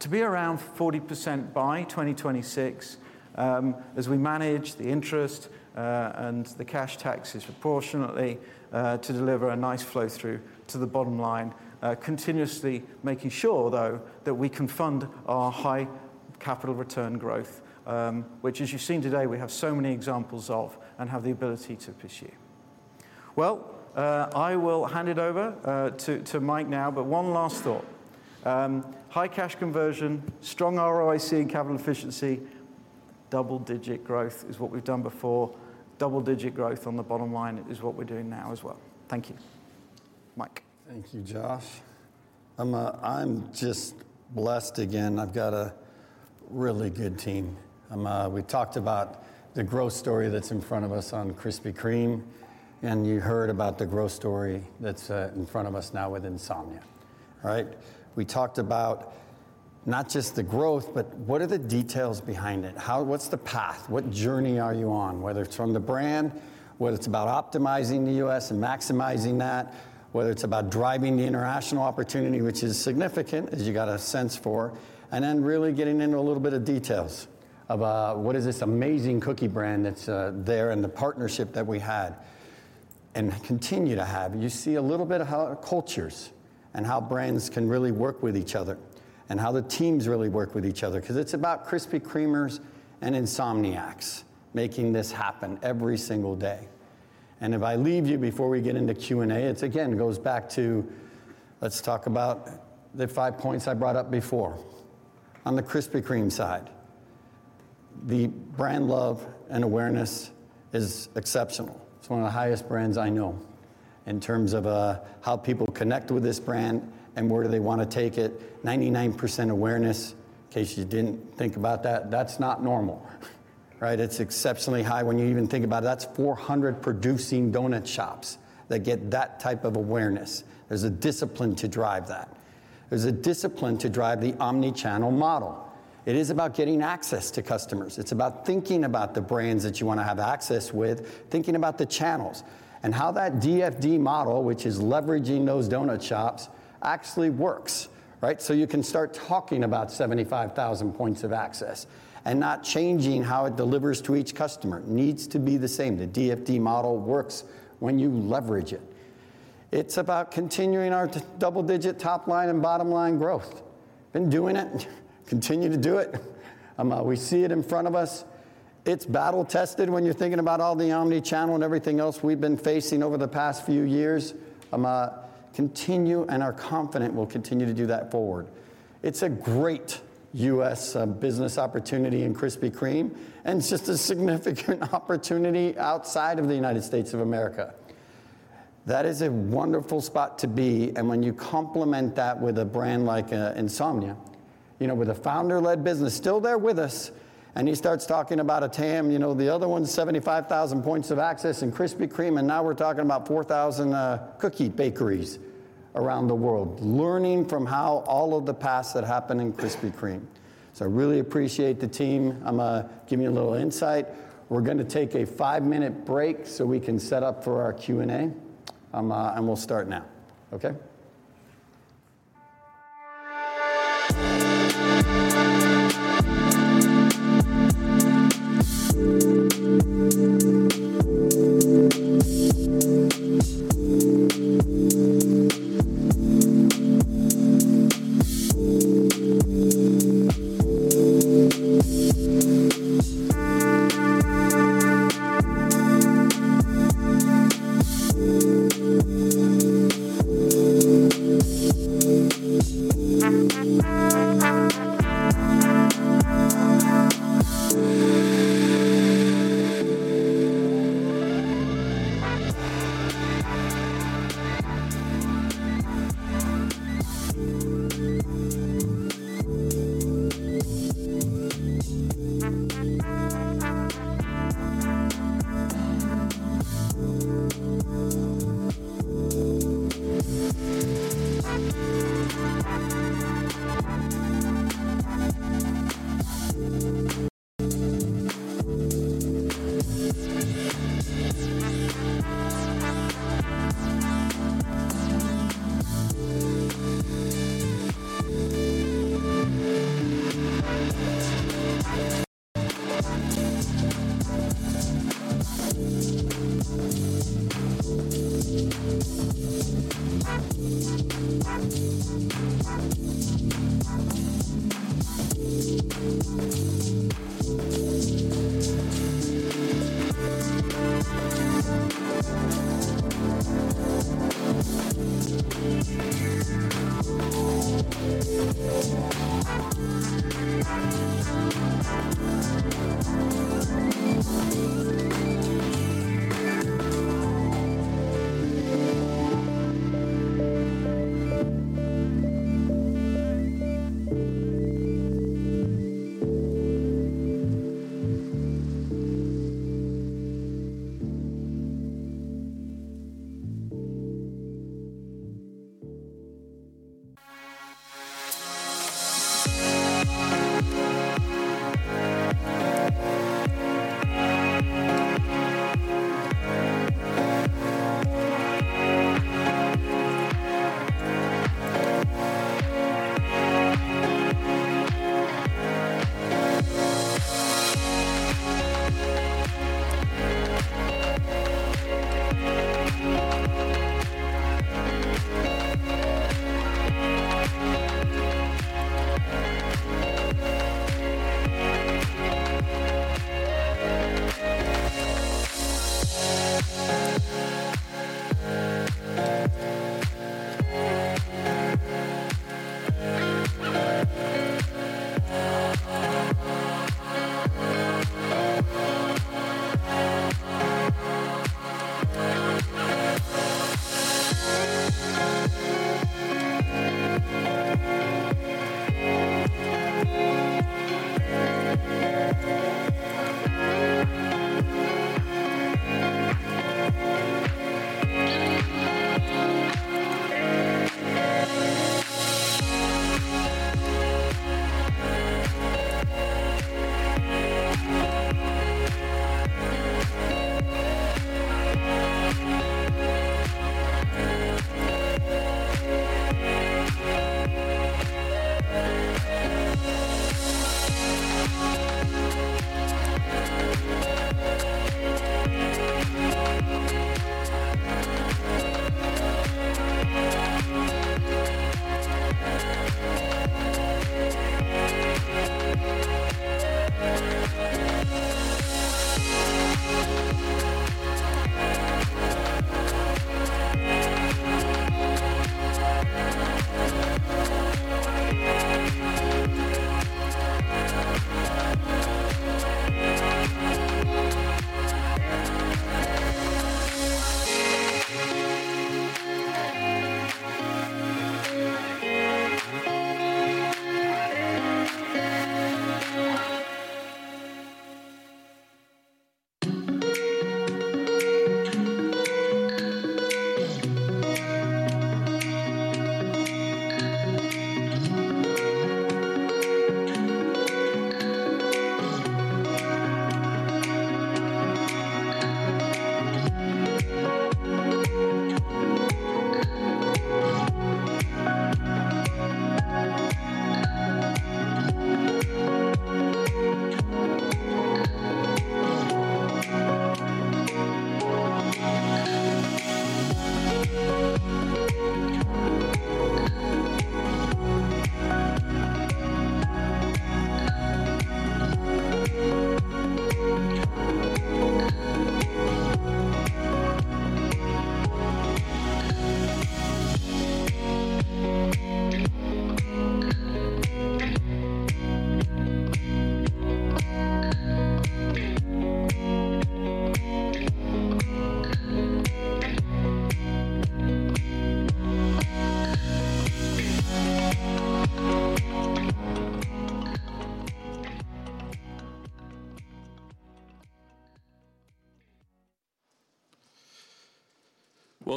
to be around 40% by 2026, as we manage the interest and the cash taxes proportionately to deliver a nice flow through to the bottom line. Continuously making sure, though, that we can fund our high capital return growth, which as you've seen today, we have so many examples of and have the ability to pursue. I will hand it over to Mike now, but one last thought. High cash conversion, strong ROIC and capital efficiency, double-digit growth is what we've done before. Double-digit growth on the bottom line is what we're doing now as well. Thank you. Mike. Thank you, Josh. I'm just blessed again. I've got a really good team. We talked about the growth story that's in front of us on Krispy Kreme, and you heard about the growth story that's in front of us now with Insomnia. All right. We talked about not just the growth, but what are the details behind it? What's the path? What journey are you on? Whether it's from the brand, whether it's about optimizing the U.S. and maximizing that, whether it's about driving the international opportunity, which is significant, as you got a sense for, and then really getting into a little bit of details about what is this amazing cookie brand that's there and the partnership that we had and continue to have. You see a little bit of how cultures and how brands can really work with each other and how the teams really work with each other, 'cause it's about Krispy Kremers and Insomniacs making this happen every single day. If I leave you before we get into Q&A, it again goes back to, let's talk about the five points I brought up before. On the Krispy Kreme side, the brand love and awareness is exceptional. It's one of the highest brands I know in terms of how people connect with this brand and where do they wanna take it. 99% awareness, in case you didn't think about that's not normal, right? It's exceptionally high when you even think about it. That's 400 producing doughnut shops that get that type of awareness. There's a discipline to drive that. There's a discipline to drive the omnichannel model. It is about getting access to customers. It's about thinking about the brands that you wanna have access with, thinking about the channels, and how that DFD model, which is leveraging those doughnut shops, actually works, right? You can start talking about 75,000 points of access and not changing how it delivers to each customer. Needs to be the same. The DFD model works when you leverage it. It's about continuing our double-digit top line and bottom line growth. Been doing it, continue to do it. We see it in front of us. It's battle tested when you're thinking about all the omnichannel and everything else we've been facing over the past few years. Continue and are confident we'll continue to do that forward. It's a great U.S. business opportunity in Krispy Kreme, and it's just a significant opportunity outside of the United States of America. That is a wonderful spot to be, when you complement that with a brand like Insomnia, you know, with a founder-led business still there with us, he starts talking about a TAM, you know, the other one's 75,000 points of access in Krispy Kreme, now we're talking about 4,000 cookie bakeries around the world, learning from how all of the past that happened in Krispy Kreme. I really appreciate the team. I'm gonna give you a little insight. We're gonna take a five-minute break, so we can set up for our Q&A, we'll start now. Okay?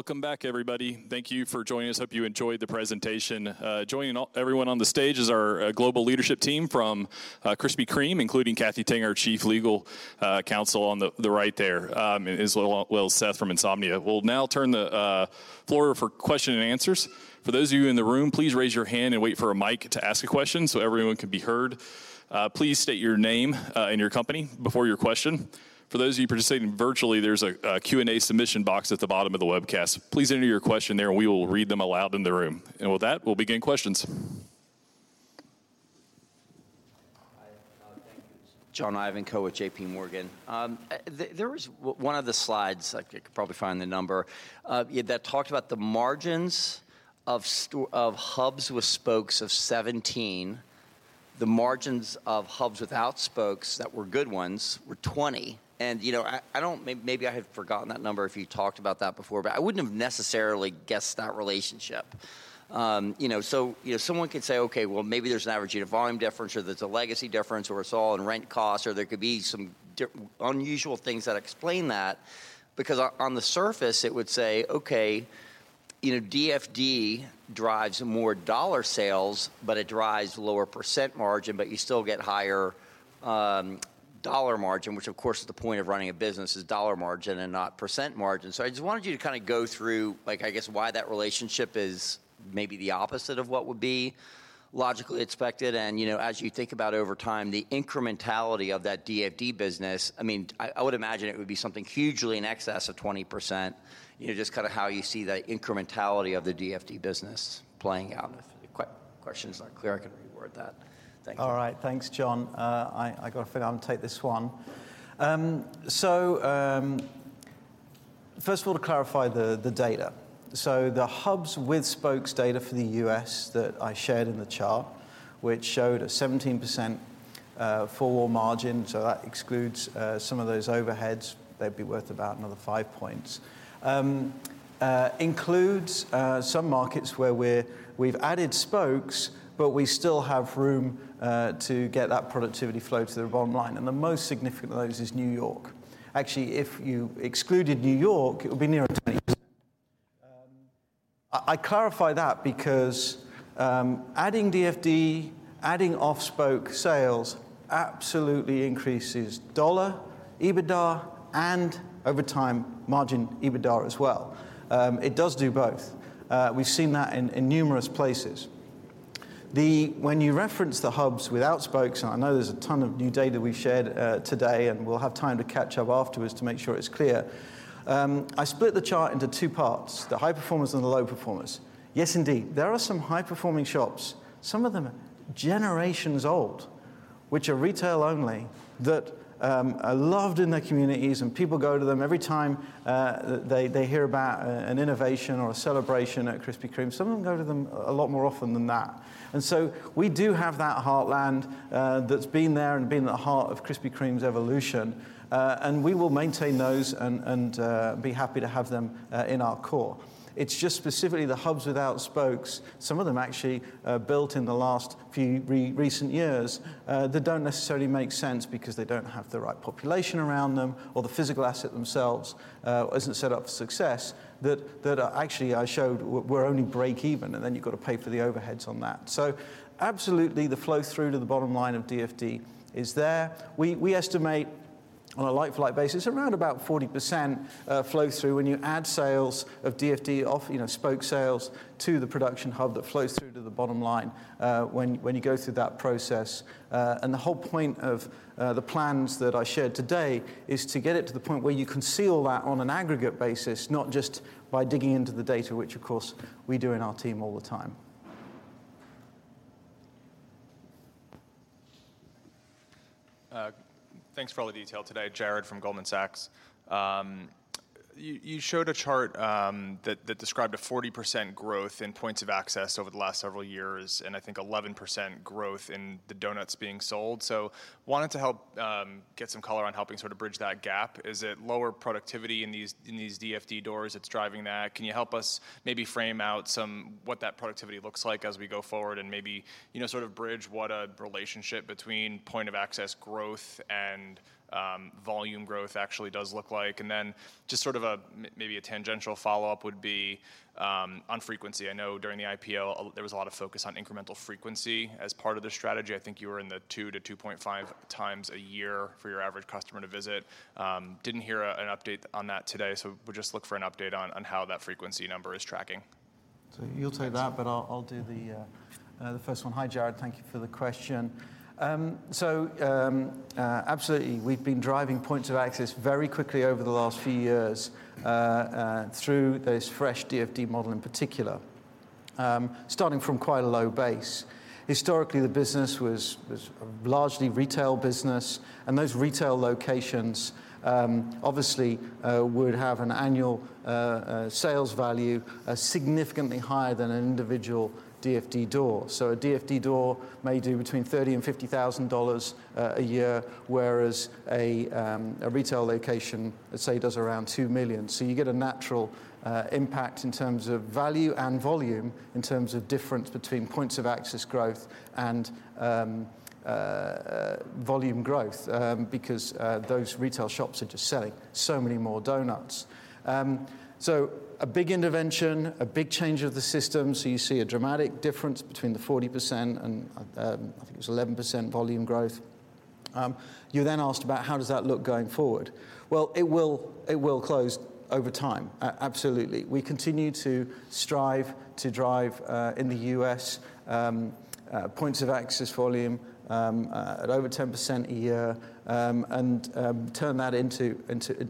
Welcome back, everybody. Thank Thank you for joining us. Hope you enjoyed the presentation. Joining everyone on the stage is our global leadership team from Krispy Kreme, including Cathy Tang, our Chief Legal Counsel on the right there, as well, Seth from Insomnia. We'll now turn the floor for question and answers. For those of you in the room, please raise your hand and wait for a mic to ask a question so everyone can be heard. Please state your name and your company before your question. For those of you participating virtually, there's a Q&A submission box at the bottom of the webcast. Please enter your question there and we will read them aloud in the room. With that, we'll begin questions. Hi. Thank you. John Ivankoe with JPMorgan. There was one of the slides, I could probably find the number, yeah, that talked about the margins of hubs with spokes of 17%. The margins of hubs without spokes that were good ones were 20%. You know, I don't maybe I had forgotten that number if you talked about that before, but I wouldn't have necessarily guessed that relationship. You know, so, you know, someone could say, "Okay, well maybe there's an average unit volume difference, or there's a legacy difference, or it's all in rent costs," or there could be some unusual things that explain that because on the surface it would say, okay, you know, DFD drives more dollar sales, but it drives lower percent margin, but you still get higher dollar margin, which of course is the point of running a business is dollar margin and not percent margin. I just wanted you to kinda go through like, I guess, why that relationship is maybe the opposite of what would be logically expected. You know, as you think about over time, the incrementality of that DFD business, I mean, I would imagine it would be something hugely in excess of 20%. You know, just kinda how you see the incrementality of the DFD business playing out. If the question's not clear, I can reword that. Thank you. All right. Thanks, John. I gotta figure out and take this one. First of all, to clarify the Hub and Spoke data for the U.S. that I shared in the chart, which showed a 17% four wall margin, so that excludes some of those overheads, they'd be worth about another five points, includes some markets where we've added spokes, but we still have room to get that productivity flow to the bottom line, and the most significant of those is New York. Actually, if you excluded New York, it would be nearer to eight. I clarify that because adding DFD, adding off-spoke sales absolutely increases dollar EBITDA and over time margin EBITDA as well. It does do both. We've seen that in numerous places. When you reference the hubs without spokes, and I know there's a ton of new data we've shared today, and we'll have time to catch up afterwards to make sure it's clear. I split the chart into two parts, the high performers and the low performers. Yes, indeed. There are some high-performing shops, some of them generations old, which are retail only, that are loved in their communities, and people go to them every time they hear about an innovation or a celebration at Krispy Kreme. Some of them go to them a lot more often than that. We do have that heartland that's been there and been at the heart of Krispy Kreme's evolution, and we will maintain those and be happy to have them in our core. It's just specifically the hubs without spokes. Some of them actually built in the last few recent years that don't necessarily make sense because they don't have the right population around them or the physical asset themselves isn't set up for success that actually I showed were only break-even, and then you've got to pay for the overheads on that. Absolutely, the flow through to the bottom line of DFD is there. We estimate on a like-for-like basis, around about 40% flow through when you add sales of DFD off, you know, spoke sales to the production hub that flows through to the bottom line when you go through that process. The whole point of the plans that I shared today is to get it to the point where you can see all that on an aggregate basis, not just by digging into the data, which of course we do in our team all the time. Thanks for all the detail today. Jared from Goldman Sachs. You showed a chart that described a 40% growth in points of access over the last several years, and I think 11% growth in the donuts being sold. Wanted to help get some color on helping sort of bridge that gap. Is it lower productivity in these DFD doors that's driving that? Can you help us maybe frame out what that productivity looks like as we go forward? Maybe, you know, sort of bridge what a relationship between point of access growth and volume growth actually does look like. Then just sort of maybe a tangential follow-up would be on frequency. I know during the IPO there was a lot of focus on incremental frequency as part of the strategy. I think you were in the 2x-2.5x a year for your average customer to visit. didn't hear an update on that today, we'll just look for an update on how that frequency number is tracking. You'll take that, but I'll do the first one. Hi, Jared. Thank you for the question. Absolutely. We've been driving points of access very quickly over the last few years through this fresh DFD model in particular, starting from quite a low base. Historically, the business was largely retail business, and those retail locations. Obviously, we'd have an annual sales value significantly higher than an individual DFD door. A DFD door may do between $30,000 and $50,000 a year, whereas a retail location, let's say, does around $2 million. You get a natural impact in terms of value and volume, in terms of difference between points of access growth and volume growth, because those retail shops are just selling so many more donuts. A big intervention, a big change of the system. You see a dramatic difference between the 40% and, I think it was 11% volume growth. You asked about how does that look going forward? It will close over time. Absolutely. We continue to strive to drive in the U.S., points of access volume, at over 10% a year, and turn that into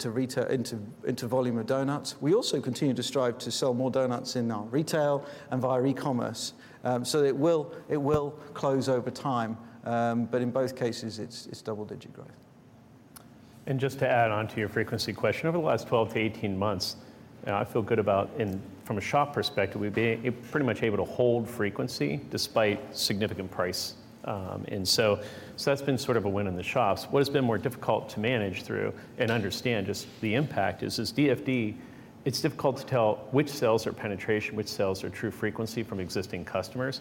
retail... into volume of donuts. We also continue to strive to sell more donuts in our retail and via e-commerce. It will close over time, but in both cases, it's double-digit growth. Just to add on to your frequency question, over the last 12-18 months, I feel good about from a shop perspective, we've been pretty much able to hold frequency despite significant price, so that's been sort of a win in the shops. What has been more difficult to manage through and understand just the impact is DFD, it's difficult to tell which sales are penetration, which sales are true frequency from existing customers.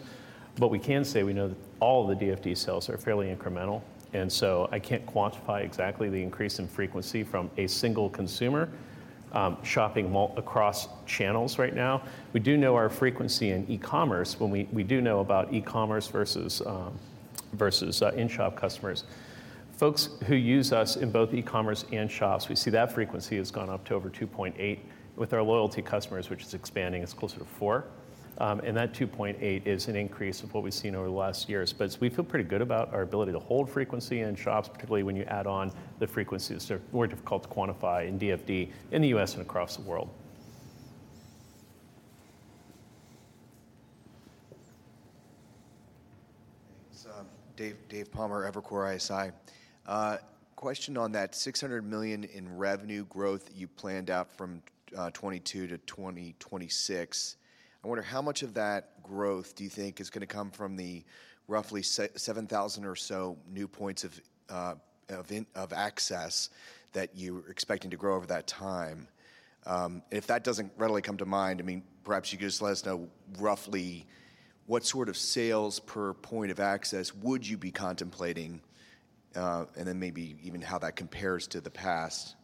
We can say we know that all the DFD sales are fairly incremental. I can't quantify exactly the increase in frequency from a single consumer shopping across channels right now. We do know our frequency in e-commerce we do know about e-commerce versus versus in-shop customers. Folks who use us in both e-commerce and shops, we see that frequency has gone up to over 2.8. With our loyalty customers, which is expanding, it's closer to four. That 2.8 is an increase of what we've seen over the last years. We feel pretty good about our ability to hold frequency in shops, particularly when you add on the frequencies that are more difficult to quantify in DFD in the U.S. and across the world. Thanks. Dave, David Palmer, Evercore ISI. Question on that $600 million in revenue growth you planned out from 2022 to 2026. I wonder how much of that growth do you think is gonna come from the roughly 7,000 or so new points of access that you're expecting to grow over that time? If that doesn't readily come to mind, I mean, perhaps you could just let us know roughly what sort of sales per point of access would you be contemplating, and then maybe even how that compares to the past.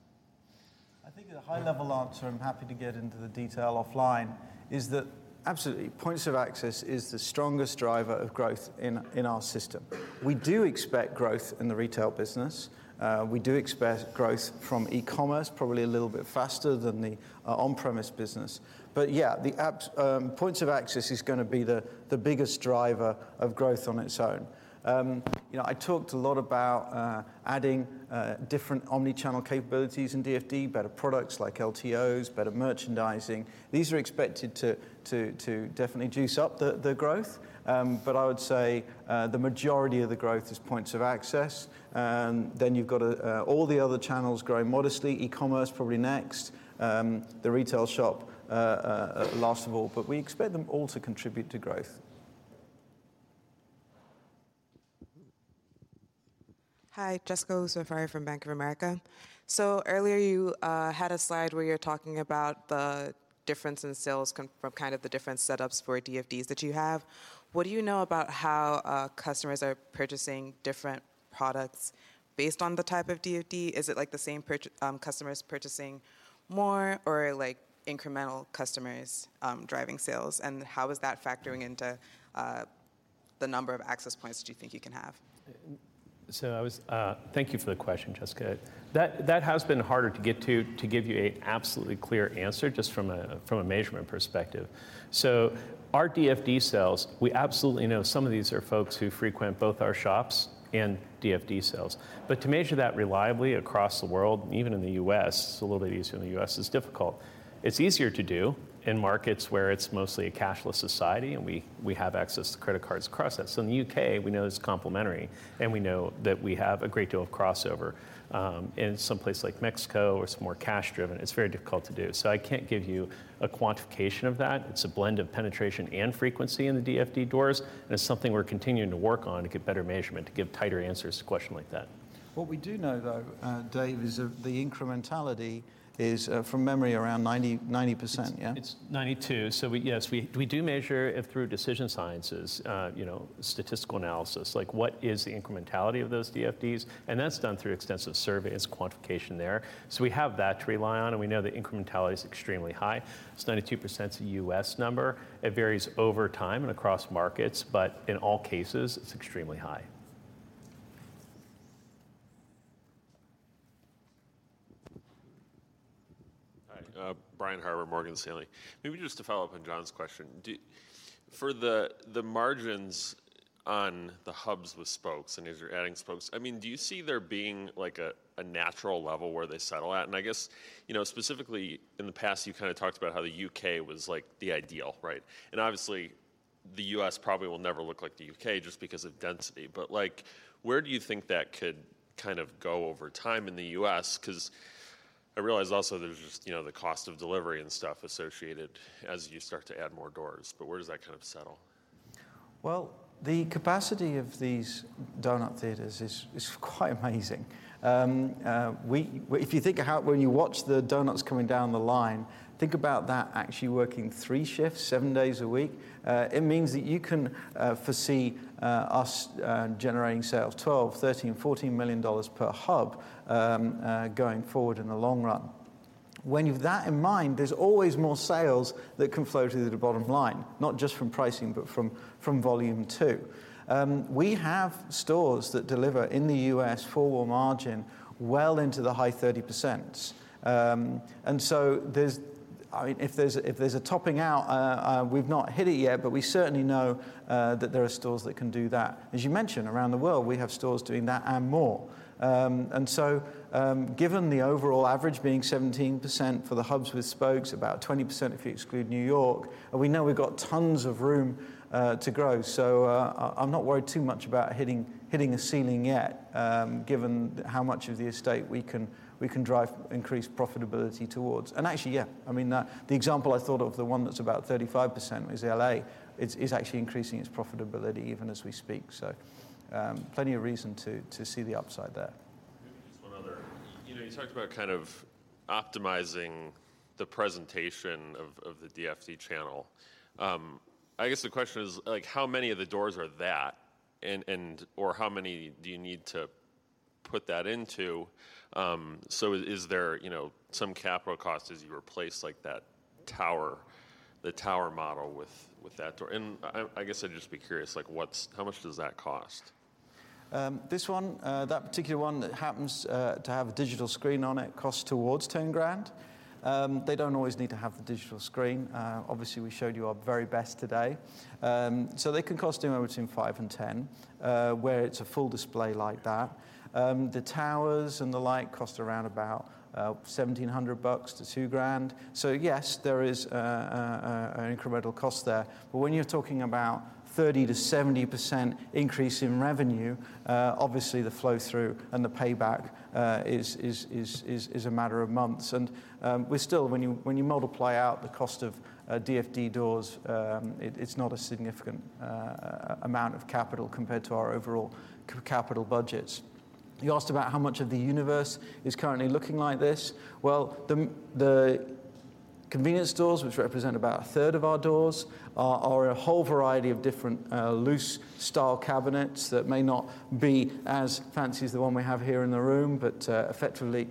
I think at a high level answer, I'm happy to get into the detail offline, is that absolutely, points of access is the strongest driver of growth in our system. We do expect growth in the retail business. We do expect growth from e-commerce, probably a little bit faster than the on-premise business. Yeah, the apps, points of access is gonna be the biggest driver of growth on its own. You know, I talked a lot about adding different omnichannel capabilities in DFD, better products like LTOs, better merchandising. These are expected to definitely juice up the growth. I would say, the majority of the growth is points of access. You've got, all the other channels growing modestly, e-commerce probably next, the retail shop, last of all, but we expect them all to contribute to growth. Hi, Jessica Schaefer from Bank of America. Earlier, you had a slide where you're talking about the difference in sales from kind of the different setups for DFDs that you have. What do you know about how customers are purchasing different products based on the type of DFD? Is it like the same customers purchasing more or like incremental customers driving sales? How is that factoring into the number of access points that you think you can have? Thank you for the question, Jessica. That has been harder to get to give you a absolutely clear answer just from a measurement perspective. Our DFD sales, we absolutely know some of these are folks who frequent both our shops and DFD sales. To measure that reliably across the world, even in the U.S., it's a little bit easier in the U.S., is difficult. It's easier to do in markets where it's mostly a cashless society, and we have access to credit cards across that. In the U.K., we know it's complimentary, and we know that we have a great deal of crossover. In some place like Mexico, where it's more cash-driven, it's very difficult to do. I can't give you a quantification of that. It's a blend of penetration and frequency in the DFD doors. It's something we're continuing to work on to get better measurement, to give tighter answers to a question like that. What we do know, though, Dave, is the incrementality is, from memory, around 90%, yeah? It's 92%. We, yes, we do measure it through decision sciences, you know, statistical analysis, like what is the incrementality of those DFDs, and that's done through extensive surveys, quantification there. We have that to rely on, and we know the incrementality is extremely high. 92% is a U.S. number. It varies over time and across markets, but in all cases, it's extremely high. Hi. Brian Harbour, Morgan Stanley. Maybe just to follow up on John's question. For the margins on the hubs with spokes, and as you're adding spokes, I mean, do you see there being like a natural level where they settle at? I guess, you know, specifically in the past, you kinda talked about how the U.K. was like the ideal, right? obviously The U.S. probably will never look like the U.K. just because of density. Like, where do you think that could kind of go over time in the U.S.? Because I realize also there's just, you know, the cost of delivery and stuff associated as you start to add more doors. Where does that kind of settle? The capacity of these donut theaters is quite amazing. If you think of how when you watch the donuts coming down the line, think about that actually working three shifts, seven days a week, it means that you can foresee us generating sales $12 million-$14 million per hub going forward in the long run. When you've that in mind, there's always more sales that can flow through the bottom line, not just from pricing, but from volume too. We have stores that deliver in the U.S. for more margin well into the high 30%. I mean, if there's a topping out, we've not hit it yet, but we certainly know that there are stores that can do that. As you mentioned, around the world, we have stores doing that and more. Given the overall average being 17% for the hubs with spokes, about 20% if you exclude New York, we know we've got tons of room to grow. I'm not worried too much about hitting a ceiling yet, given how much of the estate we can drive increased profitability towards. Actually, yeah, I mean, the example I thought of, the one that's about 35% is L.A., is actually increasing its profitability even as we speak. Plenty of reason to see the upside there. Just one other. You know, you talked about kind of optimizing the presentation of the DFD channel. I guess the question is, like, how many of the doors are that? Or how many do you need to put that into? Is there, you know, some capital cost as you replace, like, that tower, the tower model with that door? I guess I'd just be curious, like, how much does that cost? This one, that particular one that happens to have a digital screen on it costs towards $10,000. They don't always need to have the digital screen. Obviously, we showed you our very best today. They can cost anywhere between $5,000 and $10,000, where it's a full display like that. The towers and the like cost around about $1,700-$2,000. Yes, there is an incremental cost there. But when you're talking about 30%-70% increase in revenue, obviously the flow through and the payback is a matter of months. When you multiply out the cost of DFD doors, it's not a significant amount of capital compared to our overall capital budgets. You asked about how much of the universe is currently looking like this. The convenience stores, which represent about a third of our doors, are a whole variety of different loose style cabinets that may not be as fancy as the one we have here in the room, effectively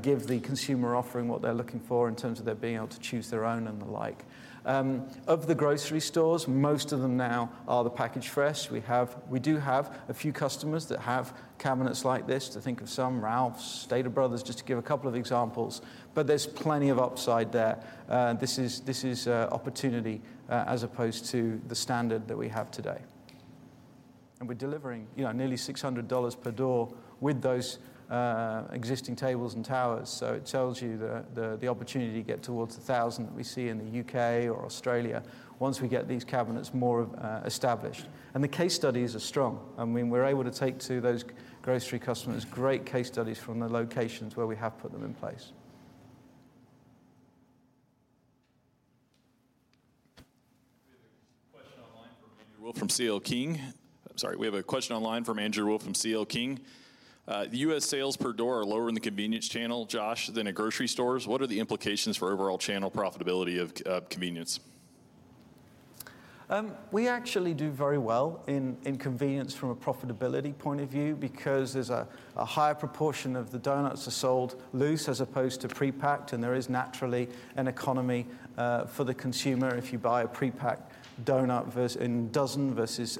give the consumer offering what they're looking for in terms of their being able to choose their own and the like. Of the grocery stores, most of them now are the package fresh. We do have a few customers that have cabinets like this. To think of some, Ralphs, Stater Brothers, just to give a couple of examples. There's plenty of upside there. This is opportunity as opposed to the standard that we have today. We're delivering, you know, nearly $600 per door with those existing tables and towers. It tells you the, the opportunity to get towards 1,000 that we see in the U.K. or Australia once we get these cabinets more established. The case studies are strong. I mean, we're able to take to those grocery customers great case studies from the locations where we have put them in place. We have a question online from Andrew Wolf from C.L. King. The U.S. sales per door are lower in the convenience channel, Josh, than at grocery stores. What are the implications for overall channel profitability of convenience? We actually do very well in convenience from a profitability point of view because there's a higher proportion of the doughnuts are sold loose as opposed to pre-packed, and there is naturally an economy for the consumer if you buy a pre-packed doughnut in dozen versus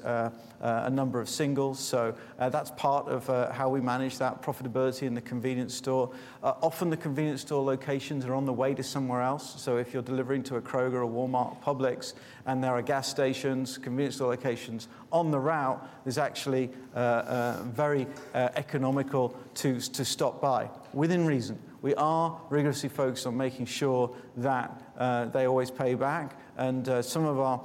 a number of singles. That's part of how we manage that profitability in the convenience store. Often the convenience store locations are on the way to somewhere else. If you're delivering to a Kroger or Walmart, Publix, and there are gas stations, convenience store locations on the route, it's actually very economical to stop by within reason. We are rigorously focused on making sure that they always pay back. Some of our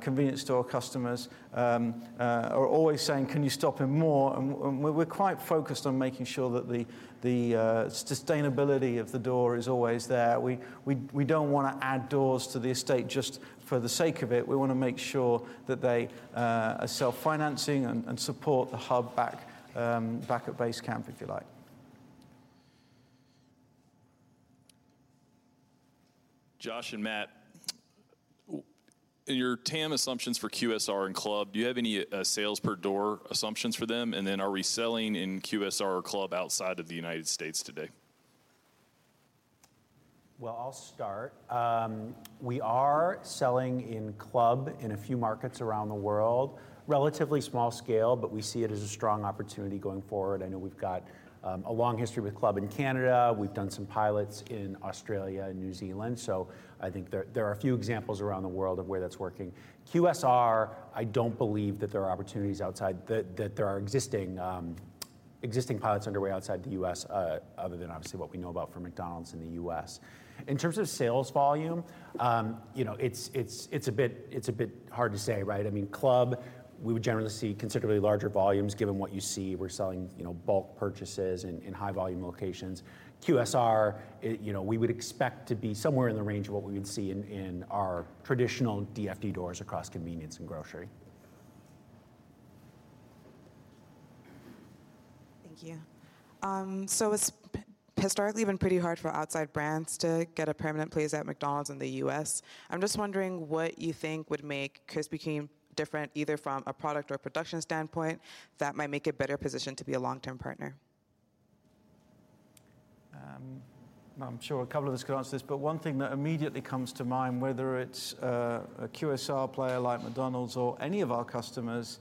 convenience store customers are always saying, "Can you stop in more?" We're quite focused on making sure that the sustainability of the door is always there. We don't wanna add doors to the estate just for the sake of it. We wanna make sure that they are self-financing and support the hub back at base camp, if you like. Josh and Matt, in your TAM assumptions for QSR and club, do you have any sales per door assumptions for them? Then are we selling in QSR or club outside of the United States today? I'll start. We are selling in club in a few markets around the world, relatively small scale, but we see it as a strong opportunity going forward. I know we've got a long history with club in Canada. We've done some pilots in Australia and New Zealand. I think there are a few examples around the world of where that's working. QSR, I don't believe that there are opportunities that there are existing pilots underway outside the U.S., other than obviously what we know about for McDonald's in the U.S. In terms of sales volume, you know, it's a bit hard to say, right? I mean, club, we would generally see considerably larger volumes given what you see. We're selling, you know, bulk purchases in high volume locations. QSR, it, you know, we would expect to be somewhere in the range of what we would see in our traditional DFD doors across convenience and grocery. Thank you. Historically been pretty hard for outside brands to get a permanent place at McDonald's in the U.S. I'm just wondering what you think would make Krispy Kreme different, either from a product or production standpoint, that might make a better position to be a long-term partner. I'm sure a couple of us could answer this, but one thing that immediately comes to mind, whether it's a QSR player like McDonald's or any of our customers,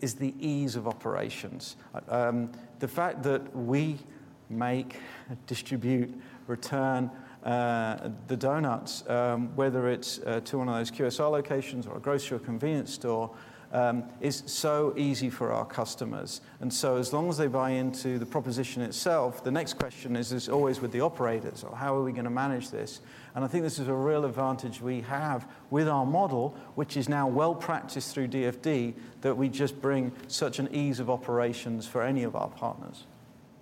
is the ease of operations. The fact that we make, distribute, return, the doughnuts, whether it's to one of those QSR locations or a grocery or convenience store, is so easy for our customers. As long as they buy into the proposition itself, the next question is always with the operators, or how are we gonna manage this? I think this is a real advantage we have with our model, which is now well-practiced through DFD, that we just bring such an ease of operations for any of our partners.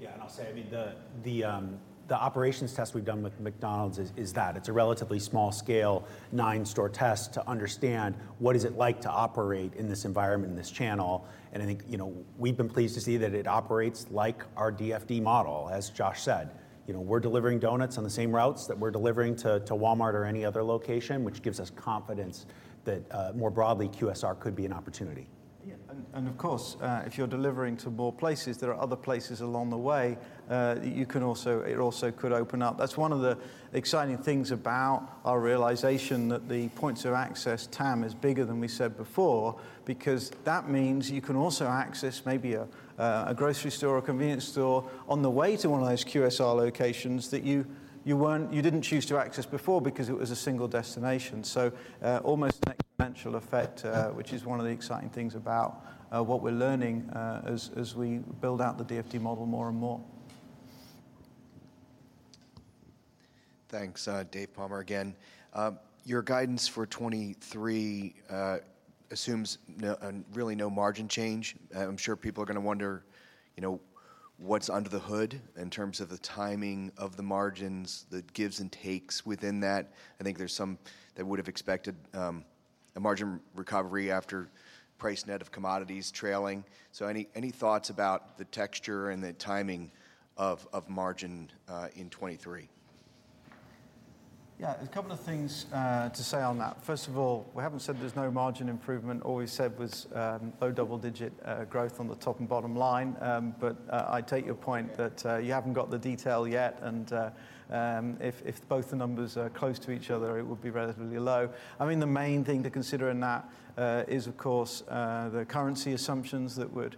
Yeah. I'll say, I mean, the operations test we've done with McDonald's is that. It's a relatively small scale, nine-store test to understand what is it like to operate in this environment and this channel. I think, you know, we've been pleased to see that it operates like our DFD model, as Josh said. You know, we're delivering donuts on the same routes that we're delivering to Walmart or any other location, which gives us confidence that, more broadly, QSR could be an opportunity. Yeah. Of course, if you're delivering to more places, there are other places along the way, it also could open up. That's one of the exciting things about our realization that the points of access TAM is bigger than we said before, because that means you can also access maybe a grocery store or convenience store on the way to one of those QSR locations that you weren't, you didn't choose to access before because it was a single destination. Almost an exponential effect, which is one of the exciting things about what we're learning as we build out the DFD model more and more. Thanks. David Palmer again. Your guidance for 2023 assumes no, really no margin change. I'm sure people are going to wonder, you know, what's under the hood in terms of the timing of the margins, the gives and takes within that. I think there's some that would have expected a margin recovery after price net of commodities trailing. Any thoughts about the texture and the timing of margin in 2023? Yeah. A couple of things to say on that. First of all, we haven't said there's no margin improvement. All we said was low double digit growth on the top and bottom line. I take your point that you haven't got the detail yet, and if both the numbers are close to each other, it would be relatively low. I mean, the main thing to consider in that is of course the currency assumptions that would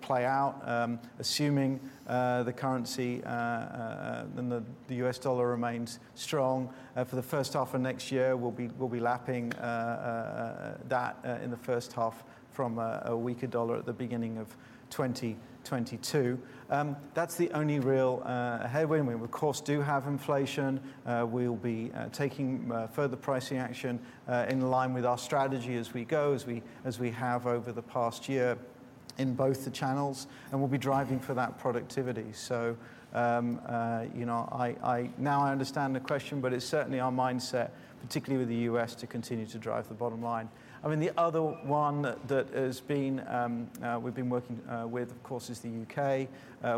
play out, assuming the currency and the U.S. dollar remains strong. For the first half of next year, we'll be lapping that in the first half from a weaker dollar at the beginning of 2022. That's the only real headwind. We of course, do have inflation. We'll be taking further pricing action in line with our strategy as we go, as we have over the past year in both the channels, and we'll be driving for that productivity. You know, I now understand the question, but it's certainly our mindset, particularly with the U.S., to continue to drive the bottom line. I mean, the other one that has been, we've been working with, of course, is the U.K.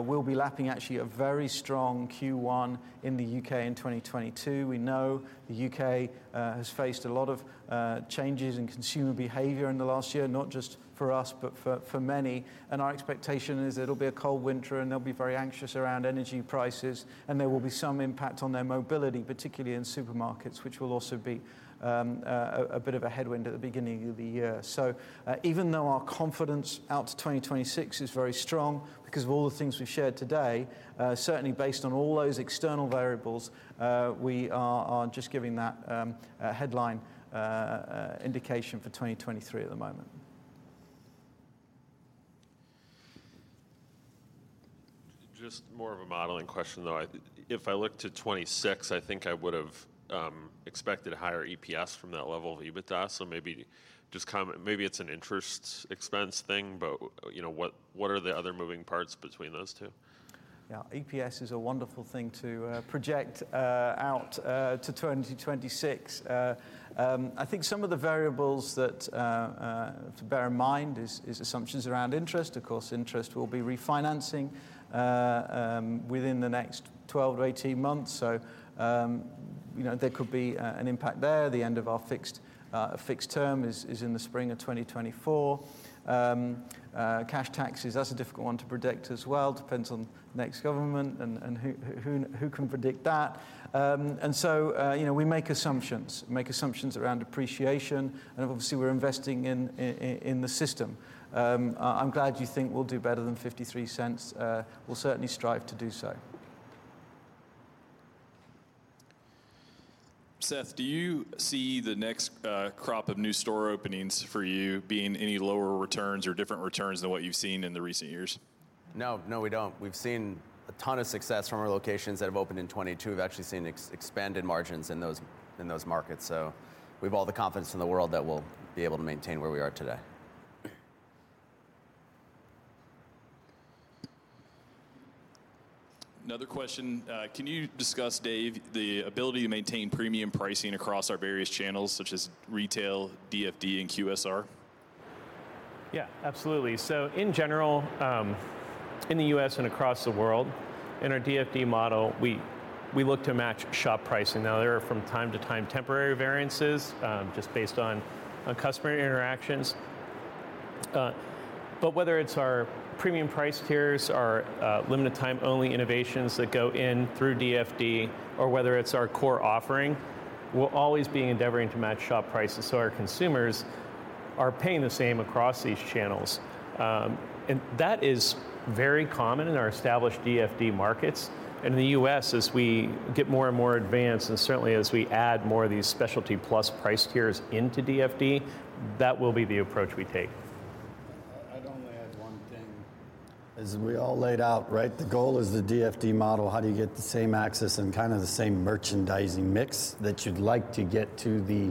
We'll be lapping actually a very strong Q1 in the U.K. in 2022. We know the U.K. has faced a lot of changes in consumer behavior in the last year, not just for us, but for many. Our expectation is it'll be a cold winter, and they'll be very anxious around energy prices, and there will be some impact on their mobility, particularly in supermarkets, which will also be a bit of a headwind at the beginning of the year. Even though our confidence out to 2026 is very strong because of all the things we've shared today, certainly based on all those external variables, we are just giving that headline indication for 2023 at the moment. Just more of a modeling question, though. If I look to 2026, I think I would've expected higher EPS from that level of EBITDA. Maybe it's an interest expense thing, but, you know, what are the other moving parts between those two? EPS is a wonderful thing to project out to 2026. I think some of the variables to bear in mind is assumptions around interest. Of course, interest will be refinancing within the next 12 to 18 months. You know, there could be an impact there. The end of our fixed term is in the spring of 2024. Cash taxes, that's a difficult one to predict as well. Depends on next government and who can predict that. You know, we make assumptions. Make assumptions around appreciation, and obviously, we're investing in the system. I'm glad you think we'll do better than $0.53. We'll certainly strive to do so. Seth, do you see the next crop of new store openings for you being any lower returns or different returns than what you've seen in the recent years? No. No, we don't. We've seen a ton of success from our locations that have opened in 2022. We've actually seen expanded margins in those markets. We have all the confidence in the world that we'll be able to maintain where we are today. Another question. Can you discuss, Dave, the ability to maintain premium pricing across our various channels such as retail, DFD, and QSR? Absolutely. In general, in the U.S. and across the world in our DFD model, we look to match shop pricing. Now, there are from time to time temporary variances, just based on customer interactions. But whether it's our premium price tiers, our limited-time only innovations that go in through DFD, or whether it's our core offering, we'll always be endeavoring to match shop prices so our consumers are paying the same across these channels. That is very common in our established DFD markets. In the U.S. as we get more and more advanced, and certainly as we add more of these specialty plus price tiers into DFD, that will be the approach we take. I'd only add one thing. As we all laid out, right, the goal is the DFD model. How do you get the same access and kind of the same merchandising mix that you'd like to get to the,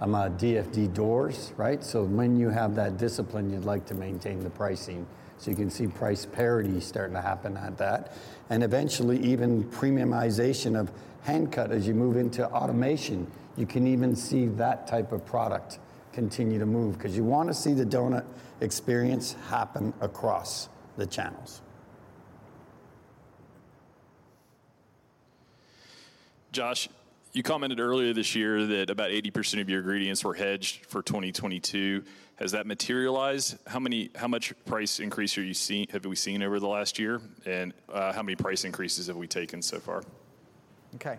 among DFD doors, right? When you have that discipline, you'd like to maintain the pricing, so you can see price parity starting to happen at that. Eventually even premiumization of hand cut as you move into automation, you can even see that type of product continue to move 'cause you wanna see the doughnut experience happen across the channels. Josh, you commented earlier this year that about 80% of your ingredients were hedged for 2022. Has that materialized? How much price increase have we seen over the last year? How many price increases have we taken so far? Okay.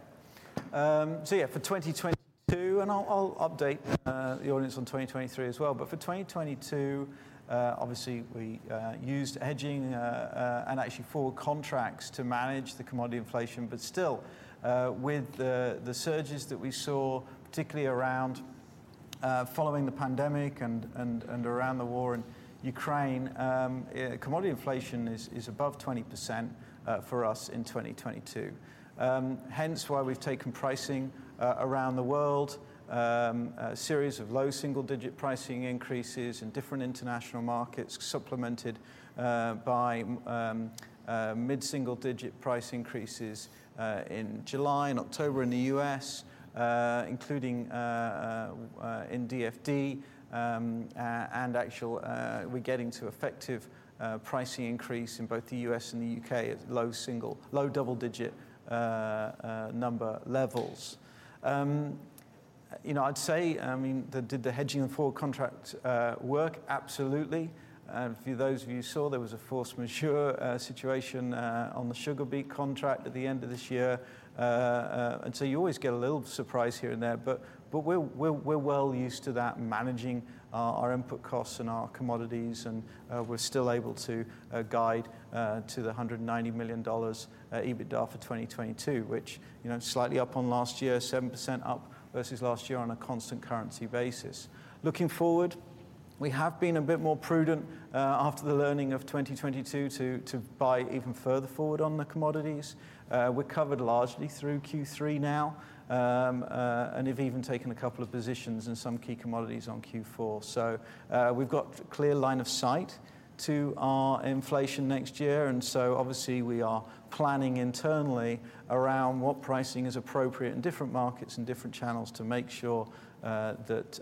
Yeah, for 2022, and I'll update the audience on 2023 as well. For 2022, obviously we used hedging and actually forward contracts to manage the commodity inflation. Still, with the surges that we saw, particularly around following the pandemic and around the war in Ukraine, commodity inflation is above 20% for us in 2022. Hence why we've taken pricing around the world, a series of low single-digit pricing increases in different international markets, supplemented by mid-single-digit price increases in July and October in the U.S., including in DFD, and actual we're getting to effective pricing increase in both the U.S. and the U.K. at low single low double digit number levels. You know, I'd say, I mean, did the hedging and forward contracts work? Absolutely. For those of you who saw, there was a force majeure situation on the sugar beet contract at the end of this year. You always get a little surprise here and there, but we're well used to that, managing our input costs and our commodities, and we're still able to guide to the $190 million EBITDA for 2022, which, you know, slightly up on last year, 7% up versus last year on a constant currency basis. Looking forward, we have been a bit more prudent after the learning of 2022 to buy even further forward on the commodities. We're covered largely through Q3 now, and have even taken a couple of positions in some key commodities on Q4. We've got clear line of sight to our inflation next year, obviously we are planning internally around what pricing is appropriate in different markets and different channels to make sure that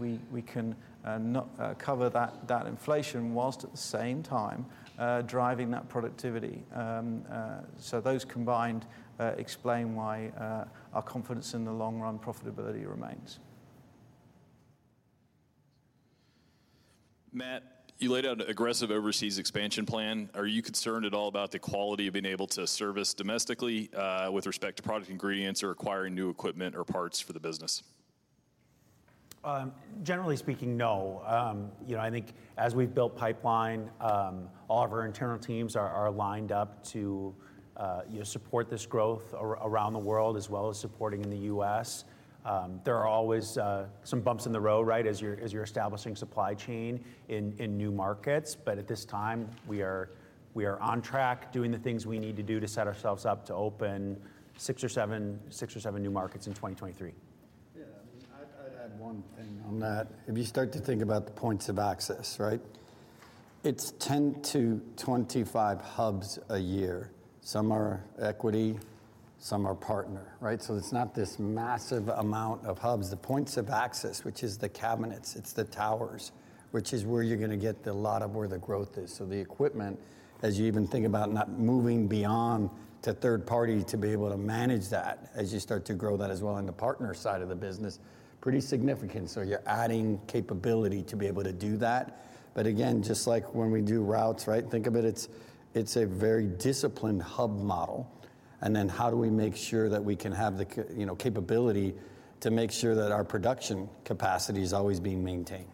we can not cover that inflation whilst at the same time driving that productivity. Those combined explain why our confidence in the long run profitability remains. Matt, you laid out an aggressive overseas expansion plan. Are you concerned at all about the quality of being able to service domestically, with respect to product ingredients or acquiring new equipment or parts for the business? Generally speaking, no. You know, I think as we've built pipeline, all of our internal teams are lined up to, you know, support this growth around the world as well as supporting in the U.S. There are always some bumps in the road, right, as you're establishing supply chain in new markets. At this time, we are on track doing the things we need to do to set ourselves up to open six or seven new markets in 2023. Yeah. I'd add one thing on that. If you start to think about the points of access, right? It's 10 to 25 hubs a year. Some are equity, some are partner, right? It's not this massive amount of hubs. The points of access, which is the cabinets, it's the towers, which is where you're gonna get the lot of where the growth is. The equipment, as you even think about not moving beyond to third party to be able to manage that as you start to grow that as well on the partner side of the business, pretty significant. You're adding capability to be able to do that. Again, just like when we do routes, right? Think of it's a very disciplined hub model, then how do we make sure that we can have the you know, capability to make sure that our production capacity is always being maintained?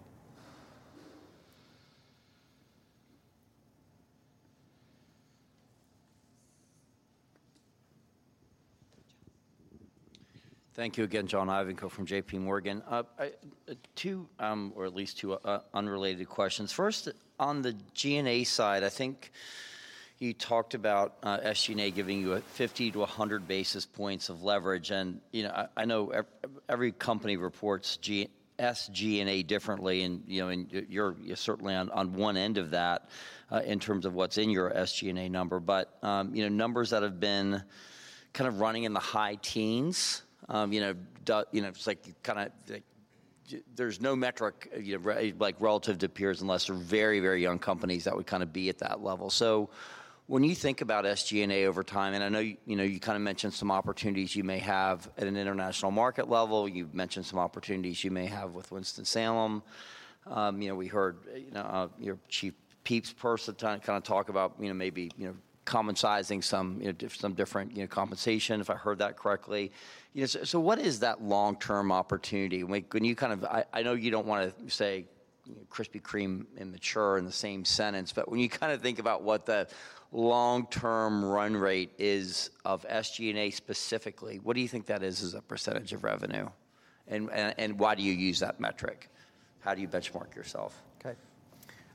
Thank you again, John Ivankoe from JPMorgan. I, two, or at least two unrelated questions. First, on the G&A side, I think you talked about SG&A giving you a 50 to 100 basis points of leverage. You know, I know every company reports SG&A differently and, you know, and you're certainly on one end of that, in terms of what's in your SG&A number. You know, numbers that have been kind of running in the high teens, You know, it's like kind of like there's no metric, you know, like relative to peers, unless they're very, very young companies that would kind of be at that level. When you think about SG&A over time, and I know, you know, you kind of mentioned some opportunities you may have at an international market level. You've mentioned some opportunities you may have with Winston-Salem. You know, we heard, you know, your Chief of Peeps person try to kind of talk about, you know, maybe, you know, common sizing some, you know, some different, you know, compensation, if I heard that correctly. What is that long-term opportunity? When I know you don't wanna say Krispy Kreme and mature in the same sentence, but when you kind of think about what the long-term run rate is of SG&A specifically, what do you think that is as a % of revenue? Why do you use that metric? How do you benchmark yourself? Okay.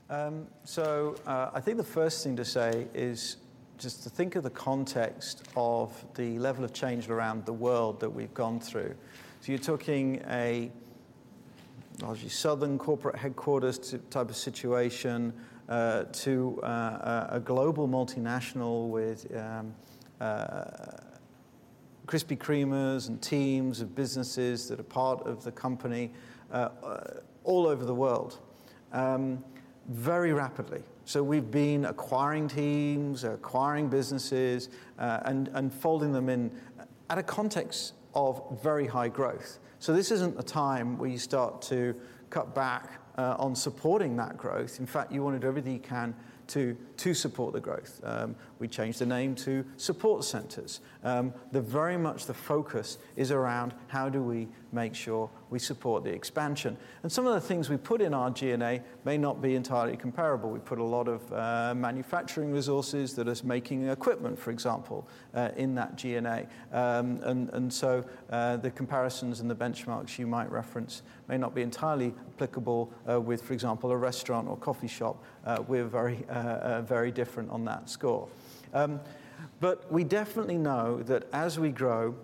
I think the first thing to say is just to think of the context of the level of change around the world that we've gone through. You're talking a, I'll say, southern corporate headquarters type of situation, to a global multinational with Krispy Kremers and teams of businesses that are part of the company all over the world very rapidly. We've been acquiring teams, acquiring businesses, and folding them in at a context of very high growth. This isn't a time where you start to cut back on supporting that growth. In fact, you want to do everything you can to support the growth. We changed the name to support centers. The very much the focus is around how do we make sure we support the expansion. Some of the things we put in our G&A may not be entirely comparable. We put a lot of manufacturing resources that is making equipment, for example, in that G&A. The comparisons and the benchmarks you might reference may not be entirely applicable with, for example, a restaurant or coffee shop. We're very, very different on that score. We definitely know that as we grow,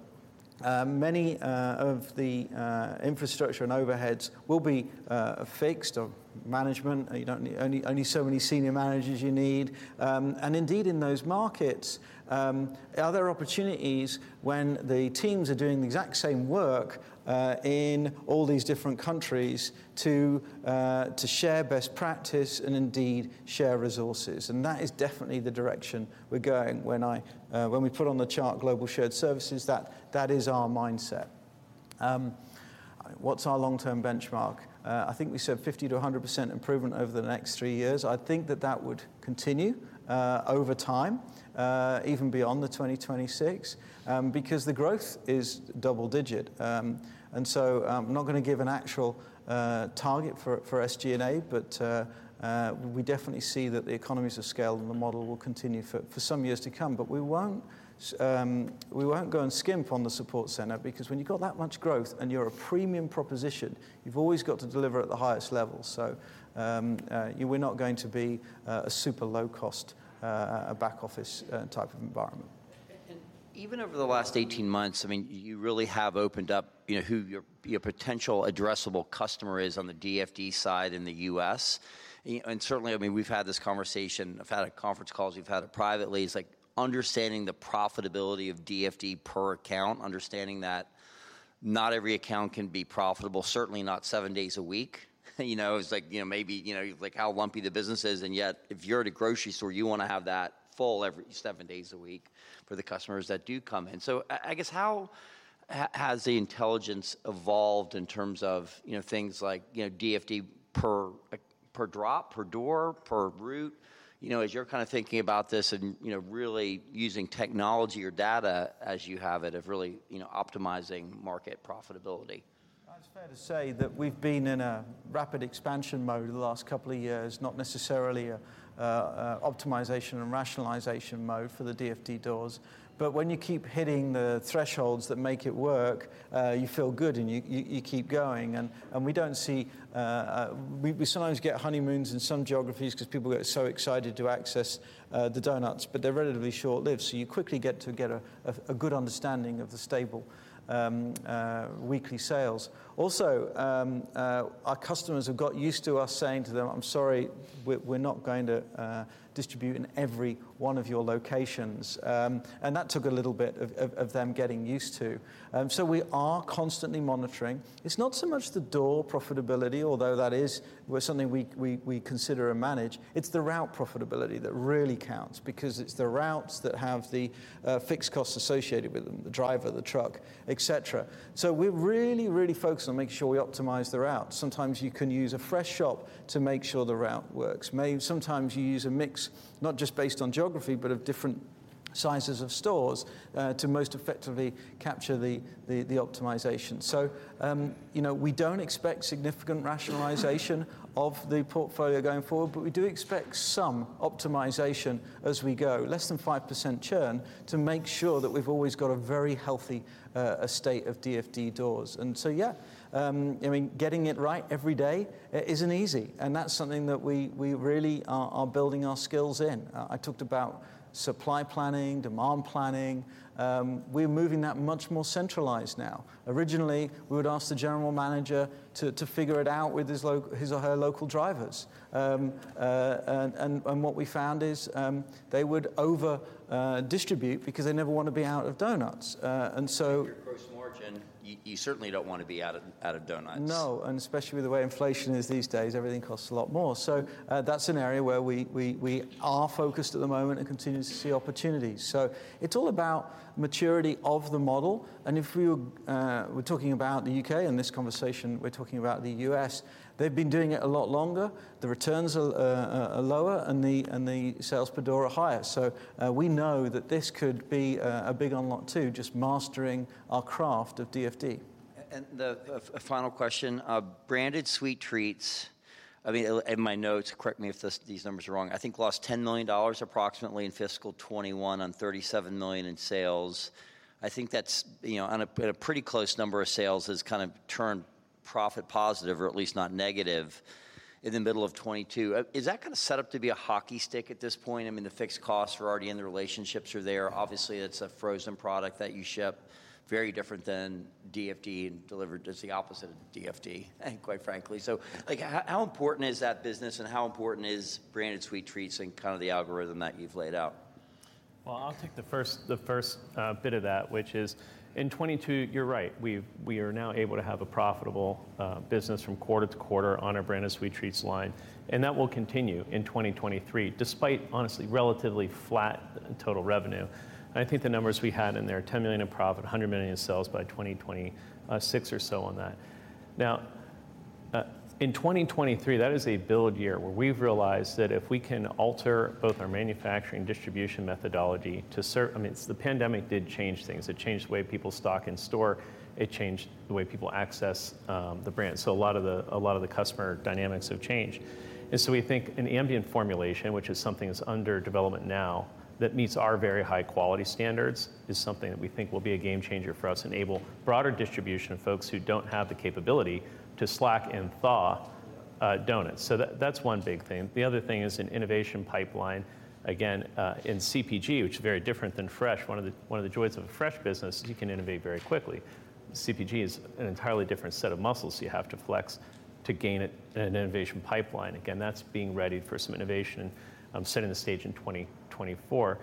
many of the infrastructure and overheads will be fixed of management. Only so many senior managers you need. Indeed in those markets, are there opportunities when the teams are doing the exact same work in all these different countries to share best practice and indeed share resources. That is definitely the direction we're going. When we put on the chart global shared services, that is our mindset. What's our long-term benchmark? I think we said 50% to 100% improvement over the next three years. I think that would continue over time, even beyond 2026, because the growth is double-digit. Not gonna give an actual target for SG&A, but we definitely see that the economies of scale and the model will continue for some years to come. We won't go and skimp on the support center because when you've got that much growth and you're a premium proposition, you've always got to deliver at the highest level. We're not going to be a super low cost back office type of environment. Even over the last 18 months, I mean, you really have opened up, you know, who your potential addressable customer is on the DFD side in the U.S. Certainly, I mean, we've had this conversation. I've had it at conference calls, we've had it privately. It's like understanding the profitability of DFD per account, understanding that not every account can be profitable, certainly not seven days a week. You know, it's like, you know, maybe, you know, like how lumpy the business is. Yet, if you're at a grocery store, you wanna have that full every seven days a week for the customers that do come in. I guess how has the intelligence evolved in terms of, you know, things like, you know, DFD per drop, per door, per route, you know, as you're kind of thinking about this and, you know, really using technology or data as you have it of really, you know, optimizing market profitability? It's fair to say that we've been in a rapid expansion mode over the last couple of years, not necessarily a optimization and rationalization mode for the DFD doors. When you keep hitting the thresholds that make it work, you feel good, and you keep going. We don't see we sometimes get honeymoons in some geographies because people get so excited to access the doughnuts, but they're relatively short-lived. You quickly get to get a good understanding of the stable, weekly sales. Also, our customers have got used to us saying to them, "I'm sorry, we're not going to distribute in every one of your locations." That took a little bit of them getting used to. We are constantly monitoring. It's not so much the door profitability, although that is where something we consider and manage. It's the route profitability that really counts because it's the routes that have the fixed costs associated with them, the driver, the truck, etc. We're really focused on making sure we optimize the route. Sometimes you can use a Fresh Shop to make sure the route works. Sometimes you use a mix, not just based on geography, but of different sizes of stores, to most effectively capture the optimization. You know, we don't expect significant rationalization of the portfolio going forward, but we do expect some optimization as we go, less than 5% churn, to make sure that we've always got a very healthy estate of DFD doors. Yeah, I mean, getting it right every day isn't easy, and that's something that we really are building our skills in. I talked about supply planning, demand planning, we're moving that much more centralized now. Originally, we would ask the general manager to figure it out with his or her local drivers. What we found is, they would over distribute because they never wanna be out of doughnuts. and so With your gross margin, you certainly don't wanna be out of doughnuts. No. Especially with the way inflation is these days, everything costs a lot more. That's an area where we are focused at the moment and continue to see opportunities. It's all about maturity of the model. If we were talking about the U.K., in this conversation, we're talking about the U.S. They've been doing it a lot longer. The returns are lower and the sales per door are higher. We know that this could be a big unlock too, just mastering our craft of DFD. The final question. Branded Sweet Treats, I mean, in my notes, correct me if these numbers are wrong, I think lost $10 million approximately in fiscal 2021 on $37 million in sales. I think that's, on a, at a pretty close number of sales, has kind of turned profit positive, or at least not negative in the middle of 2022. Is that kind of set up to be a hockey stick at this point? I mean, the fixed costs are already in, the relationships are there. Obviously, it's a frozen product that you ship, very different than DFD and delivered. It's the opposite of DFD, quite frankly. Like, how important is that business and how important is Branded Sweet Treats and kind of the algorithm that you've laid out? Well, I'll take the first bit of that, which is in 2022, you're right. We are now able to have a profitable business from quarter to quarter on our Branded Sweet Treats line, and that will continue in 2023, despite honestly relatively flat total revenue. I think the numbers we had in there, $10 million in profit, $100 million in sales by 2026 or so on that. In 2023, that is a build year where we've realized that if we can alter both our manufacturing distribution methodology to serve. I mean, the pandemic did change things. It changed the way people stock in store. It changed the way people access the brand. A lot of the customer dynamics have changed. We think an ambient formulation, which is something that's under development now that meets our very high quality standards, is something that we think will be a game changer for us, enable broader distribution of folks who don't have the capability to slack and thaw, donuts. That's one big thing. The other thing is an innovation pipeline, again, in CPG, which is very different than fresh. One of the joys of a fresh business is you can innovate very quickly. CPG is an entirely different set of muscles you have to flex to gain an innovation pipeline. Again, that's being readied for some innovation, setting the stage in 2024.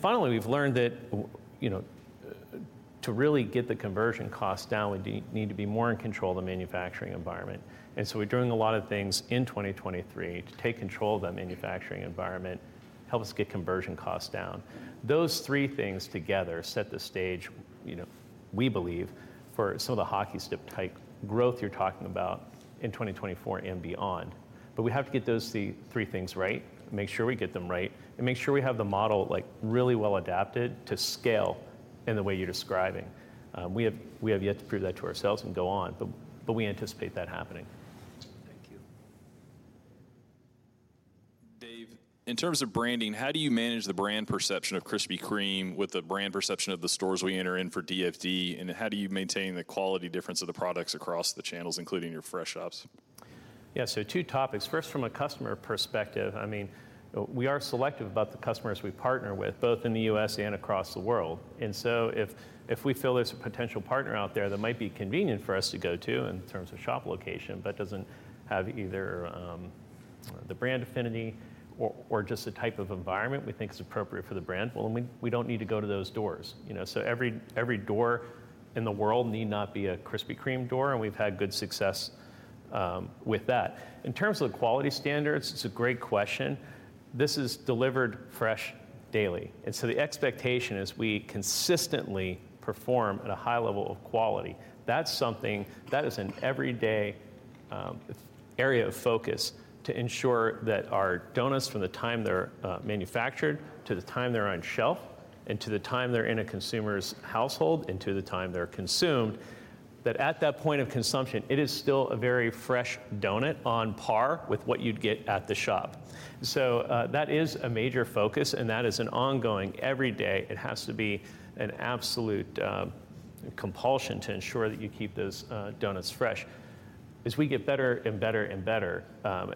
Finally, we've learned that you know, to really get the conversion cost down, we need to be more in control of the manufacturing environment. We're doing a lot of things in 2023 to take control of that manufacturing environment, help us get conversion costs down. Those three things together set the stage, you know, we believe, for some of the hockey stick type growth you're talking about in 2024 and beyond. We have to get those three things right, make sure we get them right, and make sure we have the model, like, really well adapted to scale in the way you're describing. We have yet to prove that to ourselves and go on, but we anticipate that happening. Thank you. Dave, in terms of branding, how do you manage the brand perception of Krispy Kreme with the brand perception of the stores we enter in for DFD? How do you maintain the quality difference of the products across the channels, including your Fresh Shops? Yeah. Two topics. First, from a customer perspective, I mean, we are selective about the customers we partner with, both in the U.S. and across the world. If we feel there's a potential partner out there that might be convenient for us to go to in terms of shop location, but doesn't have either the brand affinity or just the type of environment we think is appropriate for the brand, well, then we don't need to go to those doors, you know. Every door in the world need not be a Krispy Kreme door, and we've had good success with that. In terms of the quality standards, it's a great question. This is Delivered Fresh Daily, the expectation is we consistently perform at a high level of quality. That's something that is an everyday area of focus to ensure that our doughnuts, from the time they're manufactured, to the time they're on shelf, and to the time they're in a consumer's household, and to the time they're consumed, that at that point of consumption, it is still a very fresh doughnut on par with what you'd get at the shop. That is a major focus, and that is an ongoing every day. It has to be an absolute compulsion to ensure that you keep those doughnuts fresh. As we get better and better,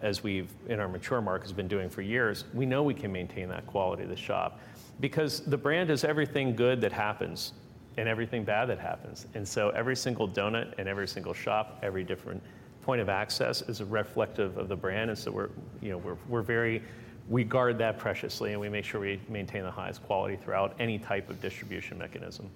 as we've, in our mature market, has been doing for years, we know we can maintain that quality of the shop. Because the brand is everything good that happens and everything bad that happens. Every single doughnut in every single shop, every different point of access is reflective of the brand. We're, you know, we're very. We guard that preciously, and we make sure we maintain the highest quality throughout any type of distribution mechanism.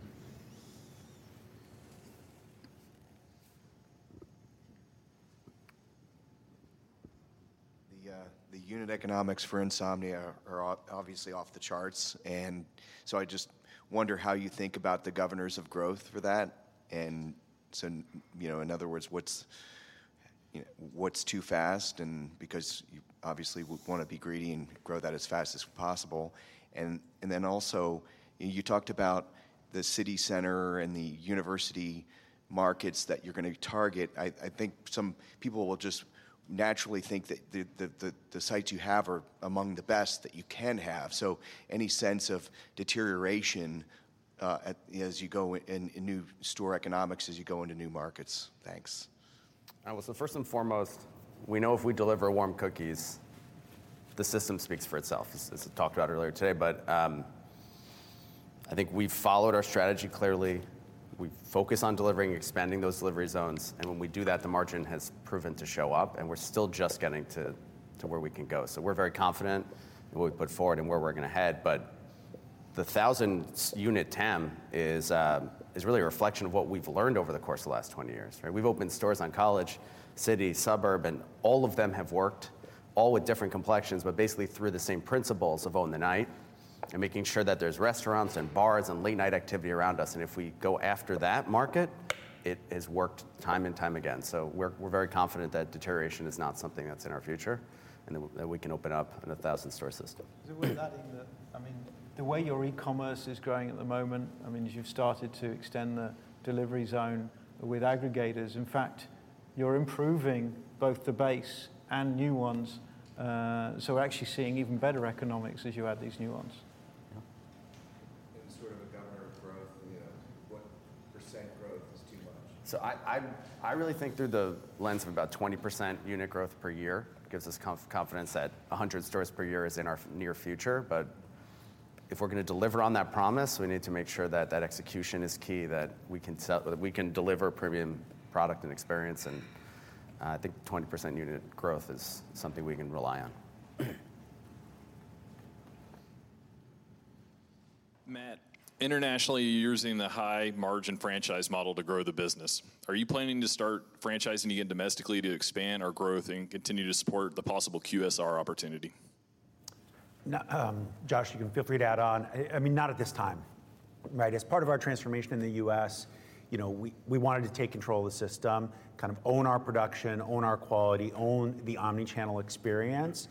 The, the unit economics for Insomnia are obviously off the charts, and so I just wonder how you think about the governors of growth for that. you know, in other words, what's. What's too fast? Because you obviously would want to be greedy and grow that as fast as possible. Then also, you talked about the city center and the university markets that you're going to target. I think some people will just naturally think that the sites you have are among the best that you can have. Any sense of deterioration as you go in new store economics as you go into new markets? Thanks. First and foremost, we know if we deliver warm cookies, the system speaks for itself, as I talked about earlier today. I think we've followed our strategy clearly. We focus on delivering, expanding those delivery zones, and when we do that, the margin has proven to show up, and we're still just getting to where we can go. We're very confident in what we've put forward and where we're gonna head. The 1,000-unit TAM is really a reflection of what we've learned over the course of the last 20 years, right? We've opened stores on College, City, suburb, and all of them have worked all with different complexions, but basically through the same principles of own the night and making sure that there's restaurants and bars and late-night activity around us. If we go after that market, it has worked time and time again. We're very confident that deterioration is not something that's in our future and that we can open up in a 1,000-store system. With that I mean, the way your e-commerce is growing at the moment, I mean, as you've started to extend the delivery zone with aggregators, in fact, you're improving both the base and new ones, so we're actually seeing even better economics as you add these new ones. Yeah. Sort of a governor of growth, you know, what percent growth is too much? I really think through the lens of about 20% unit growth per year gives us confidence that 100 stores per year is in our near future. If we're gonna deliver on that promise, we need to make sure that execution is key, that we can deliver premium product and experience, and I think 20% unit growth is something we can rely on. Matt, internationally, you're using the high margin franchise model to grow the business. Are you planning to start franchising again domestically to expand our growth and continue to support the possible QSR opportunity? Josh, you can feel free to add on. I mean, not at this time, right? As part of our transformation in the U.S., you know, we wanted to take control of the system, kind of own our production, own our quality, own the omnichannel experience.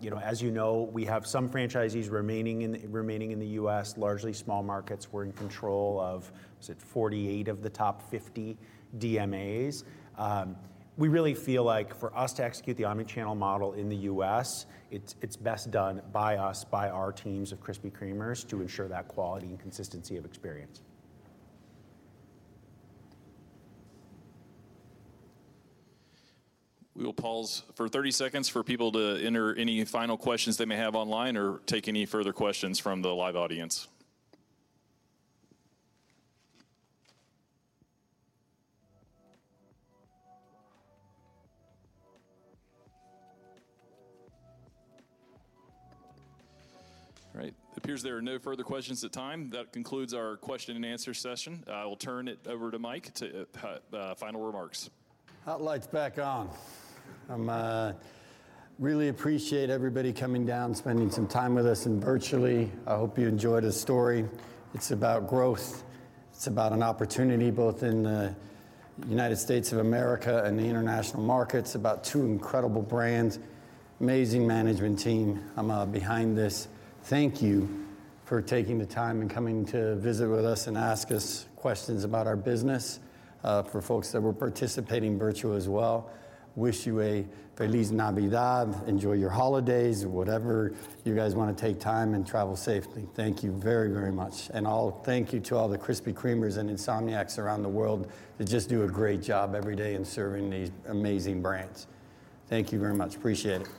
You know, as you know, we have some franchisees remaining in the U.S., largely small markets we're in control of, say, 48 of the top 50 DMAs. We really feel like for us to execute the omnichannel model in the U.S., it's best done by us, by our teams of Krispy Kremers to ensure that quality and consistency of experience. We will pause for 30 seconds for people to enter any final questions they may have online or take any further questions from the live audience. All right. It appears there are no further questions at time. That concludes our question and answer session. I will turn it over to Mike to final remarks. Hot Light back on. I really appreciate everybody coming down, spending some time with us and virtually. I hope you enjoyed the story. It's about growth. It's about an opportunity both in the United States of America and the international markets, about two incredible brands, amazing management team I'm behind this. Thank you for taking the time and coming to visit with us and ask us questions about our business. For folks that were participating virtual as well, wish you a Feliz Navidad. Enjoy your holidays or whatever you guys wanna take time and travel safely. Thank you very, very much. I'll thank you to all the Krispy Kremers and Insomniacs around the world that just do a great job every day in serving these amazing brands. Thank you very much. Appreciate it.